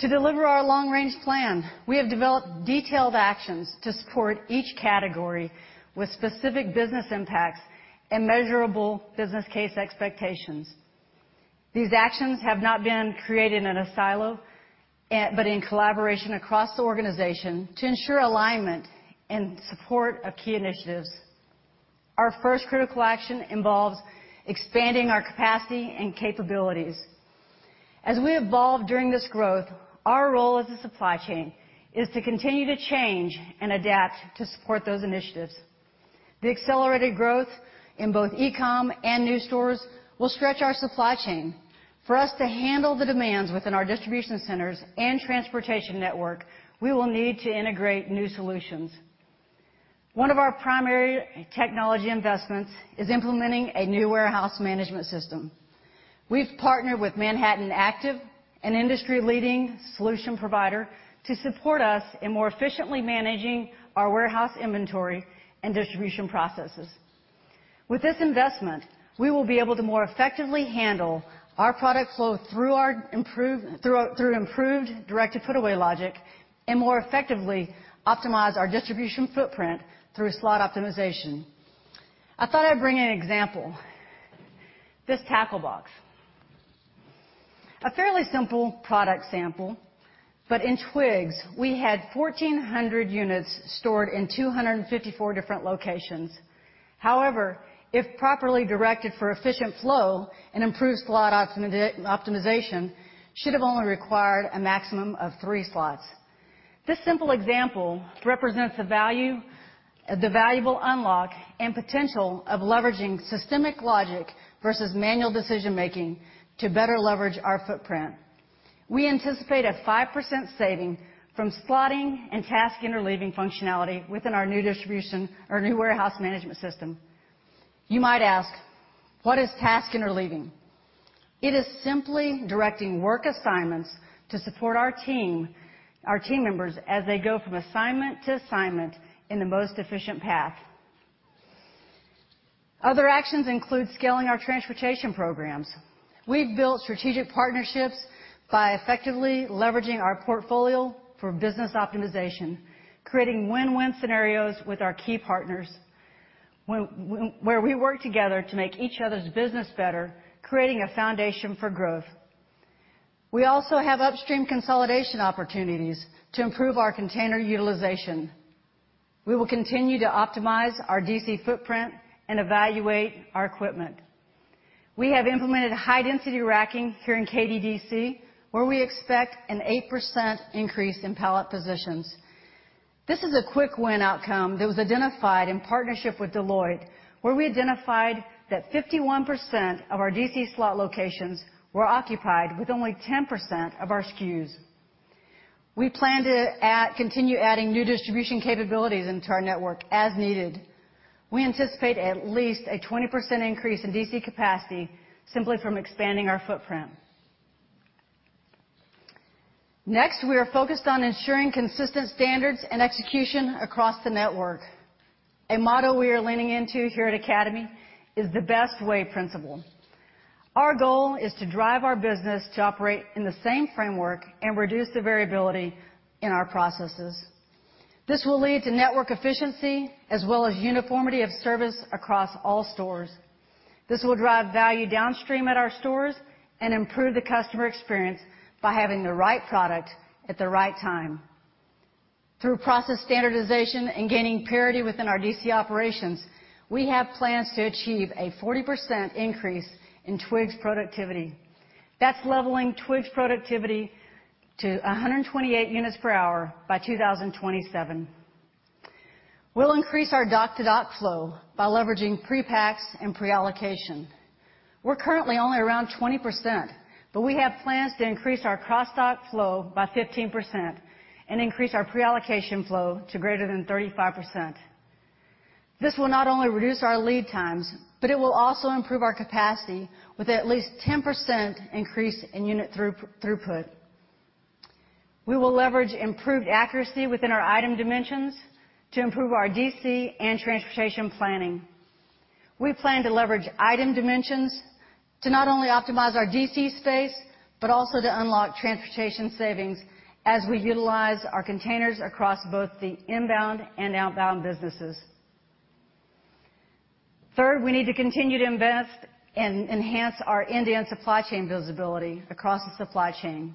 To deliver our long-range plan, we have developed detailed actions to support each category with specific business impacts and measurable business case expectations. These actions have not been created in a silo, but in collaboration across the organization to ensure alignment and support of key initiatives. Our first critical action involves expanding our capacity and capabilities. As we evolve during this growth, our role as a supply chain is to continue to change and adapt to support those initiatives. The accelerated growth in both e-com and new stores will stretch our supply chain. For us to handle the demands within our distribution centers and transportation network, we will need to integrate new solutions. One of our primary technology investments is implementing a new warehouse management system. We've partnered with Manhattan Active, an industry-leading solution provider, to support us in more efficiently managing our warehouse inventory and distribution processes. With this investment, we will be able to more effectively handle our product flow through our improved directed put away logic and more effectively optimize our distribution footprint through slot optimization. I thought I'd bring an example. This tackle box. But in TWIGS, we had 1,400 units stored in 254 different locations. However, if properly directed for efficient flow and improved slot optimization, should have only required a maximum of three slots. This simple example represents the valuable unlock and potential of leveraging systemic logic versus manual decision-making to better leverage our footprint. We anticipate a 5% saving from slotting and task interleaving functionality within our new distribution or new warehouse management system. You might ask, what is task interleaving? It is simply directing work assignments to support our team members as they go from assignment to assignment in the most efficient path. Other actions include scaling our transportation programs. We've built strategic partnerships by effectively leveraging our portfolio for business optimization, creating win-win scenarios with our key partners where we work together to make each other's business better, creating a foundation for growth. We have upstream consolidation opportunities to improve our container utilization. We will continue to optimize our DC footprint and evaluate our equipment. We have implemented high-density racking here in KDDC, where we expect an 8% increase in pallet positions. This is a quick win outcome that was identified in partnership with Deloitte, where we identified that 51% of our DC slot locations were occupied with only 10% of our SKUs. We plan to continue adding new distribution capabilities into our network as needed. We anticipate at least a 20% increase in DC capacity simply from expanding our footprint. Next, we are focused on ensuring consistent standards and execution across the network. A model we are leaning into here at Academy is the best way principle. Our goal is to drive our business to operate in the same framework and reduce the variability in our processes. This will lead to network efficiency as well as uniformity of service across all stores. This will drive value downstream at our stores and improve the customer experience by having the right product at the right time. Through process standardization and gaining parity within our DC operations, we have plans to achieve a 40% increase in TWIGS productivity. That's leveling TWIGS productivity to 128 units per hour by 2027. We'll increase our dock-to-dock flow by leveraging pre-packs and pre-allocation. We're currently only around 20%, we have plans to increase our cross-dock flow by 15% and increase our pre-allocation flow to greater than 35%. This will not only reduce our lead times, it will also improve our capacity with at least 10% increase in unit through-throughput. We will leverage improved accuracy within our item dimensions to improve our DC and transportation planning. We plan to leverage item dimensions to not only optimize our DC space, also to unlock transportation savings as we utilize our containers across both the inbound and outbound businesses. Third, we need to continue to invest and enhance our end-to-end supply chain visibility across the supply chain.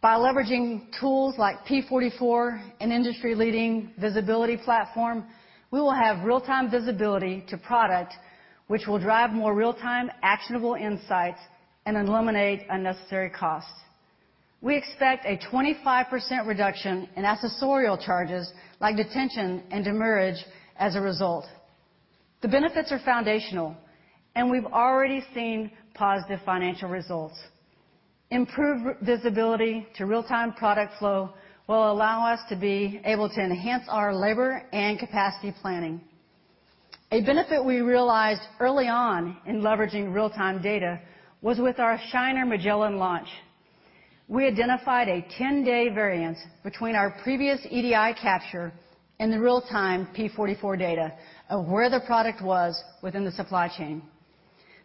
By leveraging tools like project44, an industry-leading visibility platform, we will have real-time visibility to product which will drive more real-time actionable insights and eliminate unnecessary costs. We expect a 25% reduction in accessorial charges like detention and demurrage as a result. The benefits are foundational, and we've already seen positive financial results. Improved visibility to real-time product flow will allow us to enhance our labor and capacity planning. A benefit we realized early on in leveraging real-time data was with our Shiner Magellan launch. We identified a 10-day variance between our previous EDI capture and the real-time project44 data of where the product was within the supply chain.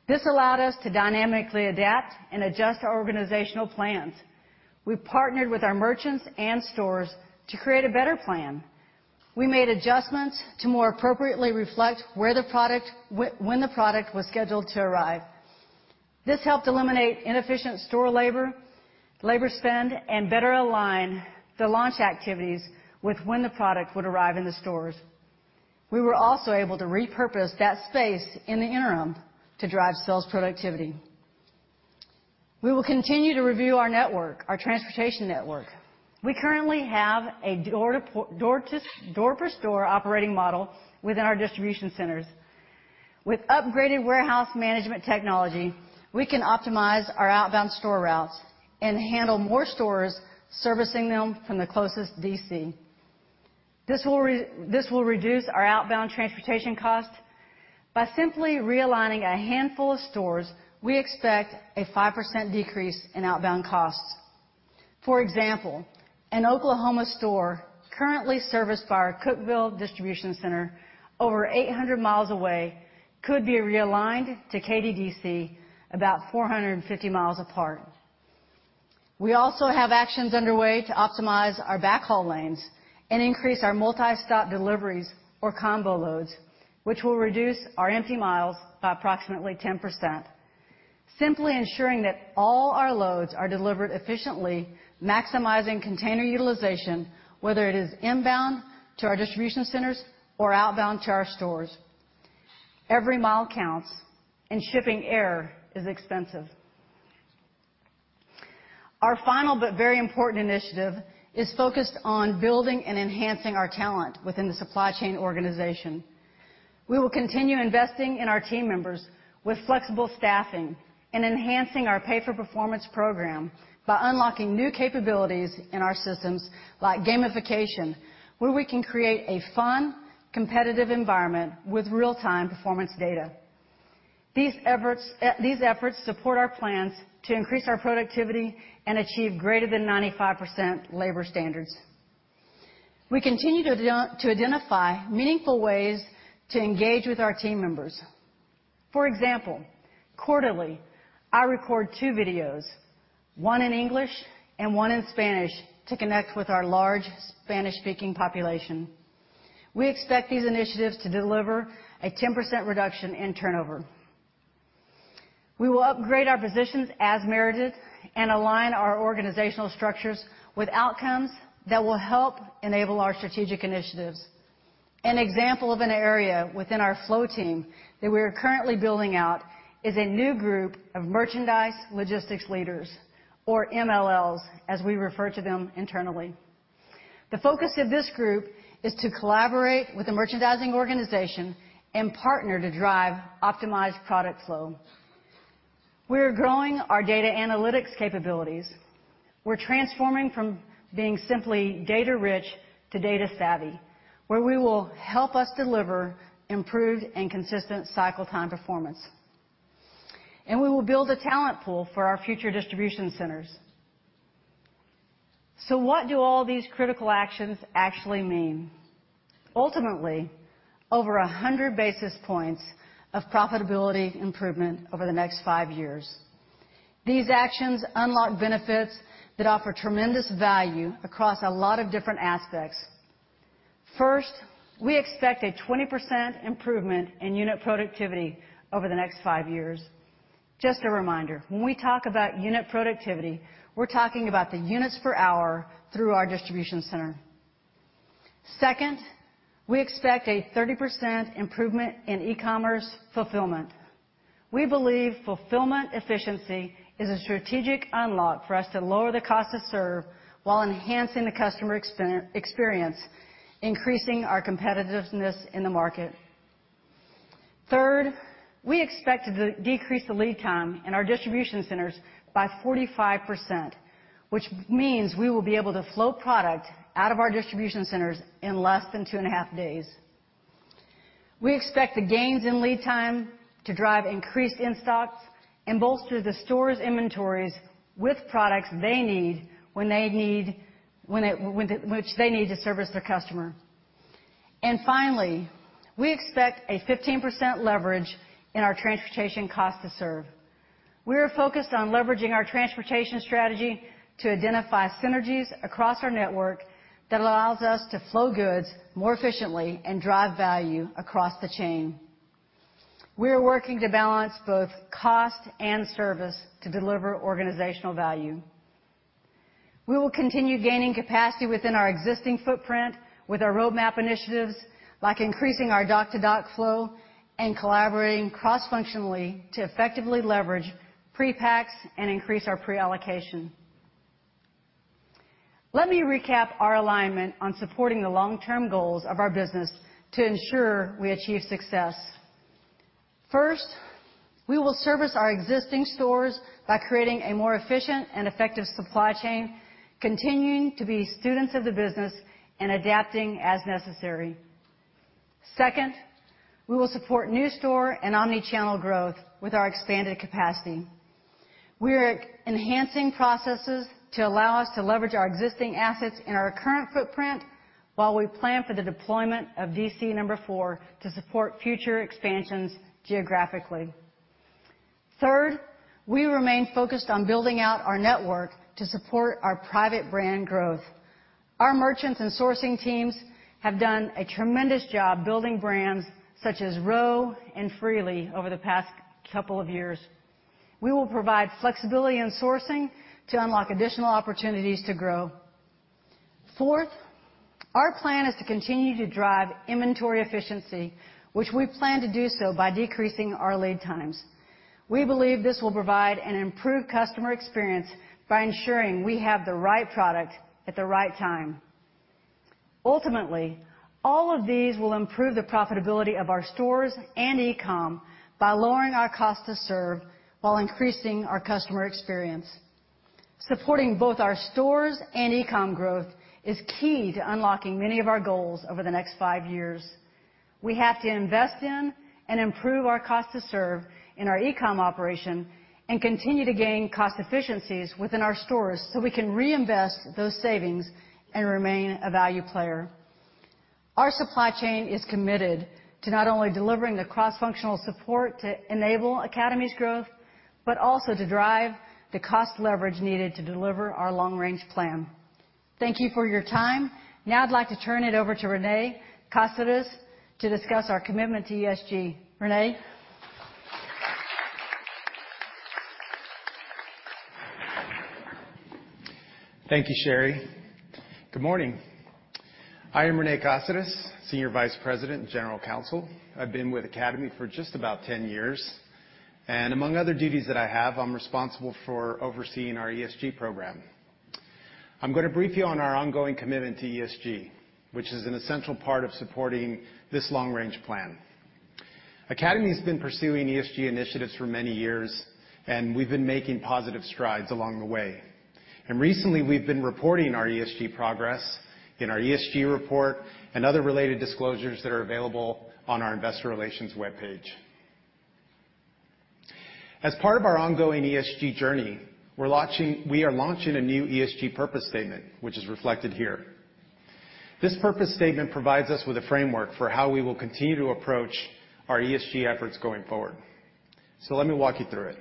This allowed us to dynamically adapt and adjust our organizational plans. We partnered with our merchants and stores to create a better plan. We made adjustments to more appropriately reflect when the product was scheduled to arrive. This helped eliminate inefficient store labor spend, and better align the launch activities with when the product would arrive in the stores. We were also able to repurpose that space in the interim to drive sales productivity. We will continue to review our network, our transportation network. We currently have a door-per-store operating model within our distribution centers. With upgraded warehouse management technology, we can optimize our outbound store routes and handle more stores, servicing them from the closest DC. This will reduce our outbound transportation costs. By simply realigning a handful of stores, we expect a 5% decrease in outbound costs. For example, an Oklahoma store currently serviced by our Cookeville distribution center over 800 miles away could be realigned to KDDC about 450 miles apart. We also have actions underway to optimize our backhaul lanes and increase our multi-stop deliveries or combo loads, which will reduce our empty miles by approximately 10%. Simply ensuring that all our loads are delivered efficiently, maximizing container utilization, whether it is inbound to our distribution centers or outbound to our stores. Every mile counts, shipping air is expensive. Our final very important initiative is focused on building and enhancing our talent within the supply chain organization. We will continue investing in our team members with flexible staffing and enhancing our pay for performance program by unlocking new capabilities in our systems like gamification, where we can create a fun, competitive environment with real-time performance data. These efforts support our plans to increase our productivity and achieve greater than 95% labor standards. We continue to identify meaningful ways to engage with our team members. For example, quarterly, I record two videos, one in English and one in Spanish, to connect with our large Spanish-speaking population. We expect these initiatives to deliver a 10% reduction in turnover. We will upgrade our positions as needed and align our organizational structures with outcomes that will help enable our strategic initiatives. An example of an area within our flow team that we are currently building out is a new group of merchandise logistics leaders, or MLLs, as we refer to them internally. The focus of this group is to collaborate with the merchandising organization and partner to drive optimized product flow. We are growing our data analytics capabilities. We're transforming from being simply data-rich to data-savvy, where we will help us deliver improved and consistent cycle time performance. We will build a talent pool for our future distribution centers. What do all these critical actions actually mean? Ultimately, over 100 basis points of profitability improvement over the next five years. These actions unlock benefits that offer tremendous value across a lot of different aspects. First, we expect a 20% improvement in unit productivity over the next five years. Just a reminder, when we talk about unit productivity, we're talking about the units per hour through our distribution center. Second, we expect a 30% improvement in e-commerce fulfillment. We believe fulfillment efficiency is a strategic unlock for us to lower the cost to serve while enhancing the customer experience, increasing our competitiveness in the market. Third, we expect to decrease the lead time in our distribution centers by 45%, which means we will be able to flow product out of our distribution centers in less than two and a half days. We expect the gains in lead time to drive increased in-stocks and bolster the stores' inventories with products they need when they need which they need to service their customer. Finally, we expect a 15% leverage in our transportation cost to serve. We are focused on leveraging our transportation strategy to identify synergies across our network that allows us to flow goods more efficiently and drive value across the chain. We are working to balance both cost and service to deliver organizational value. We will continue gaining capacity within our existing footprint with our roadmap initiatives, like increasing our dock-to-dock flow and collaborating cross-functionally to effectively leverage pre-packs and increase our pre-allocation. Let me recap our alignment on supporting the long-term goals of our business to ensure we achieve success. First, we will service our existing stores by creating a more efficient and effective supply chain, continuing to be students of the business and adapting as necessary. Second, we will support new store and omnichannel growth with our expanded capacity. We are enhancing processes to allow us to leverage our existing assets in our current footprint while we plan for the deployment of DC number four to support future expansions geographically. Third, we remain focused on building out our network to support our private brand growth. Our merchants and sourcing teams have done a tremendous job building brands such as R.O.W. and Freely over the past couple of years. We will provide flexibility in sourcing to unlock additional opportunities to grow. Fourth, our plan is to continue to drive inventory efficiency, which we plan to do so by decreasing our lead times. We believe this will provide an improved customer experience by ensuring we have the right product at the right time. Ultimately, all of these will improve the profitability of our stores and e-com by lowering our cost to serve while increasing our customer experience. Supporting both our stores and e-com growth is key to unlocking many of our goals over the next five years. We have to invest in and improve our cost to serve in our e-com operation and continue to gain cost efficiencies within our stores so we can reinvest those savings and remain a value player. Our supply chain is committed to not only delivering the cross-functional support to enable Academy's growth, but also to drive the cost leverage needed to deliver our long-range plan. Thank you for your time. Now I'd like to turn it over to Rene Casares to discuss our commitment to ESG. Rene? Thank you, Sherry. Good morning. I am Rene Casares, Senior Vice President and General Counsel. I've been with Academy for just about 10 years, and among other duties that I have, I'm responsible for overseeing our ESG program. I'm gonna brief you on our ongoing commitment to ESG, which is an essential part of supporting this long-range plan. Academy has been pursuing ESG initiatives for many years, and we've been making positive strides along the way. Recently, we've been reporting our ESG progress in our ESG report and other related disclosures that are available on our investor relations webpage. As part of our ongoing ESG journey, we are launching a new ESG purpose statement, which is reflected here. This purpose statement provides us with a framework for how we will continue to approach our ESG efforts going forward. Let me walk you through it.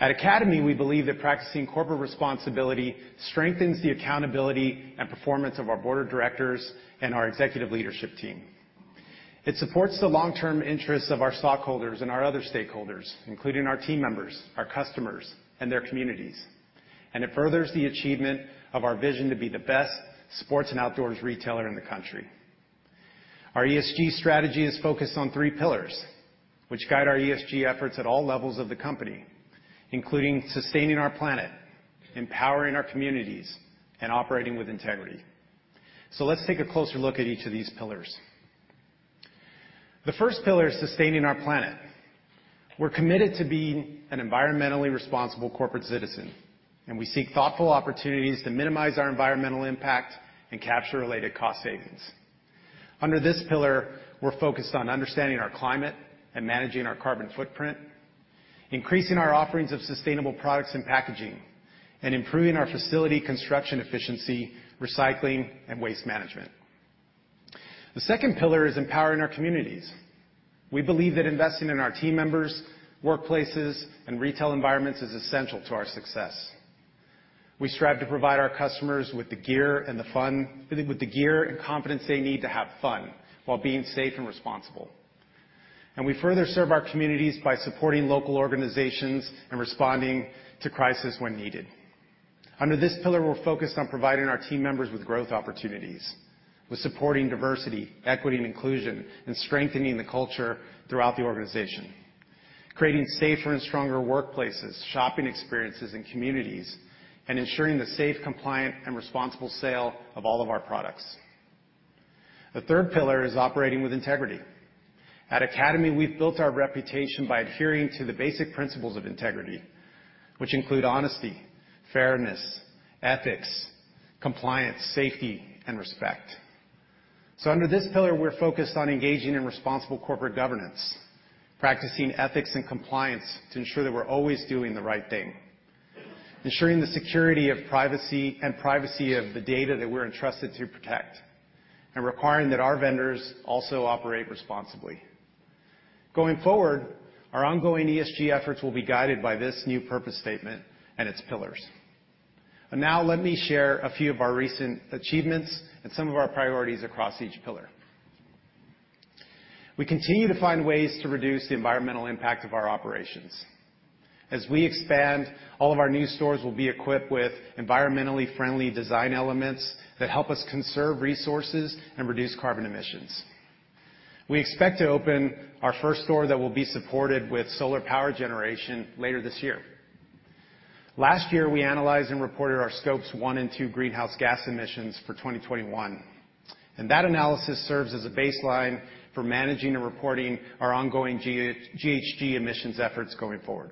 At Academy, we believe that practicing corporate responsibility strengthens the accountability and performance of our board of directors and our executive leadership team. It supports the long-term interests of our stockholders and our other stakeholders, including our team members, our customers, and their communities, and it furthers the achievement of our vision to be the best sports and outdoors retailer in the country. Our ESG strategy is focused on three pillars, which guide our ESG efforts at all levels of the company, including sustaining our planet, empowering our communities, and operating with integrity. Let's take a closer look at each of these pillars. The first pillar is sustaining our planet. We're committed to being an environmentally responsible corporate citizen, and we seek thoughtful opportunities to minimize our environmental impact and capture related cost savings. Under this pillar, we're focused on understanding our climate and managing our carbon footprint, increasing our offerings of sustainable products and packaging, and improving our facility construction efficiency, recycling, and waste management. The second pillar is empowering our communities. We believe that investing in our team members, workplaces, and retail environments is essential to our success. We strive to provide our customers with the gear and confidence they need to have fun while being safe and responsible. We further serve our communities by supporting local organizations and responding to crisis when needed. Under this pillar, we're focused on providing our team members with growth opportunities, with supporting diversity, equity, and inclusion, and strengthening the culture throughout the organization, creating safer and stronger workplaces, shopping experiences, and communities, and ensuring the safe, compliant, and responsible sale of all of our products. The third pillar is operating with integrity. At Academy, we've built our reputation by adhering to the basic principles of integrity, which include honesty, fairness, ethics, compliance, safety, and respect. Under this pillar, we're focused on engaging in responsible corporate governance, practicing ethics and compliance to ensure that we're always doing the right thing, ensuring the security of privacy and privacy of the data that we're entrusted to protect, and requiring that our vendors also operate responsibly. Going forward, our ongoing ESG efforts will be guided by this new purpose statement and its pillars. Now let me share a few of our recent achievements and some of our priorities across each pillar. We continue to find ways to reduce the environmental impact of our operations. As we expand, all of our new stores will be equipped with environmentally friendly design elements that help us conserve resources and reduce carbon emissions. We expect to open our first store that will be supported with solar power generation later this year. Last year, we analyzed and reported our Scope 1 and Scope 2 greenhouse gas emissions for 2021, and that analysis serves as a baseline for managing and reporting our ongoing GHG emissions efforts going forward.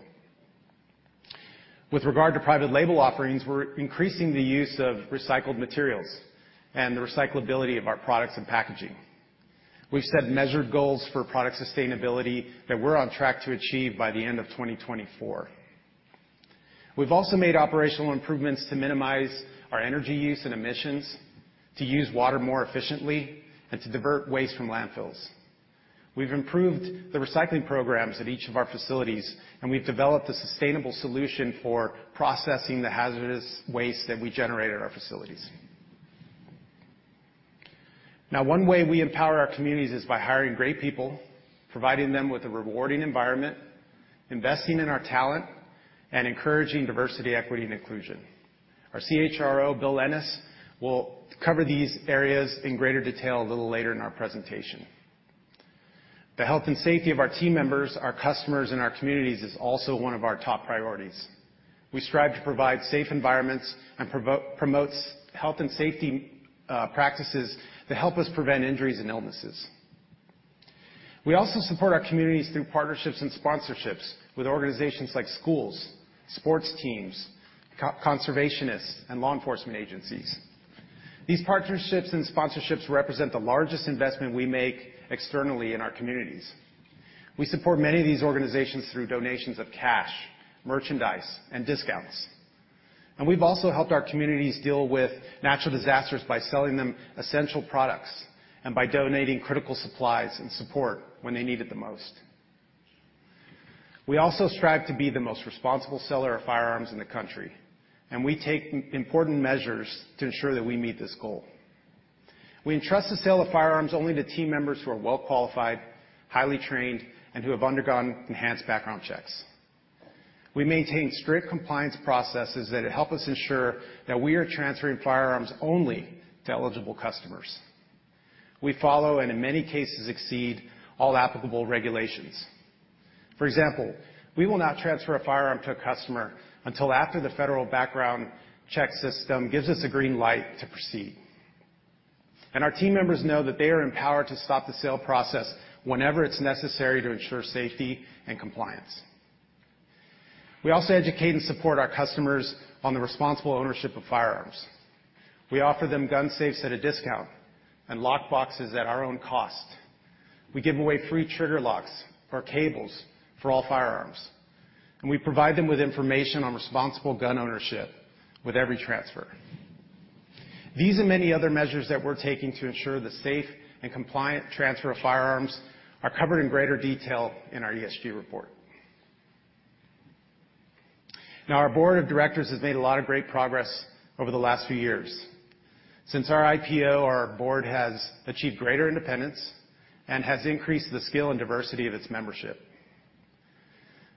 With regard to private label offerings, we're increasing the use of recycled materials and the recyclability of our products and packaging. We've set measured goals for product sustainability that we're on track to achieve by the end of 2024. We've also made operational improvements to minimize our energy use and emissions, to use water more efficiently, and to divert waste from landfills. We've improved the recycling programs at each of our facilities, and we've developed a sustainable solution for processing the hazardous waste that we generate at our facilities. Now, one way we empower our communities is by hiring great people, providing them with a rewarding environment, investing in our talent, and encouraging diversity, equity, and inclusion. Our CHRO, Bill Ennis, will cover these areas in greater detail a little later in our presentation. The health and safety of our team members, our customers, and our communities is also one of our top priorities. We strive to provide safe environments and promotes health and safety practices that help us prevent injuries and illnesses. We also support our communities through partnerships and sponsorships with organizations like schools, sports teams, co-conservationists, and law enforcement agencies. These partnerships and sponsorships represent the largest investment we make externally in our communities. We support many of these organizations through donations of cash, merchandise, and discounts. We've also helped our communities deal with natural disasters by selling them essential products and by donating critical supplies and support when they need it the most. We also strive to be the most responsible seller of firearms in the country, and we take important measures to ensure that we meet this goal. We entrust the sale of firearms only to team members who are well-qualified, highly trained, and who have undergone enhanced background checks. We maintain strict compliance processes that help us ensure that we are transferring firearms only to eligible customers. We follow, and in many cases, exceed all applicable regulations. For example, we will not transfer a firearm to a customer until after the federal background check system gives us a green light to proceed. Our team members know that they are empowered to stop the sale process whenever it's necessary to ensure safety and compliance. We also educate and support our customers on the responsible ownership of firearms. We offer them gun safes at a discount and lock boxes at our own cost. We give away free trigger locks or cables for all firearms, and we provide them with information on responsible gun ownership with every transfer. These and many other measures that we're taking to ensure the safe and compliant transfer of firearms are covered in greater detail in our ESG report. Now, our board of directors has made a lot of great progress over the last few years. Since our IPO, our board has achieved greater independence and has increased the skill and diversity of its membership.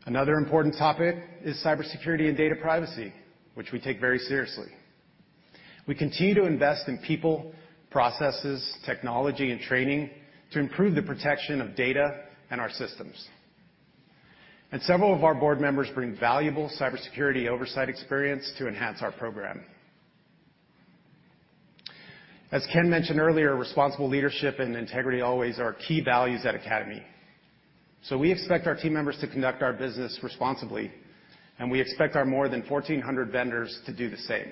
Another important topic is cybersecurity and data privacy, which we take very seriously. We continue to invest in people, processes, technology, and training to improve the protection of data and our systems. Several of our board members bring valuable cybersecurity oversight experience to enhance our program. As Ken mentioned earlier, responsible leadership and integrity always are key values at Academy. We expect our team members to conduct our business responsibly, and we expect our more than 1,400 vendors to do the same.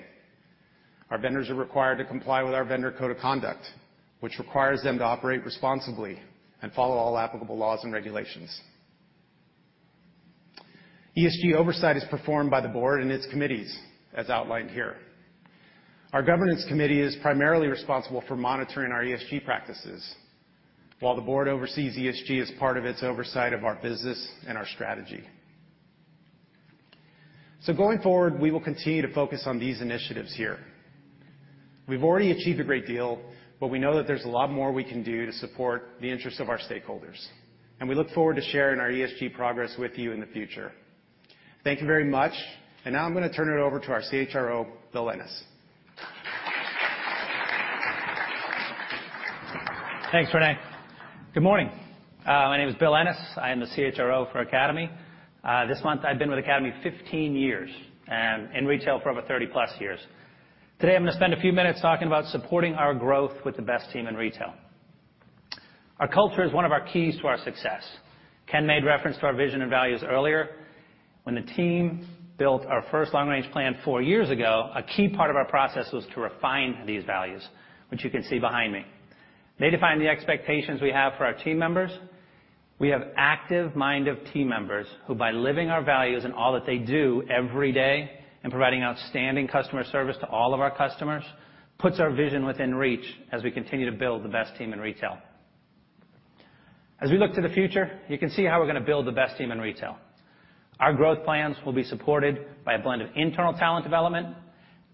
Our vendors are required to comply with our vendor code of conduct, which requires them to operate responsibly and follow all applicable laws and regulations. ESG oversight is performed by the board and its committees, as outlined here. Our governance committee is primarily responsible for monitoring our ESG practices, while the board oversees ESG as part of its oversight of our business and our strategy. Going forward, we will continue to focus on these initiatives here. We've already achieved a great deal, but we know that there's a lot more we can do to support the interests of our stakeholders, and we look forward to sharing our ESG progress with you in the future. Thank you very much. Now I'm gonna turn it over to our CHRO, Bill Ennis. Thanks, Rene. Good morning. My name is Bill Ennis. I am the CHRO for Academy. This month, I've been with Academy 1five years, in retail for over 30-plus years. Today, I'm gonna spend a few minutes talking about supporting our growth with the best team in retail. Our culture is one of our keys to our success. Ken made reference to our vision and values earlier. When the team built our first long-range plan four years ago, a key part of our process was to refine these values, which you can see behind me. They define the expectations we have for our team members. We have active mind of team members who, by living our values in all that they do every day and providing outstanding customer service to all of our customers, puts our vision within reach as we continue to build the best team in retail. As we look to the future, you can see how we're gonna build the best team in retail. Our growth plans will be supported by a blend of internal talent development,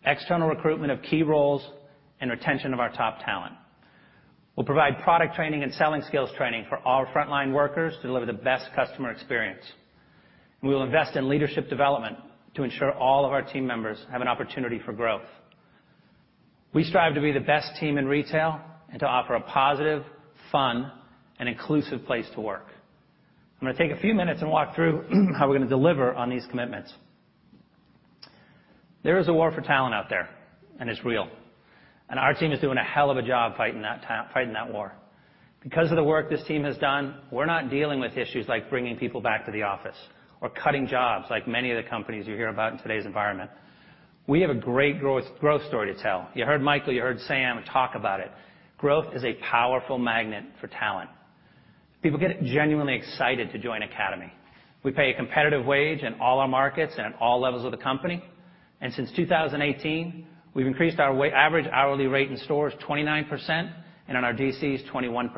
external recruitment of key roles, and retention of our top talent. We'll provide product training and selling skills training for all frontline workers to deliver the best customer experience. We will invest in leadership development to ensure all of our team members have an opportunity for growth. We strive to be the best team in retail and to offer a positive, fun, and inclusive place to work. I'm gonna take a few minutes and walk through how we're gonna deliver on these commitments. There is a war for talent out there, and it's real, and our team is doing a hell of a job fighting that war. Because of the work this team has done, we're not dealing with issues like bringing people back to the office or cutting jobs like many of the companies you hear about in today's environment. We have a great growth story to tell. You heard Michael, you heard Sam talk about it. Growth is a powerful magnet for talent. People get genuinely excited to join Academy. We pay a competitive wage in all our markets and at all levels of the company. Since 2018, we've increased our average hourly rate in stores 29% and in our D.C.s 21%.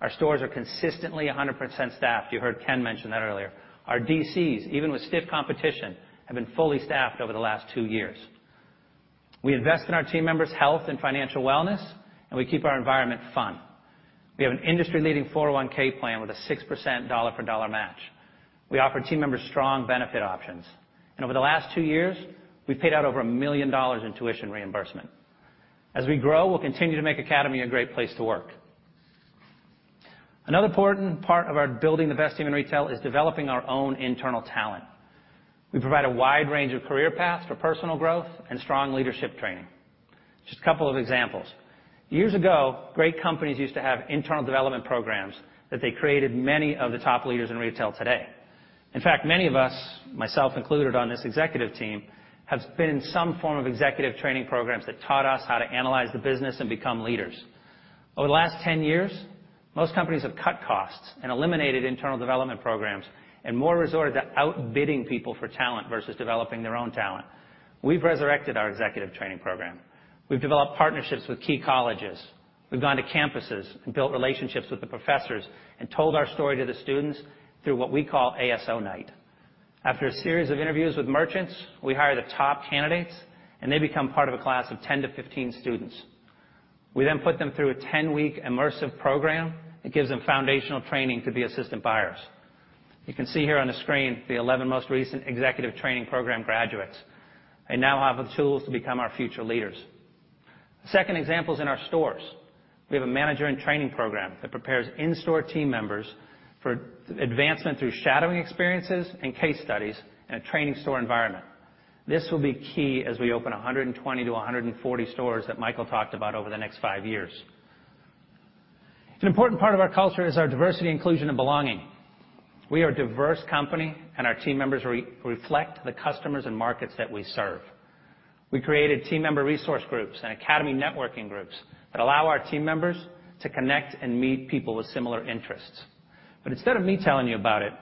Our stores are consistently 100% staffed. You heard Ken mention that earlier. Our D.C.s, even with stiff competition, have been fully staffed over the last two years. We invest in our team members' health and financial wellness. We keep our environment fun. We have an industry-leading 401(k) plan with a 6% dollar-for-dollar match. We offer team members strong benefit options. Over the last two years, we've paid out over $1 million in tuition reimbursement. As we grow, we'll continue to make Academy a great place to work. Another important part of our building the best team in retail is developing our own internal talent. We provide a wide range of career paths for personal growth and strong leadership training. Just a couple of examples. Years ago, great companies used to have internal development programs that they created many of the top leaders in retail today. In fact, many of us, myself included on this executive team, have been in some form of executive training programs that taught us how to analyze the business and become leaders. Over the last 10 years, most companies have cut costs and eliminated internal development programs and more resorted to outbidding people for talent versus developing their own talent. We've resurrected our executive training program. We've developed partnerships with key colleges. We've gone to campuses and built relationships with the professors and told our story to the students through what we call ASO Night. After a series of interviews with merchants, we hire the top candidates, and they become part of a class of 10-15 students. We put them through a 10-week immersive program that gives them foundational training to be assistant buyers. You can see here on the screen the 11 most recent executive training program graduates. They now have the tools to become our future leaders. The second example is in our stores. We have a manager-in-training program that prepares in-store team members for advancement through shadowing experiences and case studies in a training store environment. This will be key as we open 120-140 stores that Michael talked about over the next five years. An important part of our culture is our diversity, inclusion, and belonging. We are a diverse company, and our team members re-reflect the customers and markets that we serve. We created team member resource groups and Academy networking groups that allow our team members to connect and meet people with similar interests. Instead of me telling you about it,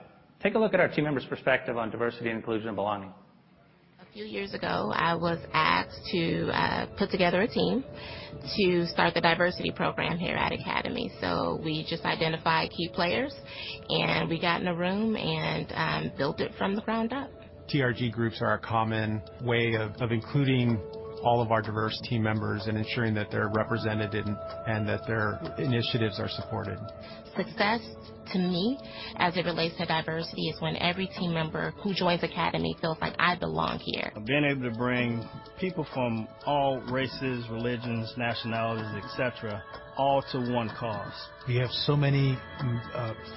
take a look at our team members' perspective on diversity, inclusion, and belonging. A few years ago, I was asked to put together a team to start the diversity program here at Academy. We just identified key players, and we got in a room and built it from the ground up. TRG groups are a common way of including all of our diverse team members and ensuring that they're represented and that their initiatives are supported. Success to me, as it relates to diversity, is when every team member who joins Academy feels like I belong here. Being able to bring people from all races, religions, nationalities, et cetera, all to one cause. We have so many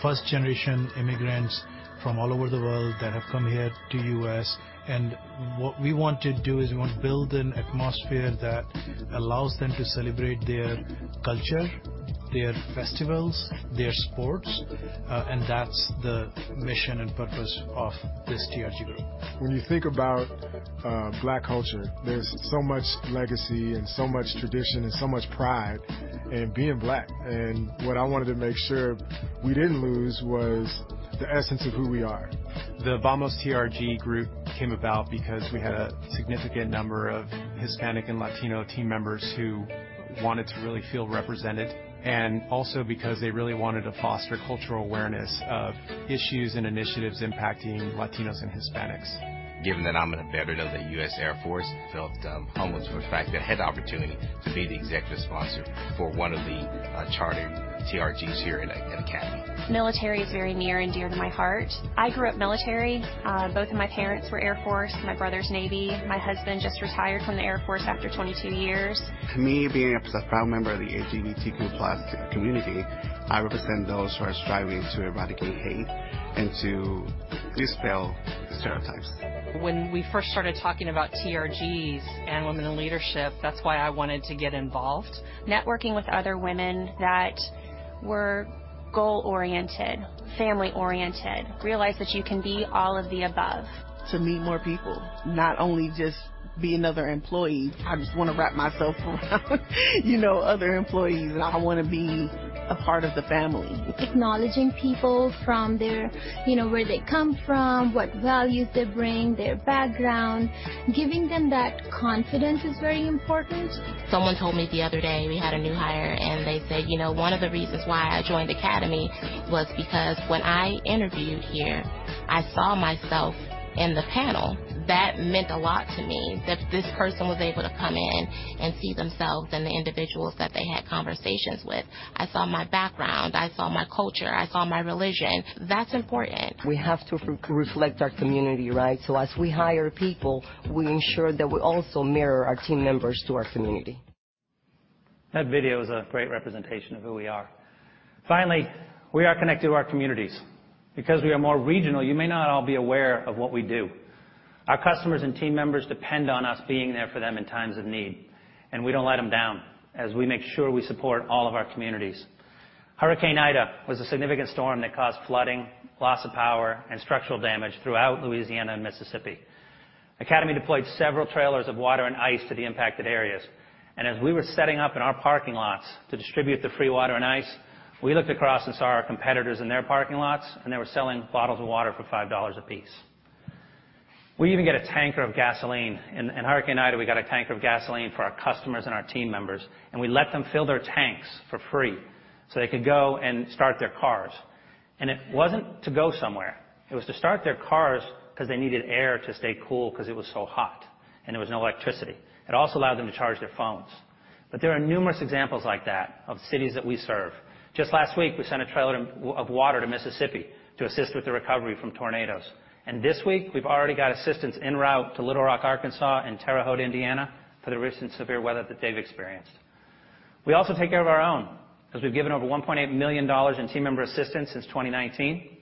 first-generation immigrants from all over the world that have come here to U.S., and what we want to do is we want to build an atmosphere that allows them to celebrate their culture, their festivals, their sports, and that's the mission and purpose of this TRG group. When you think about Black culture, there's so much legacy and so much tradition and so much pride in being Black, and what I wanted to make sure we didn't lose was the essence of who we are. The Vamos TRG group came about because we had a significant number of Hispanic and Latino team members who wanted to really feel represented and also because they really wanted to foster cultural awareness of issues and initiatives impacting Latinos and Hispanics. Given that I'm a veteran of the U.S. Air Force, I felt humbled for the fact that I had the opportunity to be the executive sponsor for one of the charter TRGs here in Academy. Military is very near and dear to my heart. I grew up military. Both of my parents were Air Force. My brother's Navy. My husband just retired from the Air Force after 2two years. To me, being a proud member of the LGBTQ plus community, I represent those who are striving to eradicate hate and to dispel stereotypes. When we first started talking about TRGs and women in leadership, that's why I wanted to get involved. Networking with other women that were goal-oriented, family-oriented, realize that you can be all of the above. To meet more people, not only just be another employee. I just wanna wrap myself around, you know, other employees, and I wanna be a part of the family. Acknowledging people from their, you know, where they come from, what values they bring, their background. Giving them that confidence is very important. Someone told me the other day... We had a new hire, and they said, "You know, one of the reasons why I joined Academy was because when I interviewed here, I saw myself in the panel." That meant a lot to me that this person was able to come in and see themselves in the individuals that they had conversations with. "I saw my background. I saw my culture. I saw my religion." That's important. We have to re-reflect our community, right? As we hire people, we ensure that we also mirror our team members to our community. That video is a great representation of who we are. Finally, we are connected to our communities. Because we are more regional, you may not all be aware of what we do. Our customers and team members depend on us being there for them in times of need, and we don't let them down as we make sure we support all of our communities. Hurricane Ida was a significant storm that caused flooding, loss of power, and structural damage throughout Louisiana and Mississippi. Academy deployed several trailers of water and ice to the impacted areas, as we were setting up in our parking lots to distribute the free water and ice, we looked across and saw our competitors in their parking lots, and they were selling bottles of water for $5 apiece. We even get a tanker of gasoline. In Hurricane Ida, we got a tanker of gasoline for our customers and our team members. We let them fill their tanks for free, so they could go and start their cars. It wasn't to go somewhere. It was to start their cars 'cause they needed air to stay cool 'cause it was so hot, and there was no electricity. It also allowed them to charge their phones. There are numerous examples like that of cities that we serve. Just last week, we sent a trailer of water to Mississippi to assist with the recovery from tornadoes. This week, we've already got assistance en route to Little Rock, Arkansas and Terre Haute, Indiana, for the recent severe weather that they've experienced. We also take care of our own 'cause we've given over $1.8 million in team member assistance since 2019.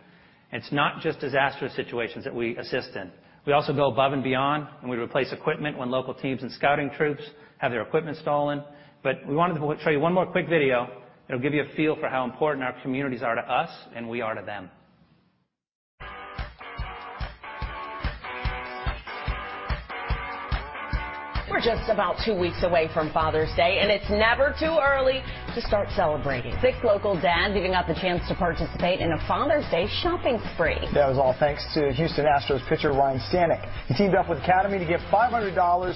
It's not just disastrous situations that we assist in. We also go above and beyond, and we replace equipment when local teams and scouting troops have their equipment stolen. We wanted to show you one more quick video. It'll give you a feel for how important our communities are to us and we are to them. We're just about two weeks away from Father's Day, and it's never too early to start celebrating. Six local dads getting out the chance to participate in a Father's Day shopping spree. That was all thanks to Houston Astros pitcher Ryne Stanek. He teamed up with Academy to give $500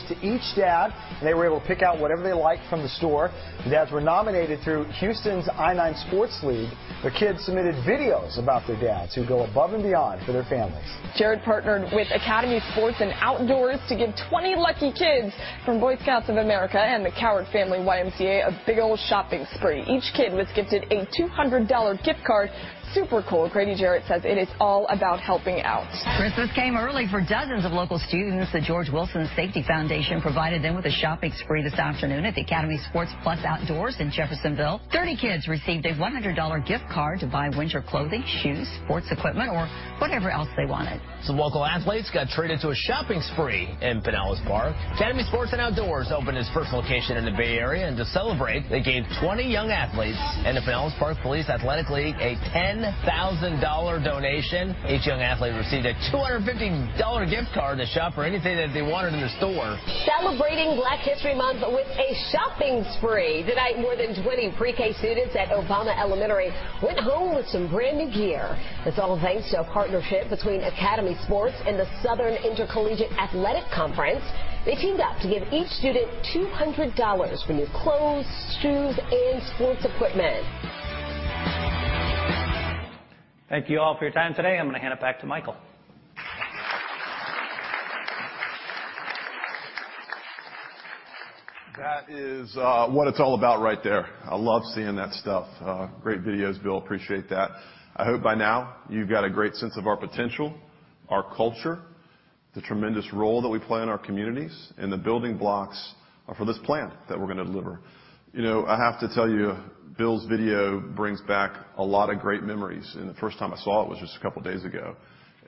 to each dad. They were able to pick out whatever they like from the store. The dads were nominated through Houston's i9 Sports League. Their kids submitted videos about their dads who go above and beyond for their families. Jared partnered with Academy Sports and Outdoors to give 20 lucky kids from Boy Scouts of America and the Cowart Family YMCA a big old shopping spree. Each kid was gifted a $200 gift card. Super cool. Grady Jarrett says it is all about helping out. Christmas came early for dozens of local students. The George Wilson Safety Foundation provided them with a shopping spree this afternoon at the Academy Sports + Outdoors in Jeffersonville. 30 kids received a $100 gift card to buy winter clothing, shoes, sports equipment, or whatever else they wanted. Some local athletes got treated to a shopping spree in Pinellas Park. Academy Sports and Outdoors opened its first location in the Bay Area, and to celebrate, they gave 20 young athletes in the Pinellas Park Police Athletic League a $10,000 donation. Each young athlete received a $250 gift card to shop for anything that they wanted in the store. Celebrating Black History Month with a shopping spree. Tonight, more than 20 pre-K students at Obama Elementary went home with some brand-new gear. It's all thanks to a partnership between Academy Sports and the Southern Intercollegiate Athletic Conference. They teamed up to give each student $200 for new clothes, shoes, and sports equipment. Thank you all for your time today. I'm gonna hand it back to Michael. That is what it's all about right there. I love seeing that stuff. Great videos, Bill. Appreciate that. I hope by now you've got a great sense of our potential, our culture, the tremendous role that we play in our communities, and the building blocks for this plan that we're gonna deliver. You know, I have to tell you, Bill's video brings back a lot of great memories, and the first time I saw it was just a couple days ago.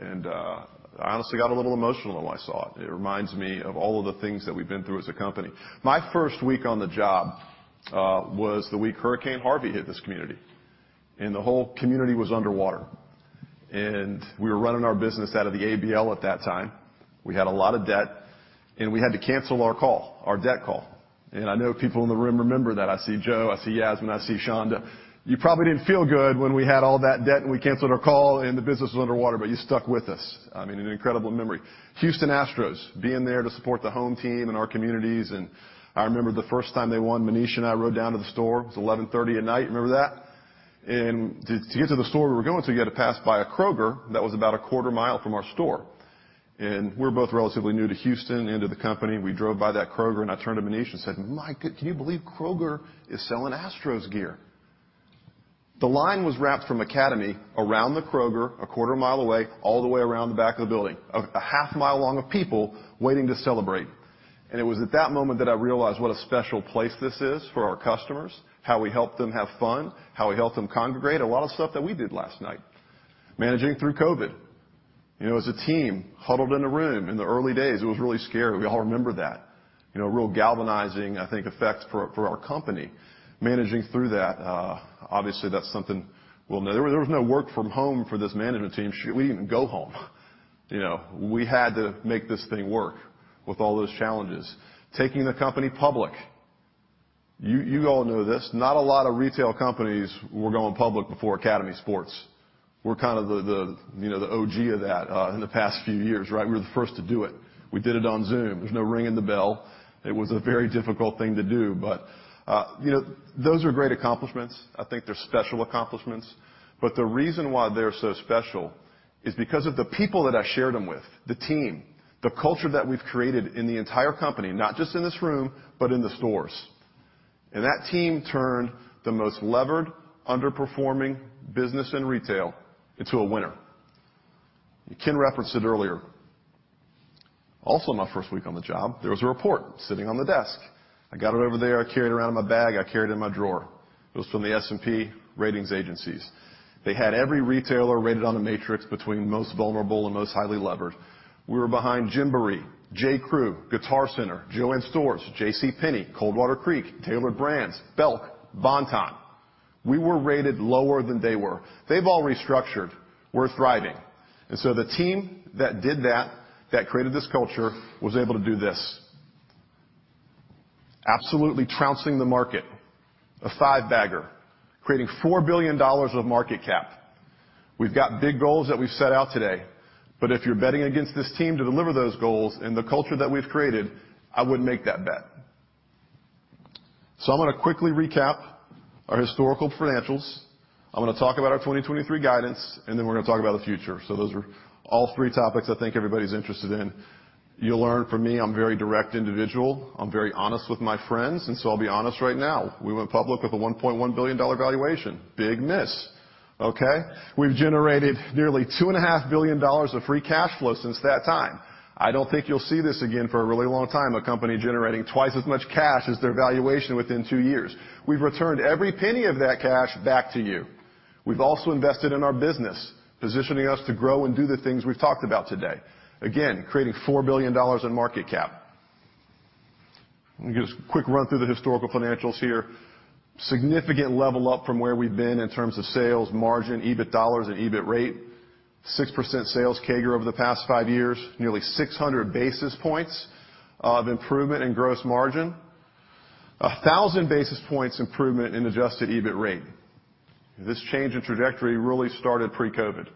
I honestly got a little emotional when I saw it. It reminds me of all of the things that we've been through as a company. My first week on the job was the week Hurricane Harvey hit this community, and the whole community was underwater. We were running our business out of the ABL at that time. We had a lot of debt, we had to cancel our call, our debt call. I know people in the room remember that. I see Joe, I see Yasmin, I see Shonda. You probably didn't feel good when we had all that debt and we canceled our call and the business was underwater, you stuck with us. I mean, an incredible memory. Houston Astros, being there to support the home team and our communities, I remember the first time they won, Manish and I rode down to the store. It was 11:30 P.M. Remember that? To get to the store we were going to, you had to pass by a Kroger that was about a quarter mile from our store. We're both relatively new to Houston, into the company. We drove by that Kroger, I turned to Manish and said, "Can you believe Kroger is selling Astros gear?" The line was wrapped from Academy around the Kroger, a quarter mile away, all the way around the back of the building. A half mile long of people waiting to celebrate. It was at that moment that I realized what a special place this is for our customers, how we help them have fun, how we help them congregate, a lot of stuff that we did last night. Managing through COVID. You know, as a team huddled in a room in the early days, it was really scary. We all remember that. You know, a real galvanizing, I think, effect for our company, managing through that. Obviously, that's something we'll never. There was no work from home for this management team. Shit, we didn't even go home. You know, we had to make this thing work with all those challenges. Taking the company public. You, you all know this. Not a lot of retail companies were going public before Academy Sports. We're kind of the, you know, the OG of that in the past few years, right? We were the first to do it. We did it on Zoom. There's no ringing the bell. It was a very difficult thing to do. You know, those are great accomplishments. I think they're special accomplishments. The reason why they're so special is because of the people that I shared them with, the team, the culture that we've created in the entire company, not just in this room, but in the stores. That team turned the most levered, underperforming business and retail into a winner. Ken referenced it earlier. Also my first week on the job, there was a report sitting on the desk. I got it over there, I carried around in my bag, I carried it in my drawer. It was from the S&P ratings agencies. They had every retailer rated on a matrix between most vulnerable and most highly levered. We were behind Gymboree, J.Crew, Guitar Center, Jo-Ann Stores, JCPenney, Coldwater Creek, Tailored Brands, Belk, Bon-Ton. We were rated lower than they were. They've all restructured. We're thriving. The team that did that created this culture, was able to do this. Absolutely trouncing the market, a five-bagger, creating $4 billion of market cap. We've got big goals that we've set out today, but if you're betting against this team to deliver those goals and the culture that we've created, I wouldn't make that bet. I'm gonna quickly recap our historical financials. I'm gonna talk about our 2023 guidance, and then we're gonna talk about the future. Those are all three topics I think everybody's interested in. You'll learn from me, I'm very direct individual. I'm very honest with my friends, I'll be honest right now. We went public with a $1.1 billion valuation. Big miss. Okay? We've generated nearly $2.5 billion of free cash flow since that time. I don't think you'll see this again for a really long time, a company generating twice as much cash as their valuation within two years. We've returned every penny of that cash back to you. We've also invested in our business, positioning us to grow and do the things we've talked about today. Again, creating $4 billion in market cap. Let me give us a quick run through the historical financials here. Significant level up from where we've been in terms of sales, margin, EBIT dollars, and EBIT rate. 6% sales CAGR over the past five years. Nearly 600 basis points of improvement in gross margin. 1,000 basis points improvement in adjusted EBIT rate. This change in trajectory really started pre-COVID.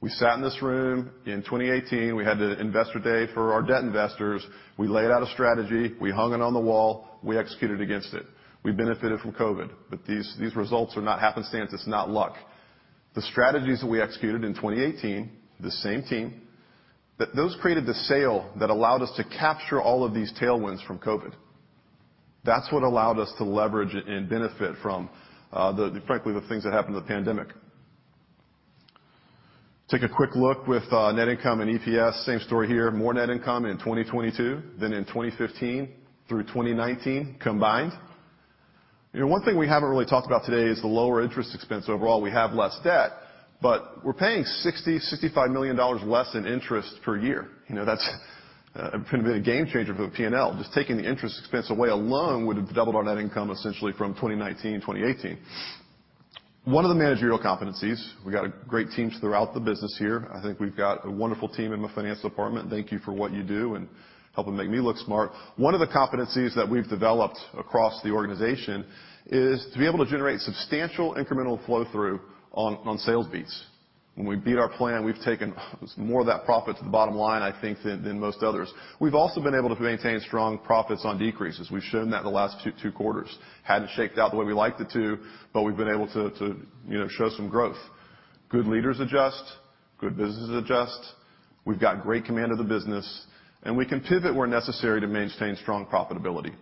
We sat in this room in 2018. We had the investor day for our debt investors. We laid out a strategy. We hung it on the wall. We executed against it. We benefited from COVID, but these results are not happenstance. It's not luck. The strategies that we executed in 2018, the same team, those created the sale that allowed us to capture all of these tailwinds from COVID. That's what allowed us to leverage and benefit from the, frankly, the things that happened in the pandemic. Take a quick look with net income and EPS. Same story here. More net income in 2022 than in 2015 through 2019 combined. You know, one thing we haven't really talked about today is the lower interest expense overall. We have less debt, but we're paying $60 million-$65 million less in interest per year. You know, that's been a bit a game changer for the P&L. Just taking the interest expense away alone would have doubled our net income essentially from 2019, 2018. One of the managerial competencies, we got great teams throughout the business here. I think we've got a wonderful team in the finance department. Thank you for what you do and helping make me look smart. One of the competencies that we've developed across the organization is to be able to generate substantial incremental flow-through on sales beats. When we beat our plan, we've taken more of that profit to the bottom line, I think, than most others. We've also been able to maintain strong profits on decreases. We've shown that in the last two quarters. Hadn't shaked out the way we liked it to, but we've been able to, you know, show some growth. Good leaders adjust. Good businesses adjust. We've got great command of the business, and we can pivot where necessary to maintain strong profitability.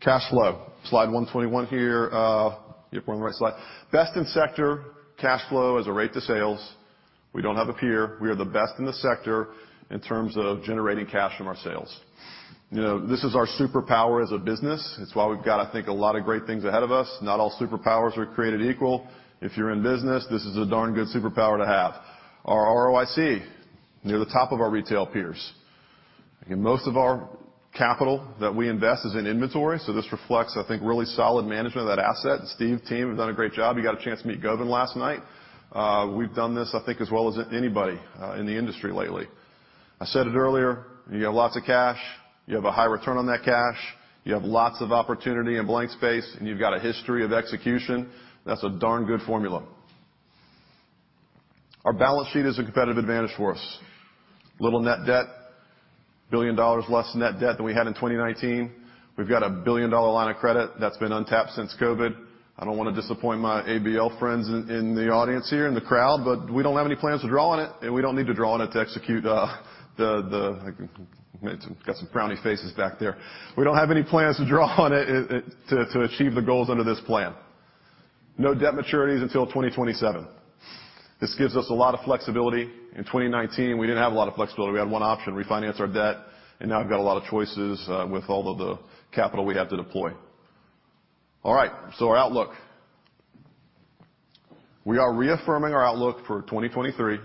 Cash flow, slide 121 here. Yep, we're on the right slide. Best in sector cash flow as a rate to sales. We don't have a peer. We are the best in the sector in terms of generating cash from our sales. You know, this is our superpower as a business. It's why we've got, I think, a lot of great things ahead of us. Not all superpowers are created equal. If you're in business, this is a darn good superpower to have. Our ROIC, near the top of our retail peers. Most of our capital that we invest is in inventory, so this reflects, I think, really solid management of that asset. Steve, team, have done a great job. You got a chance to meet Govind last night. We've done this, I think, as well as anybody in the industry lately. I said it earlier, you have lots of cash, you have a high return on that cash, you have lots of opportunity and blank space, and you've got a history of execution. That's a darn good formula. Our balance sheet is a competitive advantage for us. Little net debt, $1 billion less net debt than we had in 2019. We've got a billion-dollar line of credit that's been untapped since COVID. I don't wanna disappoint my ABL friends in the audience here, in the crowd, but we don't have any plans to draw on it, and we don't need to draw on it to execute. I got some frowny faces back there. We don't have any plans to draw on it, to achieve the goals under this plan. No debt maturities until 2027. This gives us a lot of flexibility. In 2019, we didn't have a lot of flexibility. We had one option, refinance our debt, and now we've got a lot of choices with all of the capital we have to deploy. All right, our outlook. We are reaffirming our outlook for 2023.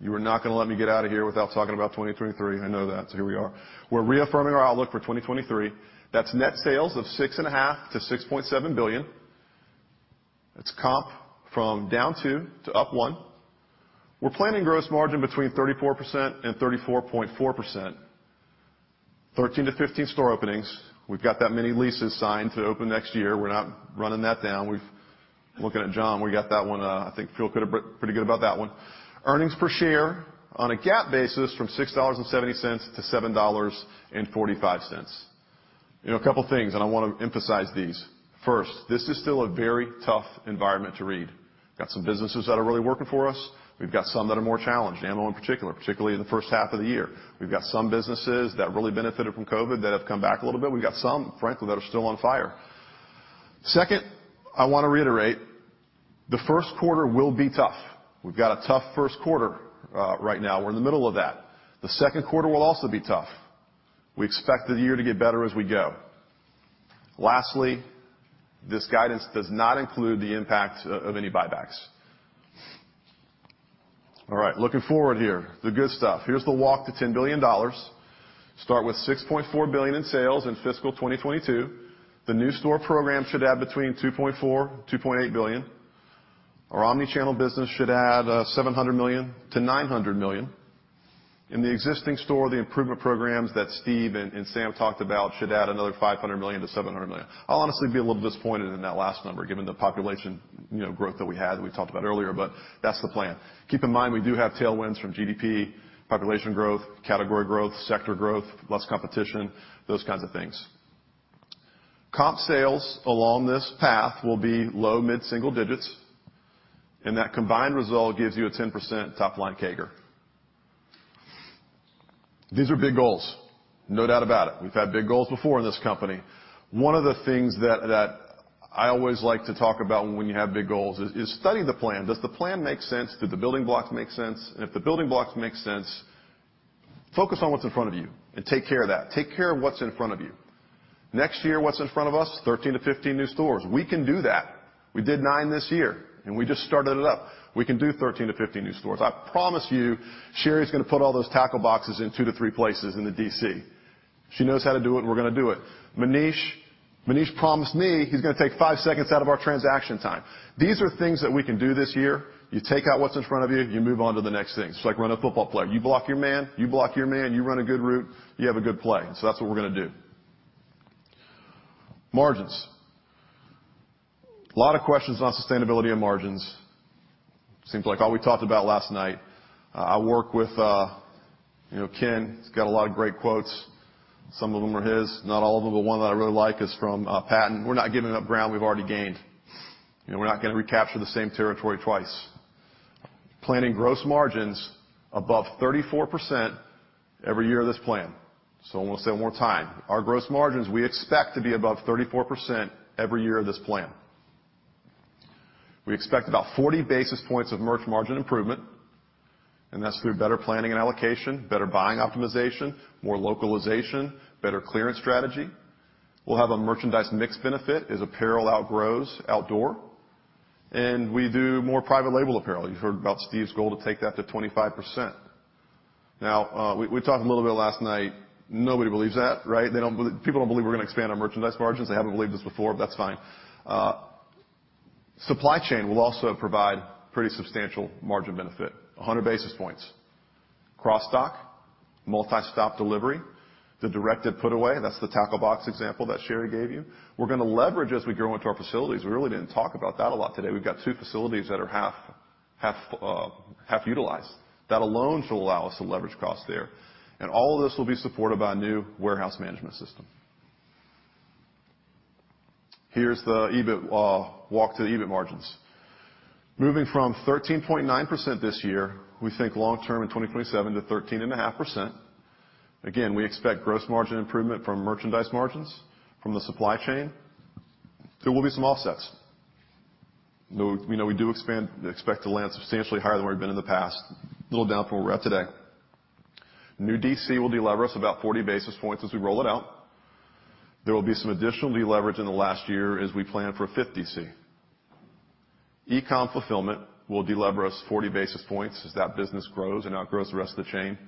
You are not gonna let me get out of here without talking about 2023. I know that, here we are. We're reaffirming our outlook for 2023. That's net sales of six and a half to $6.7 billion. That's comp from -2% to +1%. We're planning gross margin between 34% and 34.4%. 13-15 store openings. We've got that many leases signed to open next year. We're not running that down. Looking at John, we got that one, I think feel pretty good about that one. Earnings per share on a GAAP basis from $6.70 to $7.45. You know, a couple things, and I wanna emphasize these. First, this is still a very tough environment to read. Got some businesses that are really working for us. We've got some that are more challenged, ammo in particular, particularly in the first half of the year. We've got some businesses that really benefited from COVID that have come back a little bit. We've got some, frankly, that are still on fire. Second, I want to reiterate, the first quarter will be tough. We've got a tough first quarter right now. We're in the middle of that. The second quarter will also be tough. We expect the year to get better as we go. Lastly, this guidance does not include the impact of any buybacks. All right, looking forward here, the good stuff. Here's the walk to $10 billion. Start with $6.4 billion in sales in fiscal 2022. The new store program should add between $2.4 billion-$2.8 billion. Our omnichannel business should add $700 million-$900 million. In the existing store, the improvement programs that Steve and Sam talked about should add another $500 million-$700 million. I'll honestly be a little disappointed in that last number, given the population, you know, growth that we had, we talked about earlier. That's the plan. Keep in mind, we do have tailwinds from GDP, population growth, category growth, sector growth, less competition, those kinds of things. Comp sales along this path will be low mid-single digits. That combined result gives you a 10% top-line CAGR. These are big goals, no doubt about it. We've had big goals before in this company. One of the things that I always like to talk about when you have big goals is study the plan. Does the plan make sense? Do the building blocks make sense? If the building blocks make sense, focus on what's in front of you and take care of that. Take care of what's in front of you. Next year, what's in front of us? 13-15 new stores. We can do that. We did nine this year, and we just started it up. We can do 13-15 new stores. I promise you, Sherry's gonna put all those tackle boxes in two-three places in the DC. She knows how to do it, and we're gonna do it. Manish promised me he's gonna take five seconds out of our transaction time. These are things that we can do this year. You take out what's in front of you move on to the next thing. It's like running a football play. You block your man, you block your man, you run a good route, you have a good play. That's what we're gonna do. Margins. Lot of questions on sustainability and margins. Seems like all we talked about last night. I work with, you know, Ken. He's got a lot of great quotes. Some of them are his. Not all of them, but one that I really like is from Patton. We're not giving up ground we've already gained, and we're not gonna recapture the same territory twice. Planning gross margins above 34% every year of this plan. I'm gonna say it one more time. Our gross margins, we expect to be above 34% every year of this plan. We expect about 40 basis points of merch margin improvement, and that's through better planning and allocation, better buying optimization, more localization, better clearance strategy. We'll have a merchandise mix benefit as apparel outgrows outdoor. We do more private label apparel. You've heard about Steve Lawrence's goal to take that to 25%. Now, we talked a little bit last night. Nobody believes that, right? People don't believe we're gonna expand our merchandise margins. They haven't believed this before. That's fine. Supply chain will also provide pretty substantial margin benefit, 100 basis points. cross-dock, multi-stop delivery, the directed put away, that's the tackle box example that Sherry Harriman gave you. We're gonna leverage as we grow into our facilities. We really didn't talk about that a lot today. We've got two facilities that are half utilized. That alone should allow us to leverage costs there. All of this will be supported by a new warehouse management system. Here's the EBIT walk to the EBIT margins. Moving from 13.9% this year, we think long-term in 2027 to 13.5%. We expect gross margin improvement from merchandise margins from the supply chain. There will be some offsets. You know, we do expect to land substantially higher than we've been in the past, little down from where we're at today. New DC will delever us about 40 basis points as we roll it out. There will be some additional deleverage in the last year as we plan for fifth DC. E-com fulfillment will delever us 40 basis points as that business grows and outgrows the rest of the chain.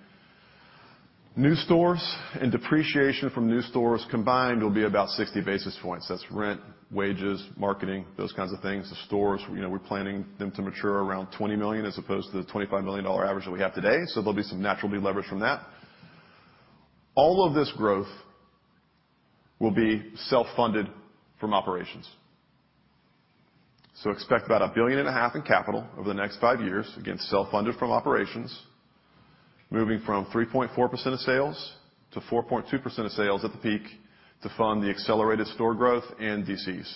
New stores and depreciation from new stores combined will be about 60 basis points. That's rent, wages, marketing, those kinds of things. The stores, you know, we're planning them to mature around 20 million as opposed to the $25 million average that we have today. Expect about $1.5 billion in capital over the next five years, again, self-funded from operations, moving from 3.4% of sales to 4.2% of sales at the peak to fund the accelerated store growth and DCs.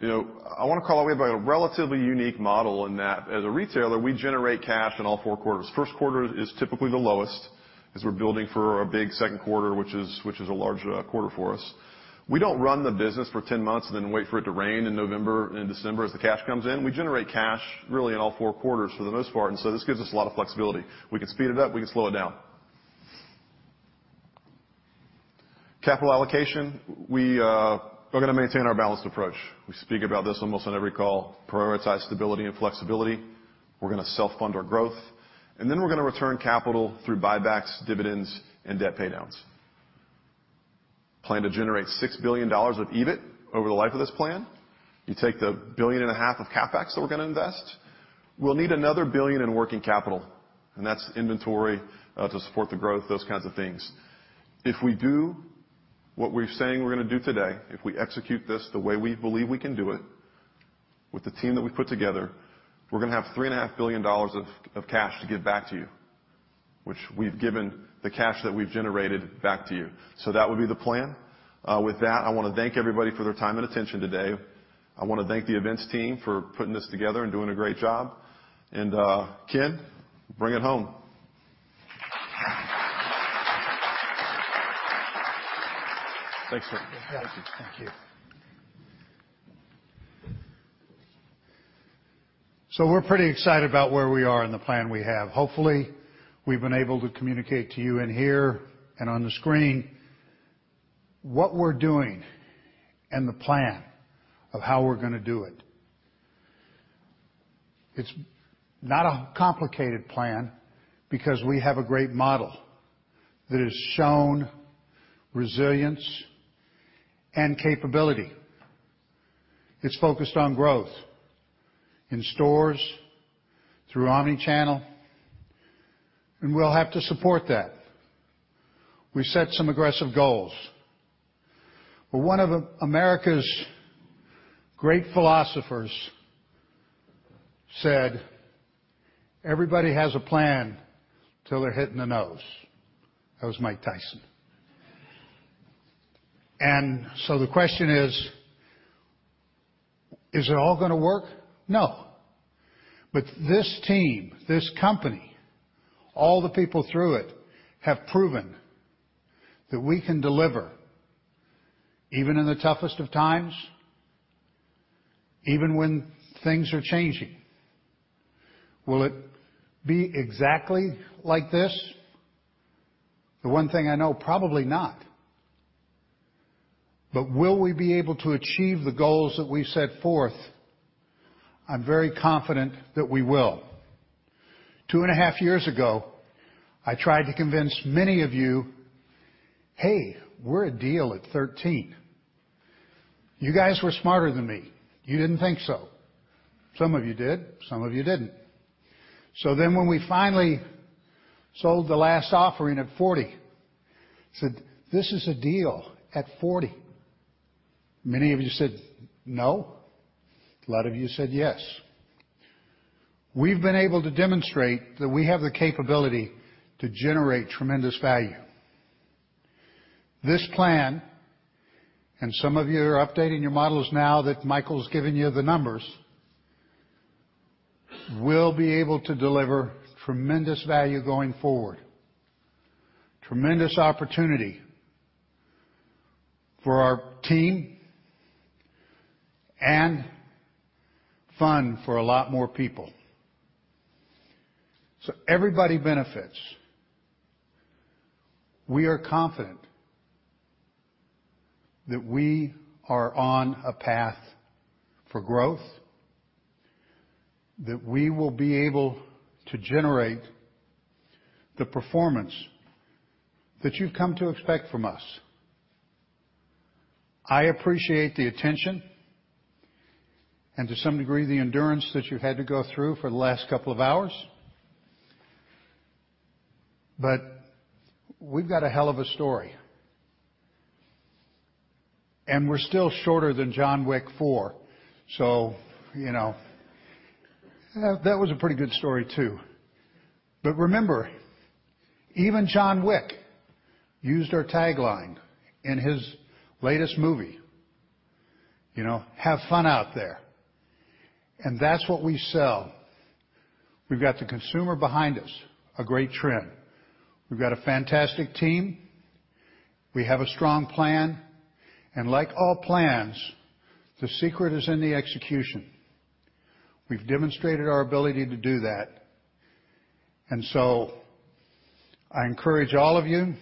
You know, I wanna call it, we have a relatively unique model in that as a retailer, we generate cash in all four quarters. First quarter is typically the lowest as we're building for a big second quarter, which is a large quarter for us. We don't run the business for 10 months and then wait for it to rain in November and December as the cash comes in. We generate cash really in all four quarters for the most part. This gives us a lot of flexibility. We can speed it up, we can slow it down. Capital allocation, we are gonna maintain our balanced approach. We speak about this almost on every call, prioritize stability and flexibility. We're gonna self-fund our growth, and then we're gonna return capital through buybacks, dividends, and debt paydowns. Plan to generate $6 billion of EBIT over the life of this plan. You take the $ billion and a half of CapEx that we're gonna invest. We'll need another $1 billion in working capital, and that's inventory to support the growth, those kinds of things. If we do what we're saying we're gonna do today, if we execute this the way we believe we can do it with the team that we put together, we're gonna have three and a half billion dollars of cash to give back to you. Which we've given the cash that we've generated back to you. That would be the plan. With that, I wanna thank everybody for their time and attention today. I wanna thank the events team for putting this together and doing a great job. Ken, bring it home. Thanks, Ken. Thank you. Thank you. We're pretty excited about where we are and the plan we have. Hopefully, we've been able to communicate to you in here and on the screen what we're doing and the plan of how we're gonna do it. It's not a complicated plan because we have a great model that has shown resilience and capability. It's focused on growth in stores, through omni-channel, and we'll have to support that. We set some aggressive goals. One of America's great philosophers said, "Everybody has a plan till they're hit in the nose." That was Mike Tyson. The question is it all gonna work? No. This team, this company, all the people through it have proven that we can deliver even in the toughest of times, even when things are changing. Will it be exactly like this? The one thing I know, probably not. Will we be able to achieve the goals that we set forth? I'm very confident that we will. Two and a half years ago, I tried to convince many of you, "Hey, we're a deal at 13." You guys were smarter than me. You didn't think so. Some of you did, some of you didn't. When we finally sold the last offering at 40, said, "This is a deal at 40." Many of you said no, a lot of you said yes. We've been able to demonstrate that we have the capability to generate tremendous value. This plan, and some of you are updating your models now that Michael's given you the numbers, will be able to deliver tremendous value going forward. Tremendous opportunity for our team and fun for a lot more people. Everybody benefits. We are confident that we are on a path for growth, that we will be able to generate the performance that you've come to expect from us. I appreciate the attention and to some degree, the endurance that you've had to go through for the last couple of hours. We've got a hell of a story. We're still shorter than John Wick 4, so you know. That was a pretty good story too. Remember, even John Wick used our tagline in his latest movie, you know, "Have fun out there." That's what we sell. We've got the consumer behind us, a great trend. We've got a fantastic team. We have a strong plan. Like all plans, the secret is in the execution. We've demonstrated our ability to do that. I encourage all of you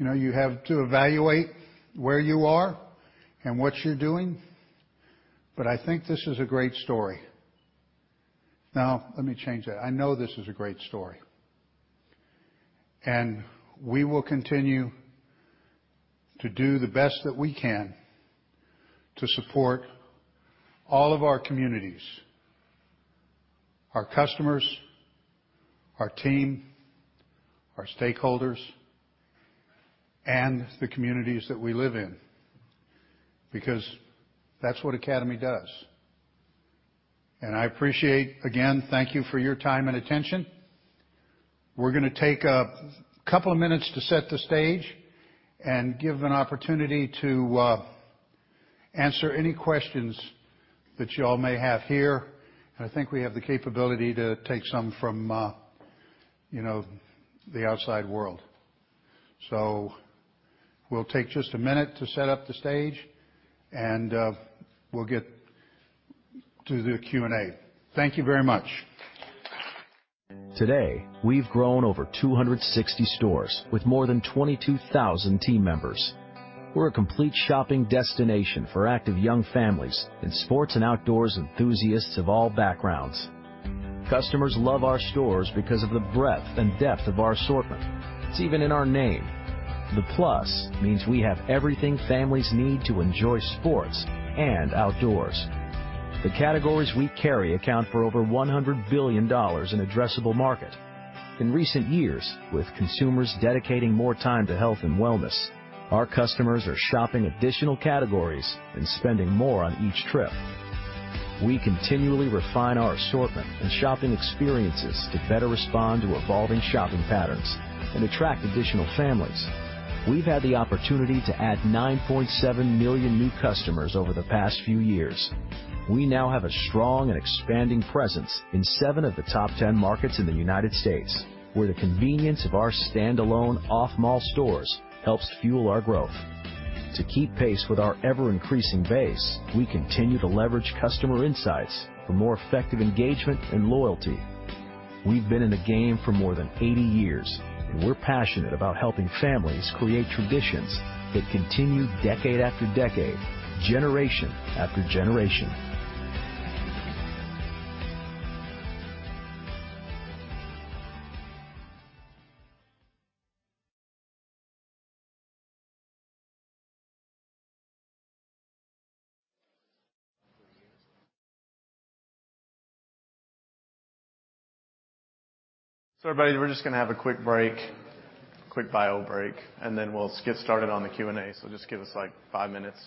know, you have to evaluate where you are and what you're doing, but I think this is a great story. Now, let me change that. I know this is a great story. We will continue to do the best that we can to support all of our communities, our customers, our team, our stakeholders, and the communities that we live in, because that's what Academy does. I appreciate. Again, thank you for your time and attention. We're gonna take a couple of minutes to set the stage and give an opportunity to answer any questions that you all may have here. I think we have the capability to take some from, you know, the outside world. We'll take just a minute to set up the stage, and we'll get to the Q&A. Thank you very much. Today, we've grown over 260 stores with more than 22,000 team members. We're a complete shopping destination for active young families and sports and outdoors enthusiasts of all backgrounds. Customers love our stores because of the breadth and depth of our assortment. It's even in our name. The Plus means we have everything families need to enjoy sports and outdoors. The categories we carry account for over $100 billion in addressable market. In recent years, with consumers dedicating more time to health and wellness, our customers are shopping additional categories and spending more on each trip. We continually refine our assortment and shopping experiences to better respond to evolving shopping patterns and attract additional families. We've had the opportunity to add 9.7 million new customers over the past few years. We now have a strong and expanding presence in seven of the top 10 markets in the United States, where the convenience of our standalone off-mall stores helps fuel our growth. To keep pace with our ever-increasing base, we continue to leverage customer insights for more effective engagement and loyalty. We've been in the game for more than 80 years, and we're passionate about helping families create traditions that continue decade after decade, generation after generation. Everybody, we're just gonna have a quick break, a quick bio break, and then we'll get started on the Q&A. Just give us, like, five minutes.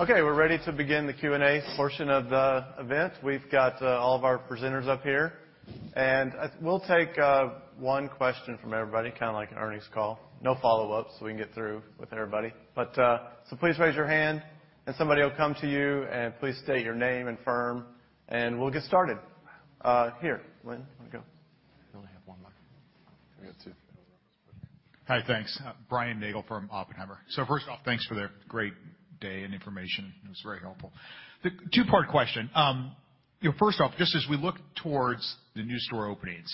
Ready? You ready? Okay, we're ready to begin the Q&A portion of the event. We've got all of our presenters up here. We'll take one question from everybody, kind of like an earnings call. No follow-ups. We can get through with everybody. Please raise your hand and somebody will come to you, and please state your name and firm, and we'll get started. Here, Lynn, wanna go? We only have one mic. We got two. Hi, thanks. Brian Nagel from Oppenheimer. First off, thanks for the great day and information. It was very helpful. The two-part question. you know, first off, just as we look towards the new store openings,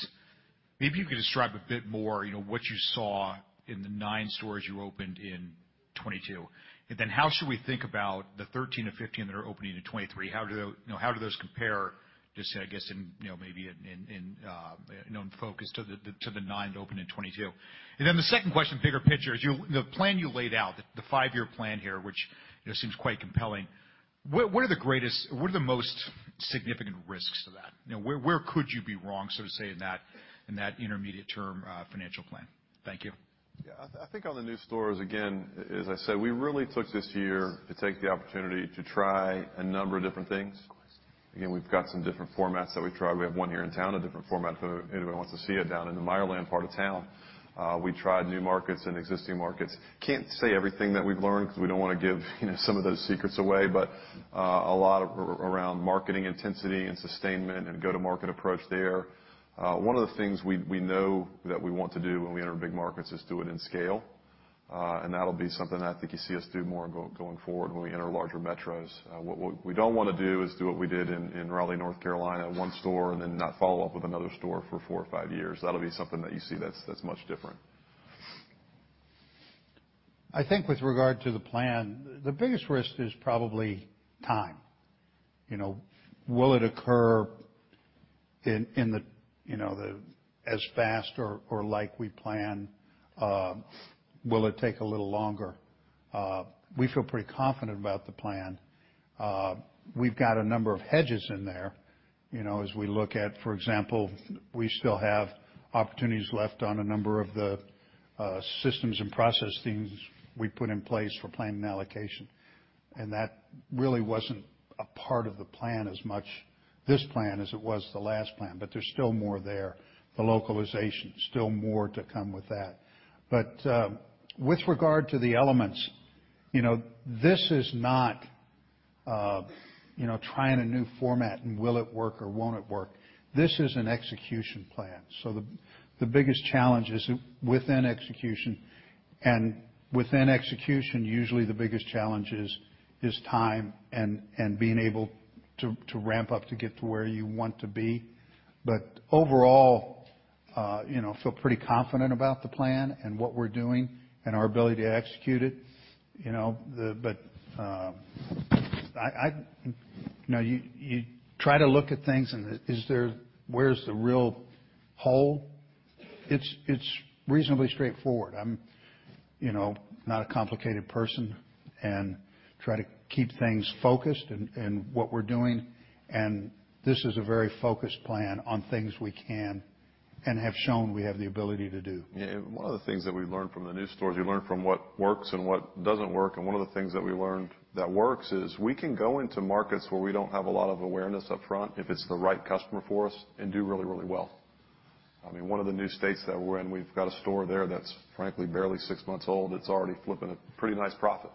maybe you could describe a bit more, you know, what you saw in the nine stores you opened in 2022? How should we think about the 13-15 that are opening in 2023? How do those compare to, say, I guess in, you know, maybe in focus to the nine to open in 2022? The second question, bigger picture, is the plan you laid out, the 5-year plan here, which, you know, seems quite compelling, what are the most significant risks to that? You know, where could you be wrong, so to say, in that intermediate term financial plan? Thank you. I think on the new stores, again, as I said, we really took this year to take the opportunity to try a number of different things. Again, we've got some different formats that we tried. We have one here in town, a different format, if anybody wants to see it, down in the Meyerland part of town. We tried new markets and existing markets. Can't say everything that we've learned because we don't wanna give, you know, some of those secrets away, but a lot around marketing intensity and sustainment and go-to-market approach there. One of the things we know that we want to do when we enter big markets is do it in scale, and that'll be something that I think you see us do more going forward when we enter larger metros. What we don't wanna do is do what we did in Raleigh, North Carolina, one store and then not follow up with another store for four or five years. That'll be something that you see that's much different. I think with regard to the plan, the biggest risk is probably time. You know, will it occur in the, you know, the as fast or like we plan? Will it take a little longer? We feel pretty confident about the plan. We've got a number of hedges in there, you know, as we look at, for example, we still have opportunities left on a number of the systems and process things we put in place for planning allocation. That really wasn't a part of the plan as much, this plan, as it was the last plan, but there's still more there. The localization, still more to come with that. With regard to the elements, you know, this is not, you know, trying a new format and will it work or won't it work? This is an execution plan. The biggest challenge is within execution, and within execution, usually the biggest challenge is time and being able to ramp up to get to where you want to be. Overall, you know, feel pretty confident about the plan and what we're doing and our ability to execute it, you know. I, you know, you try to look at things and where's the real hole? It's reasonably straightforward. I'm, you know, not a complicated person and try to keep things focused in what we're doing. This is a very focused plan on things we can and have shown we have the ability to do. One of the things that we learned from the new stores, we learned from what works and what doesn't work, and one of the things that we learned that works is we can go into markets where we don't have a lot of awareness up front if it's the right customer for us and do really, really well. I mean, one of the new states that we're in, we've got a store there that's frankly barely six months old. It's already flipping a pretty nice profit.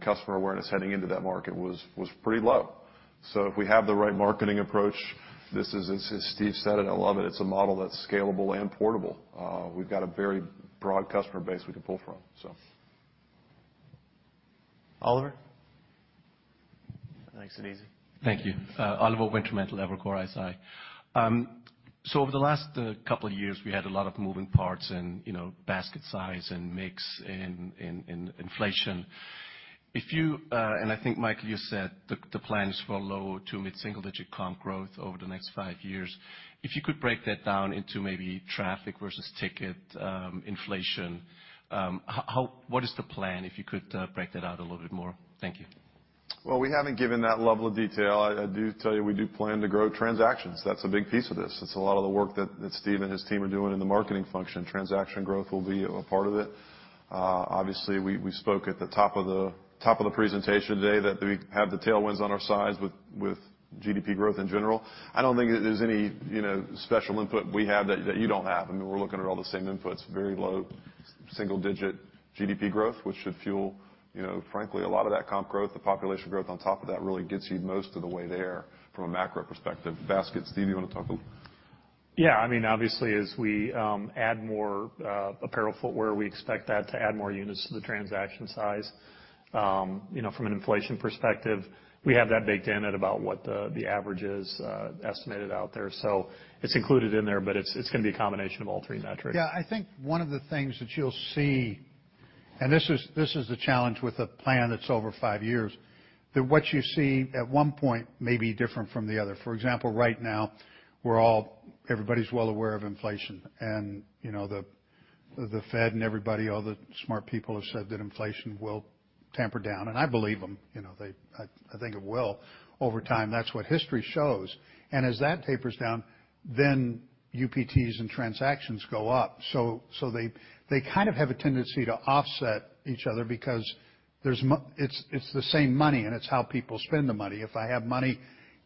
Customer awareness heading into that market was pretty low. If we have the right marketing approach, as Steve said, and I love it's a model that's scalable and portable. We've got a very broad customer base we can pull from. Oliver. Makes it easy. Thank you. Oliver Wintermantel, Evercore ISI. Over the last couple of years, we had a lot of moving parts and, you know, basket size and mix and inflation. If you, and I think, Michael, you said the plans for low to mid-single digit comp growth over the next five years, if you could break that down into maybe traffic versus ticket, inflation, how, what is the plan, if you could break that out a little bit more? Thank you. Well, we haven't given that level of detail. I do tell you we do plan to grow transactions. That's a big piece of this. It's a lot of the work that Steve and his team are doing in the marketing function. Transaction growth will be a part of it. Obviously, we spoke at the top of the presentation today that we have the tailwinds on our sides with GDP growth in general. I don't think that there's any, you know, special input we have that you don't have. I mean, we're looking at all the same inputs, very low single digit GDP growth, which should fuel, you know, frankly, a lot of that comp growth. The population growth on top of that really gets you most of the way there from a macro perspective. Baskets. Steve, you wanna talk a little? Yeah. I mean, obviously, as we add more apparel, footwear, we expect that to add more units to the transaction size. You know, from an inflation perspective, we have that baked in at about what the average is estimated out there. It's included in there, but it's gonna be a combination of all three metrics. Yeah. I think one of the things that you'll see, this is the challenge with a plan that's over five years, that what you see at one point may be different from the other. For example, right now, everybody's well aware of inflation and, you know, the Fed and everybody, all the smart people have said that inflation will tamper down, and I believe them, you know. I think it will over time. That's what history shows. As that tapers down, UPTs and transactions go up. They kind of have a tendency to offset each other because it's the same money, and it's how people spend the money. If I have money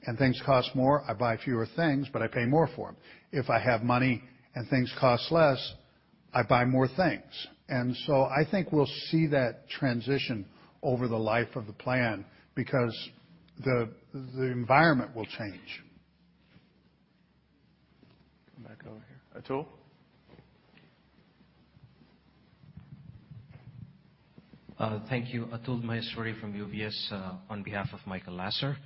and things cost more, I buy fewer things, but I pay more for them. If I have money and things cost less, I buy more things. I think we'll see that transition over the life of the plan because the environment will change. Come back over here. Atul. Thank you. Atul Maheswari from UBS, on behalf of Michael Lasser.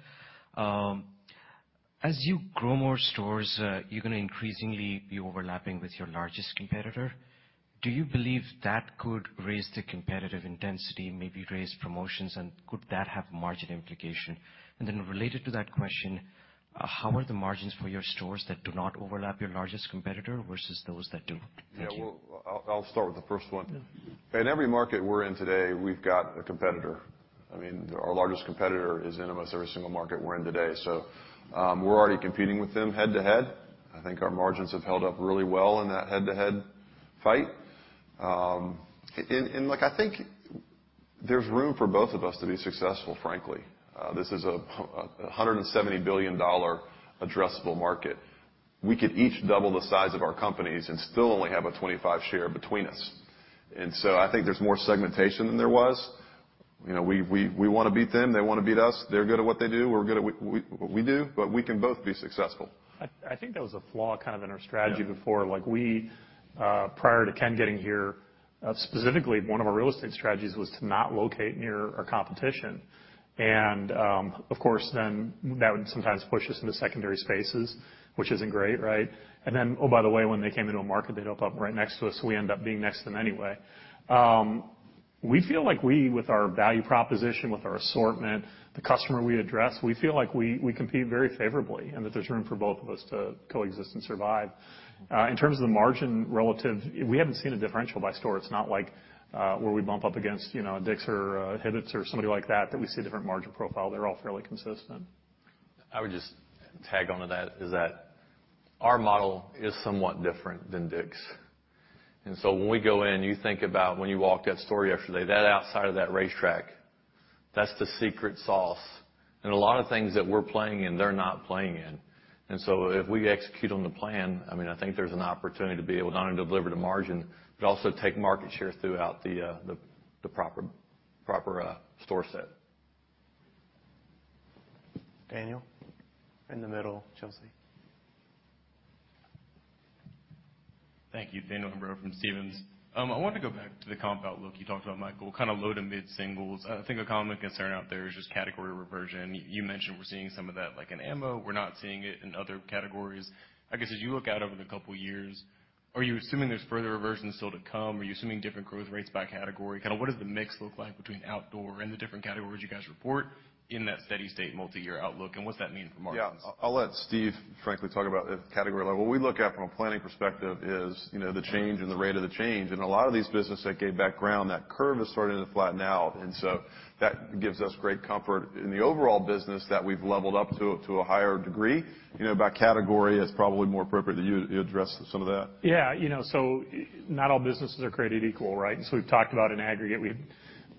As you grow more stores, you're gonna increasingly be overlapping with your largest competitor. Do you believe that could raise the competitive intensity, maybe raise promotions, and could that have margin implication? Related to that question, how are the margins for your stores that do not overlap your largest competitor versus those that do? Thank you. Yeah. Well, I'll start with the first one. Yeah. In every market we're in today, we've got a competitor. I mean, our largest competitor is in almost every single market we're in today, we're already competing with them head-to-head. I think our margins have held up really well in that head-to-head fight. And look, I think there's room for both of us to be successful, frankly. This is a $170 billion addressable market. We could each double the size of our companies and still only have a 25 share between us. I think there's more segmentation than there was. You know, we wanna beat them. They wanna beat us. They're good at what they do, we're good at what we do, we can both be successful. I think there was a flaw kind of in our strategy. Yeah. Before, like, we, prior to Ken getting here, specifically one of our real estate strategies was to not locate near our competition. Of course, then that would sometimes push us into secondary spaces, which isn't great, right? Then, oh, by the way, when they came into a market, they'd open up right next to us, so we end up being next to them anyway. We feel like we, with our value proposition, with our assortment, the customer we address, we feel like we compete very favorably, and that there's room for both of us to coexist and survive. In terms of the margin relative, we haven't seen a differential by store. It's not like, where we bump up against, you know, a DICK'S or a Hibbett's or somebody like that we see a different margin profile. They're all fairly consistent. I would just tag onto that is that our model is somewhat different than Dick's. When we go in, you think about when you walked that story yesterday, that outside of that racetrack, that's the secret sauce. A lot of things that we're playing in, they're not playing in. If we execute on the plan, I mean, I think there's an opportunity to be able not only to deliver the margin, but also take market share throughout the proper store set. Daniel. In the middle. Chelsea. Thank you. Daniel Imbro from Stephens. I wanted to go back to the comp outlook you talked about, Michael, kind of low to mid-singles. I think a common concern out there is just category reversion. You mentioned we're seeing some of that, like, in ammo. We're not seeing it in other categories. I guess, as you look out over the couple years, are you assuming there's further reversions still to come? Are you assuming different growth rates by category? Kinda what does the mix look like between outdoor and the different categories you guys report in that steady state multi-year outlook, and what's that mean for margins? Yeah. I'll let Steve frankly talk about at category level. What we look at from a planning perspective is, you know, the change and the rate of the change. A lot of these businesses, like, base background, that curve is starting to flatten out. So that gives us great comfort in the overall business that we've leveled up to a higher degree. You know, by category, it's probably more appropriate that you address some of that. Yeah. You know, not all businesses are created equal, right? We've talked about in aggregate, we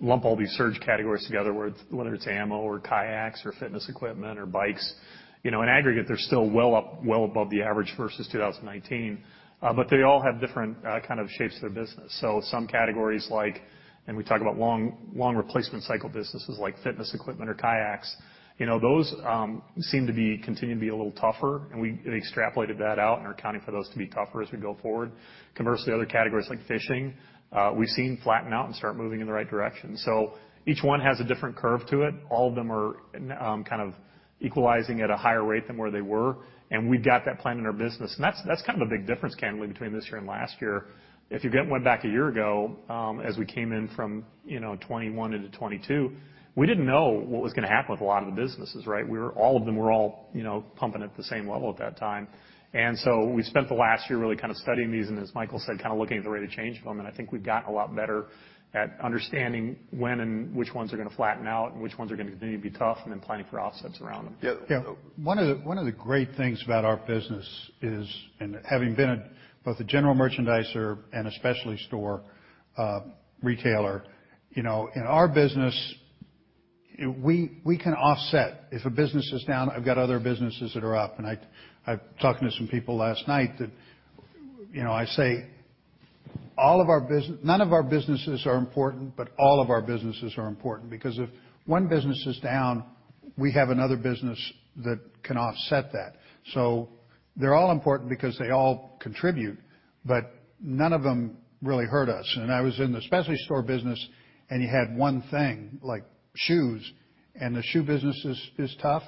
lump all these surge categories together, whether it's ammo or kayaks or fitness equipment or bikes. You know, in aggregate, they're still well up, well above the average versus 2019. They all have different kind of shapes to their business. Some categories like, and we talk about long replacement cycle businesses like fitness equipment or kayaks. You know, those seem to be continuing to be a little tougher, and we extrapolated that out and are accounting for those to be tougher as we go forward. Conversely, other categories like fishing, we've seen flatten out and start moving in the right direction. Each one has a different curve to it. All of them are kind of equalizing at a higher rate than where they were, we've got that plan in our business. That's, that's kind of a big difference, candidly, between this year and last year. If you went back a year ago, as we came in from, you know, 21 into 22, we didn't know what was gonna happen with a lot of the businesses, right? All of them were all, you know, pumping at the same level at that time. So we spent the last year really kind of studying these, and as Michael said, kind of looking at the rate of change of them. I think we've gotten a lot better at understanding when and which ones are gonna flatten out and which ones are gonna continue to be tough, and then planning for offsets around them. Yeah. Yeah. One of the great things about our business is, and having been both a general merchandiser and a specialty store, retailer, you know, in our business, we can offset. If a business is down, I've got other businesses that are up. I was talking to some people last night that, you know, I say, all of our business, none of our businesses are important, but all of our businesses are important because if one business is down, we have another business that can offset that. They're all important because they all contribute, but none of them really hurt us. I was in the specialty store business, and you had one thing like shoes, and the shoe business is tough.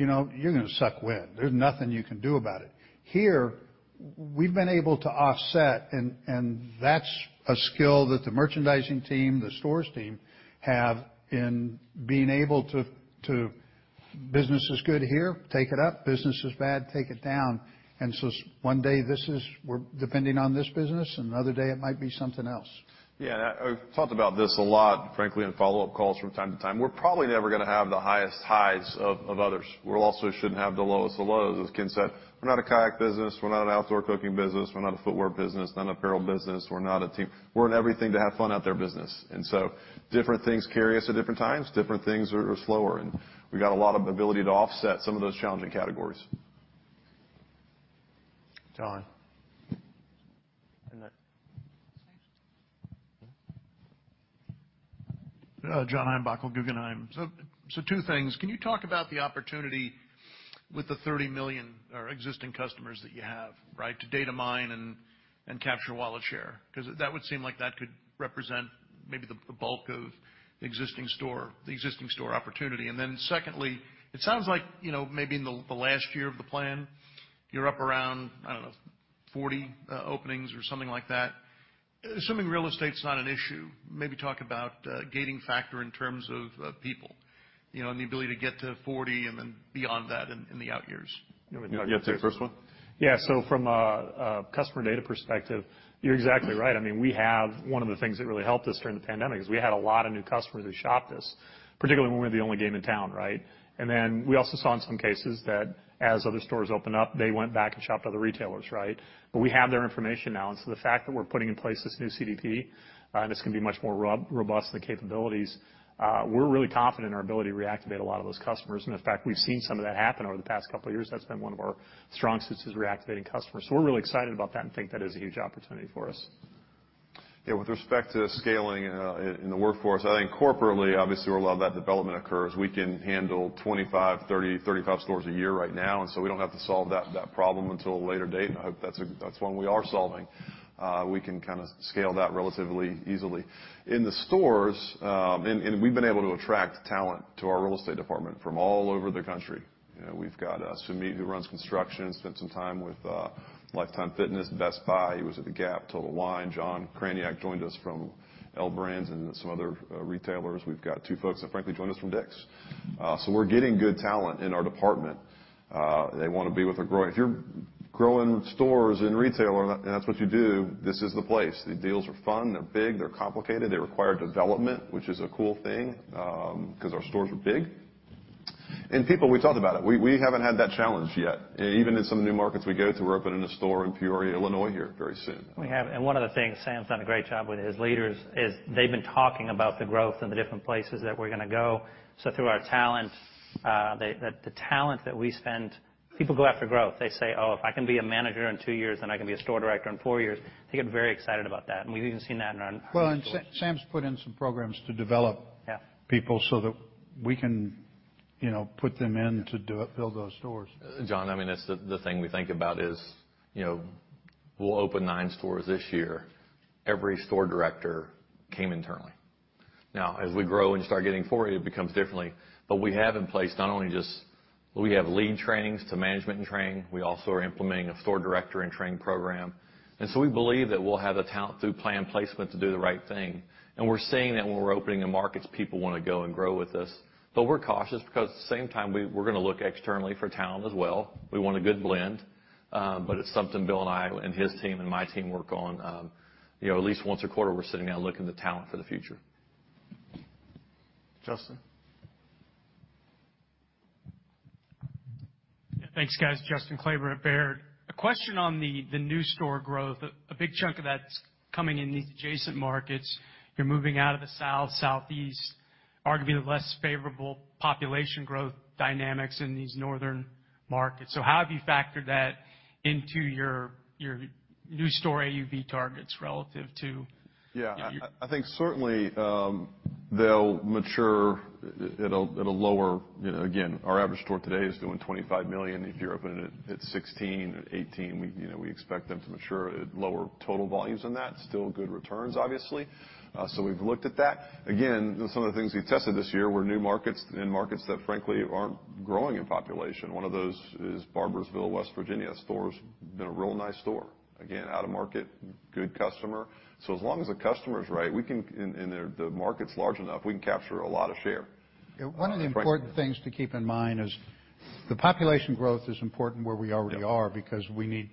You know, you're gonna suck wind. There's nothing you can do about it. Here, we've been able to offset and that's a skill that the merchandising team, the stores team have in being able to Business is good here, take it up. Business is bad, take it down. One day we're depending on this business, and another day it might be something else. Yeah. I've talked about this a lot, frankly, in follow-up calls from time to time. We're probably never gonna have the highest highs of others. We also shouldn't have the lowest of lows. As Ken said, we're not a kayak business. We're not an outdoor cooking business. We're not a footwear business, not an apparel business. We're not a team. We're an everything to have fun out there business. Different things carry us at different times. Different things are slower, and we've got a lot of ability to offset some of those challenging categories. John. In the- Next. Yeah. John Heinbockel, Guggenheim. So two things. Can you talk about the opportunity with the 30 million or existing customers that you have, right? To data mine and capture wallet share 'cause that would seem like that could represent maybe the bulk of the existing store opportunity. Secondly, it sounds like, you know, maybe in the last year of the plan, you're up around, I don't know, 40 openings or something like that. Assuming real estate's not an issue, maybe talk about gating factor in terms of people, you know, and the ability to get to 40 and then beyond that in the out years. You want me to talk to the first one? From a customer data perspective, you're exactly right. I mean, we have one of the things that really helped us during the pandemic is we had a lot of new customers who shopped us, particularly when we were the only game in town, right? Then we also saw in some cases that as other stores opened up, they went back and shopped other retailers, right? We have their information now. The fact that we're putting in place this new CDP, and it's gonna be much more robust, the capabilities, we're really confident in our ability to reactivate a lot of those customers. In fact, we've seen some of that happen over the past couple of years. That's been one of our strong suits, is reactivating customers. We're really excited about that and think that is a huge opportunity for us. Yeah. With respect to scaling, in the workforce, I think corporately, obviously, where a lot of that development occurs, we can handle 25, 30, 35 stores a year right now, we don't have to solve that problem until a later date. I hope that's one we are solving. We can kinda scale that relatively easily. In the stores, and we've been able to attract talent to our real estate department from all over the country. You know, we've got Sumeet who runs construction, spent some time with Lifetime Fitness, Best Buy. He was at the Gap, Total Wine. John Kranyak joined us from L Brands and some other retailers. We've got two folks that frankly joined us from DICK'S. We're getting good talent in our department. They wanna be with a growing... If you're growing stores and retailer and that, and that's what you do, this is the place. The deals are fun. They're big. They're complicated. They require development, which is a cool thing, 'cause our stores are big. People, we talked about it. We, we haven't had that challenge yet. Even in some of the new markets we go to, we're opening a store in Peoria, Illinois, here very soon. We have, one of the things Sam's done a great job with his leaders is they've been talking about the growth and the different places that we're gonna go. Through our talent, the talent that we spend, people go after growth. They say, "Oh, if I can be a manager in two years, then I can be a store director in four years," they get very excited about that. We've even seen that in our own stores. Well, Sam's put in some programs to develop- Yeah... people so that we can you know, put them in to do it, build those stores. John, I mean, that's the thing we think about is, you know, we'll open nine stores this year. Every store director came internally. Now, as we grow and start getting forward, it becomes differently. We have in place not only just we have lead trainings to management and training, we also are implementing a store director in training program. We believe that we'll have the talent through plan placement to do the right thing. We're seeing that when we're opening in markets, people wanna go and grow with us. We're cautious because at the same time, we're gonna look externally for talent as well. We want a good blend, you know, it's something Bill and I and his team and my team work on, you know, at least once a quarter we're sitting down looking at the talent for the future. Justin? Yeah, thanks, guys. Justin Kleber at Baird. A question on the new store growth. A big chunk of that's coming in these adjacent markets. You're moving out of the South, Southeast, arguably the less favorable population growth dynamics in these northern markets. How have you factored that into your new store AUV targets relative to- Yeah. I think certainly, they'll mature at a, at a lower, you know. Our average store today is doing $25 million. If you're opening it at 16 or 18, we expect them to mature at lower total volumes than that. Still good returns, obviously. We've looked at that. Some of the things we tested this year were new markets and markets that frankly aren't growing in population. One of those is Barboursville, West Virginia. Store's been a real nice store. Out of market, good customer. As long as the customer's right, and the market's large enough, we can capture a lot of share. One of the important things to keep in mind is the population growth is important where we already are because we've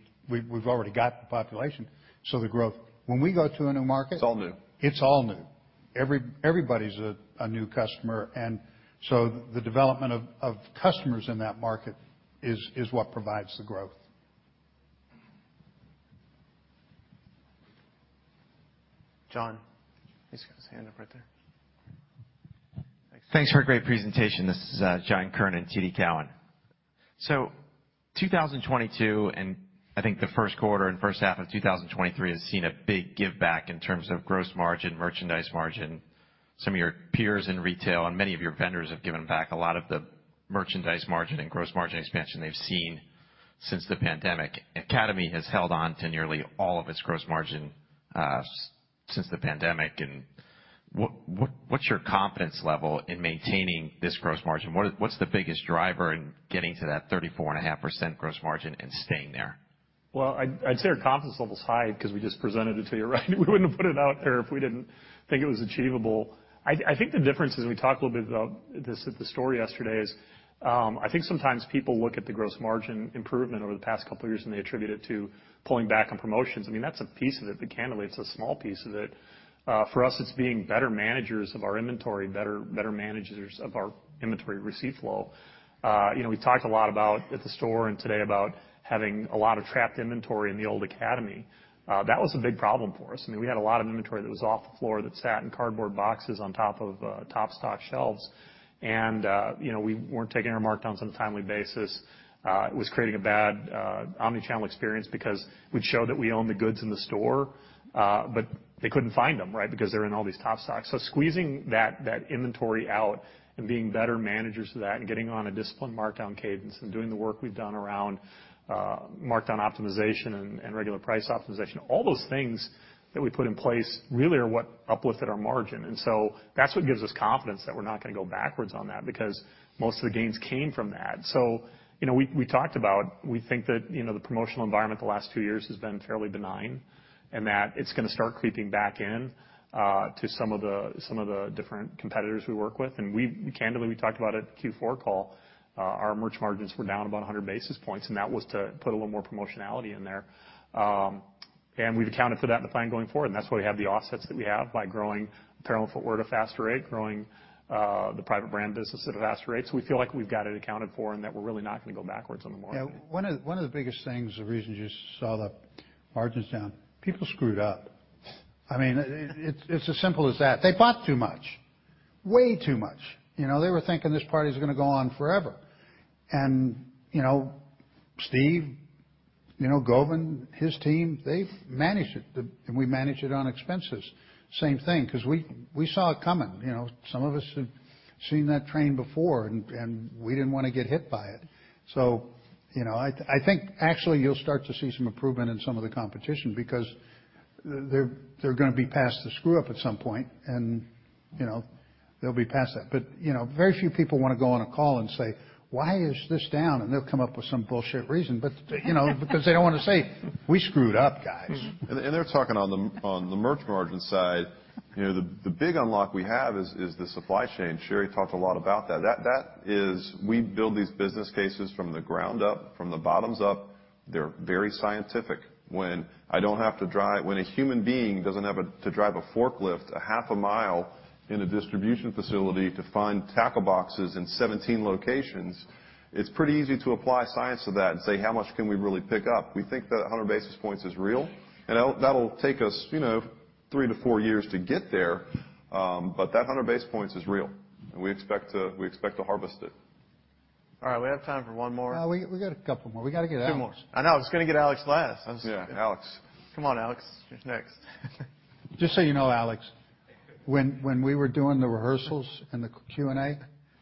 already got the population, so the growth. When we go to a new market. It's all new. It's all new. Everybody's a new customer. The development of customers in that market is what provides the growth. John. He's got his hand up right there. Thanks for a great presentation. This is John Kernan, TD Cowen. 2022, I think the first quarter and first half of 2023 has seen a big give back in terms of gross margin, merchandise margin. Some of your peers in retail and many of your vendors have given back a lot of the merchandise margin and gross margin expansion they've seen since the pandemic. Academy has held on to nearly all of its gross margin since the pandemic. What's your confidence level in maintaining this gross margin? What's the biggest driver in getting to that 34.5% gross margin and staying there? I'd say our confidence level's high because we just presented it to you, right? We wouldn't have put it out there if we didn't think it was achievable. I think the difference, as we talked a little bit about this at the store yesterday, is I think sometimes people look at the gross margin improvement over the past couple of years, they attribute it to pulling back on promotions. I mean, that's a piece of it, candidly, it's a small piece of it. For us, it's being better managers of our inventory, better managers of our inventory receipt flow. You know, we talked a lot about, at the store and today, about having a lot of trapped inventory in the old Academy. That was a big problem for us. I mean, we had a lot of inventory that was off the floor that sat in cardboard boxes on top of top stock shelves. You know, we weren't taking our markdowns on a timely basis. It was creating a bad omni-channel experience because we'd show that we own the goods in the store, but they couldn't find them, right? Because they're in all these top stocks. Squeezing that inventory out and being better managers of that and getting on a disciplined markdown cadence and doing the work we've done around markdown optimization and regular price optimization, all those things that we put in place really are what uplifted our margin. That's what gives us confidence that we're not gonna go backwards on that because most of the gains came from that. You know, we talked about, we think that, you know, the promotional environment the last two years has been fairly benign, and that it's gonna start creeping back in to some of the different competitors we work with. Candidly, we talked about at Q4 call, our merch margins were down about 100 basis points, and that was to put a little more promotionality in there. We've accounted for that in the plan going forward, and that's why we have the offsets that we have by growing apparel and footwear at a faster rate, growing the private brand business at a faster rate. We feel like we've got it accounted for and that we're really not gonna go backwards on the margin. Yeah. One of the biggest things, the reason you saw the margins down, people screwed up. I mean, it's as simple as that. They bought too much. Way too much. You know, they were thinking this party's gonna go on forever. You know, Steve, you know, Govind, his team, they've managed it. We managed it on expenses. Same thing, 'cause we saw it coming. You know? Some of us have seen that train before, and we didn't wanna get hit by it. You know, I think actually you'll start to see some improvement in some of the competition because they're gonna be past the screw-up at some point, and, you know, they'll be past that. You know, very few people wanna go on a call and say, "Why is this down?" They'll come up with some bullshit reason, but, you know, because they don't wanna say, "We screwed up, guys. They're talking on the merch margin side. You know, the big unlock we have is the supply chain. Sherry talked a lot about that. That is, we build these business cases from the ground up, from the bottoms up. They're very scientific. When a human being doesn't have to drive a forklift a half a mile in a distribution facility to find tackle boxes in 17 locations, it's pretty easy to apply science to that and say, "How much can we really pick up?" We think that 100 basis points is real, and that'll take us, you know, three to four years to get there. That 100 basis points is real, and we expect to harvest it. All right, we have time for one more. We got a couple more. We gotta get Alex. Two more. I know, I was gonna get Alex last. Yeah, Alex. Come on, Alex. You're next. Just so you know, Alex, when we were doing the rehearsals and the Q&A,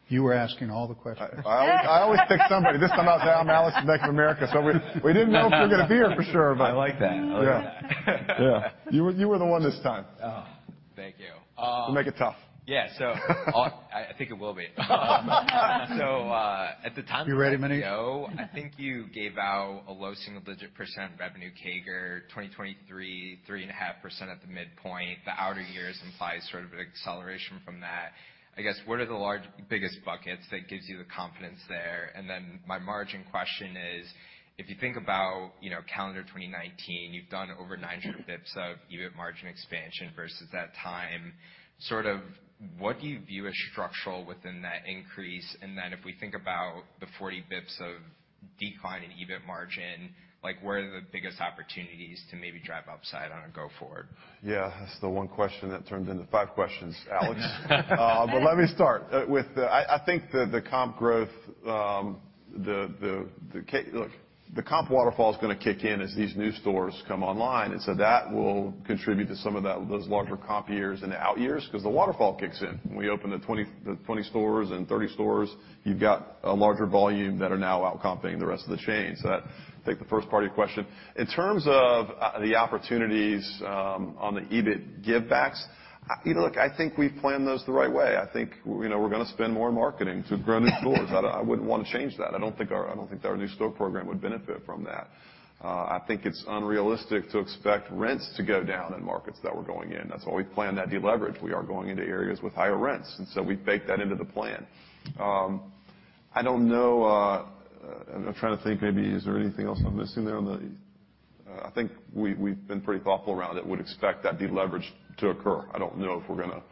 you were asking all the questions. I always pick somebody. This time I was like, "Alex is back from America," so we didn't know if you're gonna be here for sure. I like that. I like that. Yeah. You were the one this time. Oh, thank you. We make it tough. Yeah, I think it will be. At the time. You ready, Manish? I think you gave out a low single-digit % revenue CAGR 2023, 3.5% at the midpoint. The outer years implies sort of an acceleration from that. What are the biggest buckets that gives you the confidence there? My margin question is, if you think about calendar 2019, you've done over 900 bips of EBIT margin expansion versus that time. Sort of what do you view as structural within that increase? If we think about the 40 bips of decline in EBIT margin, like, where are the biggest opportunities to maybe drive upside on a go forward? Yeah, that's the one question that turned into five questions, Alex. Let me start with the... I think the comp growth, the comp waterfall's gonna kick in as these new stores come online. That will contribute to some of those larger comp years in the out years 'cause the waterfall kicks in. When we open the 20 stores and 30 stores, you've got a larger volume that are now outcompeting the rest of the chain. That, I think the first part of your question. In terms of the opportunities on the EBIT givebacks, you know, look, I think we've planned those the right way. I think, you know, we're gonna spend more in marketing to grow new stores. I wouldn't wanna change that. I don't think our new store program would benefit from that. I think it's unrealistic to expect rents to go down in markets that we're going in. That's why we planned that deleverage. We are going into areas with higher rents, we baked that into the plan. I don't know, I'm trying to think maybe is there anything else I'm missing there on the... I think we've been pretty thoughtful around it. Would expect that deleverage to occur. I don't know if we're gonna...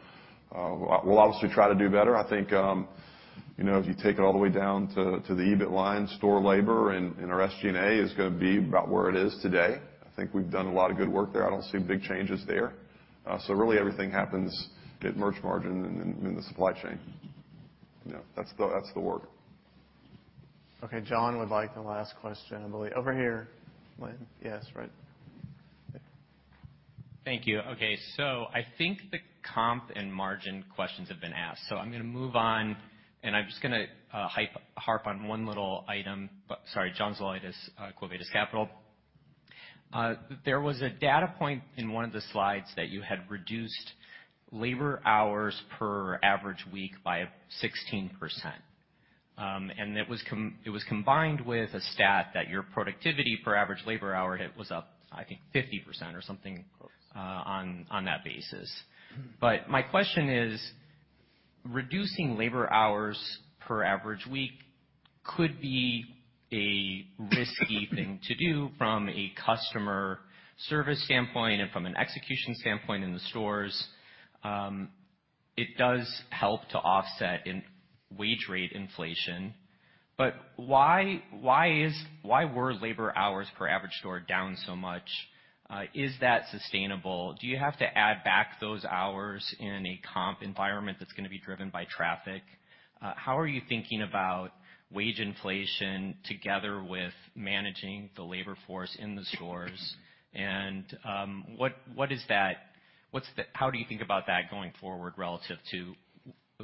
we'll obviously try to do better. I think, you know, if you take it all the way down to the EBIT line, store labor and our SG&A is gonna be about where it is today. I think we've done a lot of good work there. I don't see big changes there. Really everything happens at merch margin and then in the supply chain. You know, that's the work. John would like the last question, I believe. Over here. Yes, right. Thank you. I think the comp and margin questions have been asked, I'm gonna move on, I'm just gonna harp on one little item. Sorry, John Zolidis, Quo Vadis Capital. There was a data point in one of the slides that you had reduced labor hours per average week by 16%. It was combined with a stat that your productivity for average labor hour hit was up, I think, 50% or something- Close ... on that basis. My question is, reducing labor hours per average week could be a risky thing to do from a customer service standpoint and from an execution standpoint in the stores. It does help to offset in wage rate inflation. Why were labor hours per average store down so much? Is that sustainable? Do you have to add back those hours in a comp environment that's gonna be driven by traffic? How are you thinking about wage inflation together with managing the labor force in the stores? How do you think about that going forward relative to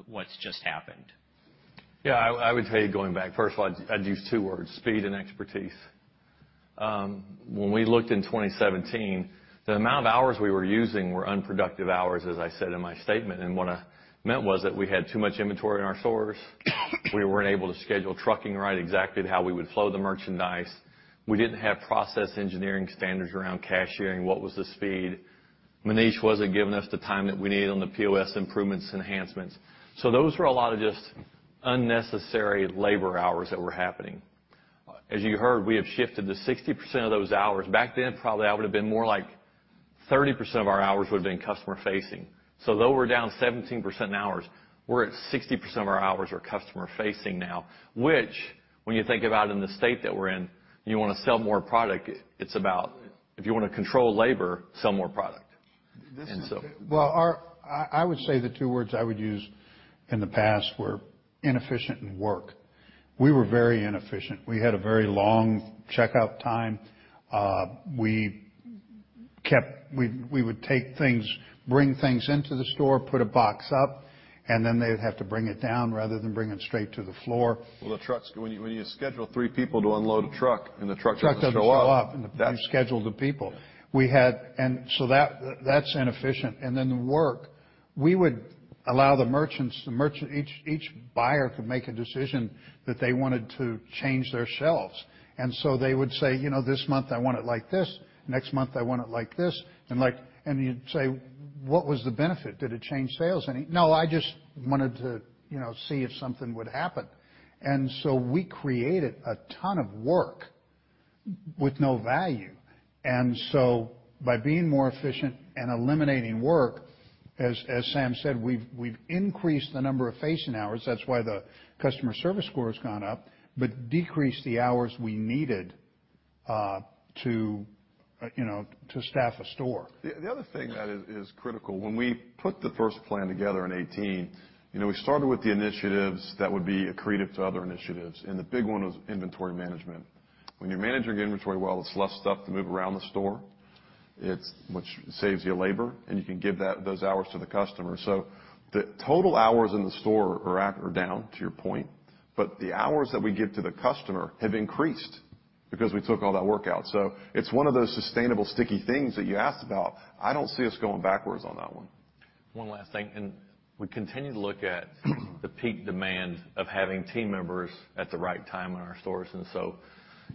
what's just happened? Yeah, I would say going back, first of all, I'd use two words: speed and expertise. When we looked in 2017, the amount of hours we were using were unproductive hours, as I said in my statement. What I meant was that we had too much inventory in our stores. We weren't able to schedule trucking right, exactly how we would flow the merchandise. We didn't have process engineering standards around cashiering. What was the speed? Manish wasn't giving us the time that we needed on the POS improvements enhancements. Those were a lot of just unnecessary labor hours that were happening. As you heard, we have shifted to 60% of those hours. Back then, probably that would've been more like 30% of our hours would've been customer-facing. Though we're down 17% in hours, we're at 60% of our hours are customer-facing now, which, when you think about in the state that we're in, you wanna sell more product. It's about if you wanna control labor, sell more product. Well, I would say the two words I would use in the past were inefficient and work. We were very inefficient. We had a very long checkout time. We would take things, bring things into the store, put a box up, and then they'd have to bring it down rather than bring it straight to the floor. The trucks, when you schedule three people to unload a truck and the truck doesn't show up... The truck doesn't show up. That- You schedule the people. That's inefficient. The work, we would allow the merchants, the merchant, each buyer could make a decision that they wanted to change their shelves. They would say, "You know, this month I want it like this. Next month, I want it like this." You'd say, "What was the benefit? Did it change sales any?" "No, I just wanted to, you know, see if something would happen." We created a ton of work with no value. By being more efficient and eliminating work, as Sam said, we've increased the number of facing hours, that's why the customer service score has gone up, but decreased the hours we needed to, you know, to staff a store. The other thing that is critical, when we put the first plan together in 2018, you know, we started with the initiatives that would be accretive to other initiatives, and the big one was inventory management. When you're managing inventory well, it's less stuff to move around the store, it's which saves you labor, and you can give that, those hours to the customer. The total hours in the store are down, to your point, but the hours that we give to the customer have increased because we took all that work out. It's one of those sustainable, sticky things that you asked about. I don't see us going backwards on that one. One last thing, we continue to look at the peak demand of having team members at the right time in our stores.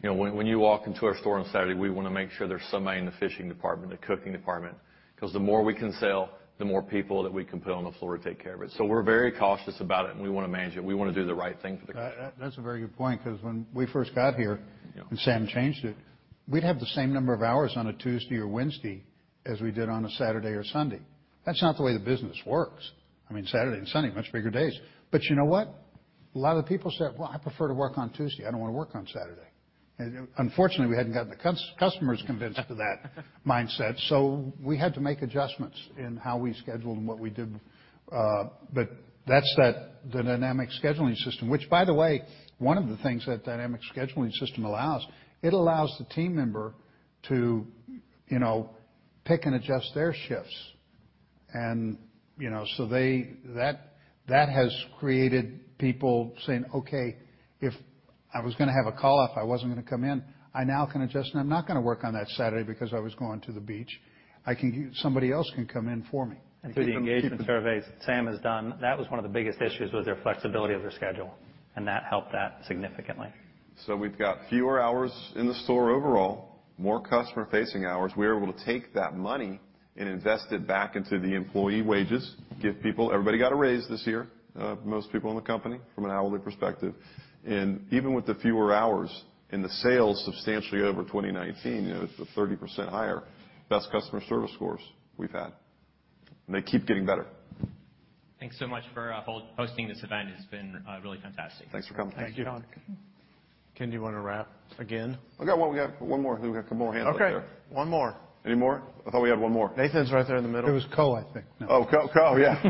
You know, when you walk into our store on Saturday, we wanna make sure there's somebody in the fishing department, the cooking department, 'cause the more we can sell, the more people that we can put on the floor to take care of it. We're very cautious about it, and we wanna manage it. We wanna do the right thing for the customer. That's a very good point, 'cause when we first got here- Yeah... and Sam changed it, we'd have the same number of hours on a Tuesday or Wednesday as we did on a Saturday or Sunday. That's not the way the business works. I mean, Saturday and Sunday are much bigger days. You know what? A lot of people said, "Well, I prefer to work on Tuesday. I don't wanna work on Saturday." Unfortunately, we hadn't gotten the customers convinced of that mindset. We had to make adjustments in how we scheduled and what we did. But that's that, the dynamic scheduling system, which by the way, one of the things that dynamic scheduling system allows the team member to, you know, pick and adjust their shifts. You know, that has created people saying, "Okay, if I was gonna have a call off, I wasn't gonna come in, I now can adjust, and I'm not gonna work on that Saturday because I was going to the beach. I can get somebody else can come in for me. Through the engagement surveys Sam has done, that was one of the biggest issues was their flexibility of their schedule, and that helped that significantly. We've got fewer hours in the store overall, more customer-facing hours. We are able to take that money and invest it back into the employee wages. Everybody got a raise this year, most people in the company from an hourly perspective. Even with the fewer hours and the sales substantially over 2019, you know, it's a 30% higher best customer service scores we've had. They keep getting better. Thanks so much for hosting this event. It's been really fantastic. Thanks for coming. Thank you. Thank you. Ken, do you wanna wrap again? I got one. We got one more. We've got a couple more hands up there. Okay, one more. Any more? I thought we had one more. Nathan's right there in the middle. It was Co, I think. Oh, Cove, yeah.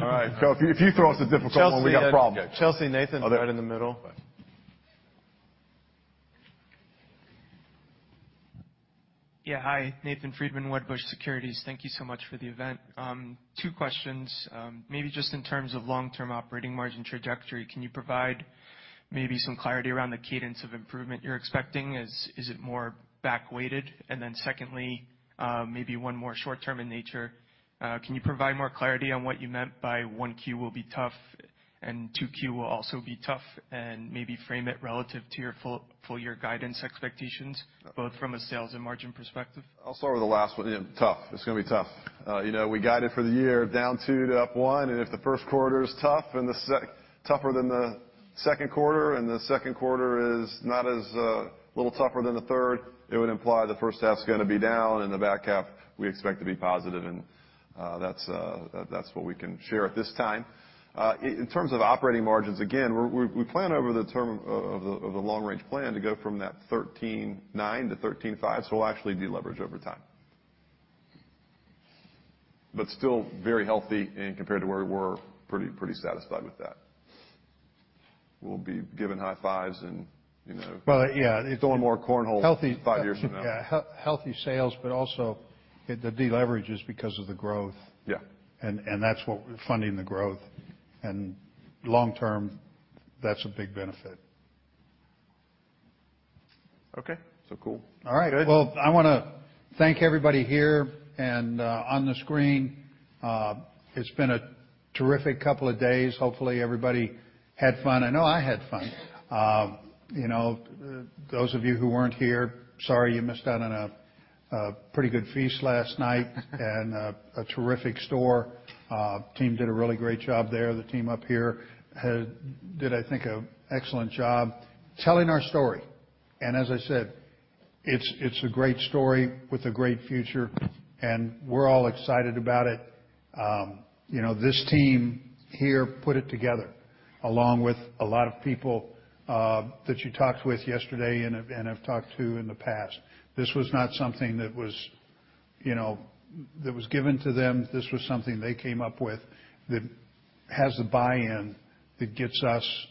All right. If you throw us a difficult one, we got problems. Chelsea, Nathan's right in the middle. Oh, there. Yeah, hi. Nathan Friedman, Wedbush Securities. Thank you so much for the event. Two questions. Maybe just in terms of long-term operating margin trajectory, can you provide maybe some clarity around the cadence of improvement you're expecting? Is it more back-weighted? Secondly, maybe one more short-term in nature. Can you provide more clarity on what you meant by 1Q will be tough and 2Q will also be tough, and maybe frame it relative to your full year guidance expectations, both from a sales and margin perspective? I'll start with the last one. Yeah, tough. It's gonna be tough. you know, we guided for the year down 2% to up 1%, and if the first quarter is tough and tougher than the second quarter, and the second quarter is not as little tougher than the third, it would imply the first half's gonna be down, and the back half we expect to be positive. That's what we can share at this time. In terms of operating margins, again, we plan over the term of the Long Range Plan to go from that 13.9% to 13.5%. We'll actually deleverage over time. Still very healthy and compared to where we were, pretty satisfied with that. We'll be giving high fives and, you know. Well, yeah. throwing more corn holes five years from now. Healthy, yeah, healthy sales, but also the deleverage is because of the growth. Yeah. That's what we're funding the growth. Long term, that's a big benefit. Okay. cool. All right. Good. Well, I want to thank everybody here and on the screen. It's been a terrific couple of days. Hopefully, everybody had fun. I know I had fun. You know, those of you who weren't here, sorry you missed out on a pretty good feast last night and a terrific store. Team did a really great job there. The team up here did, I think, a excellent job telling our story. As I said, it's a great story with a great future, and we're all excited about it. You know, this team here put it together, along with a lot of people that you talked with yesterday and have talked to in the past. This was not something that was, you know, that was given to them. This was something they came up with that has the buy-in that gets us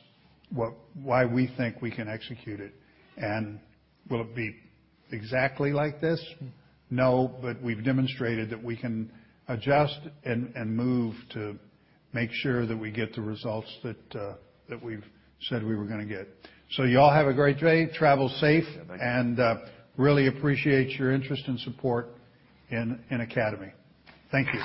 why we think we can execute it. Will it be exactly like this? No, but we've demonstrated that we can adjust and move to make sure that we get the results that we've said we were gonna get. You all have a great day. Travel safe. Yeah, thank you. Really appreciate your interest and support in Academy. Thank you.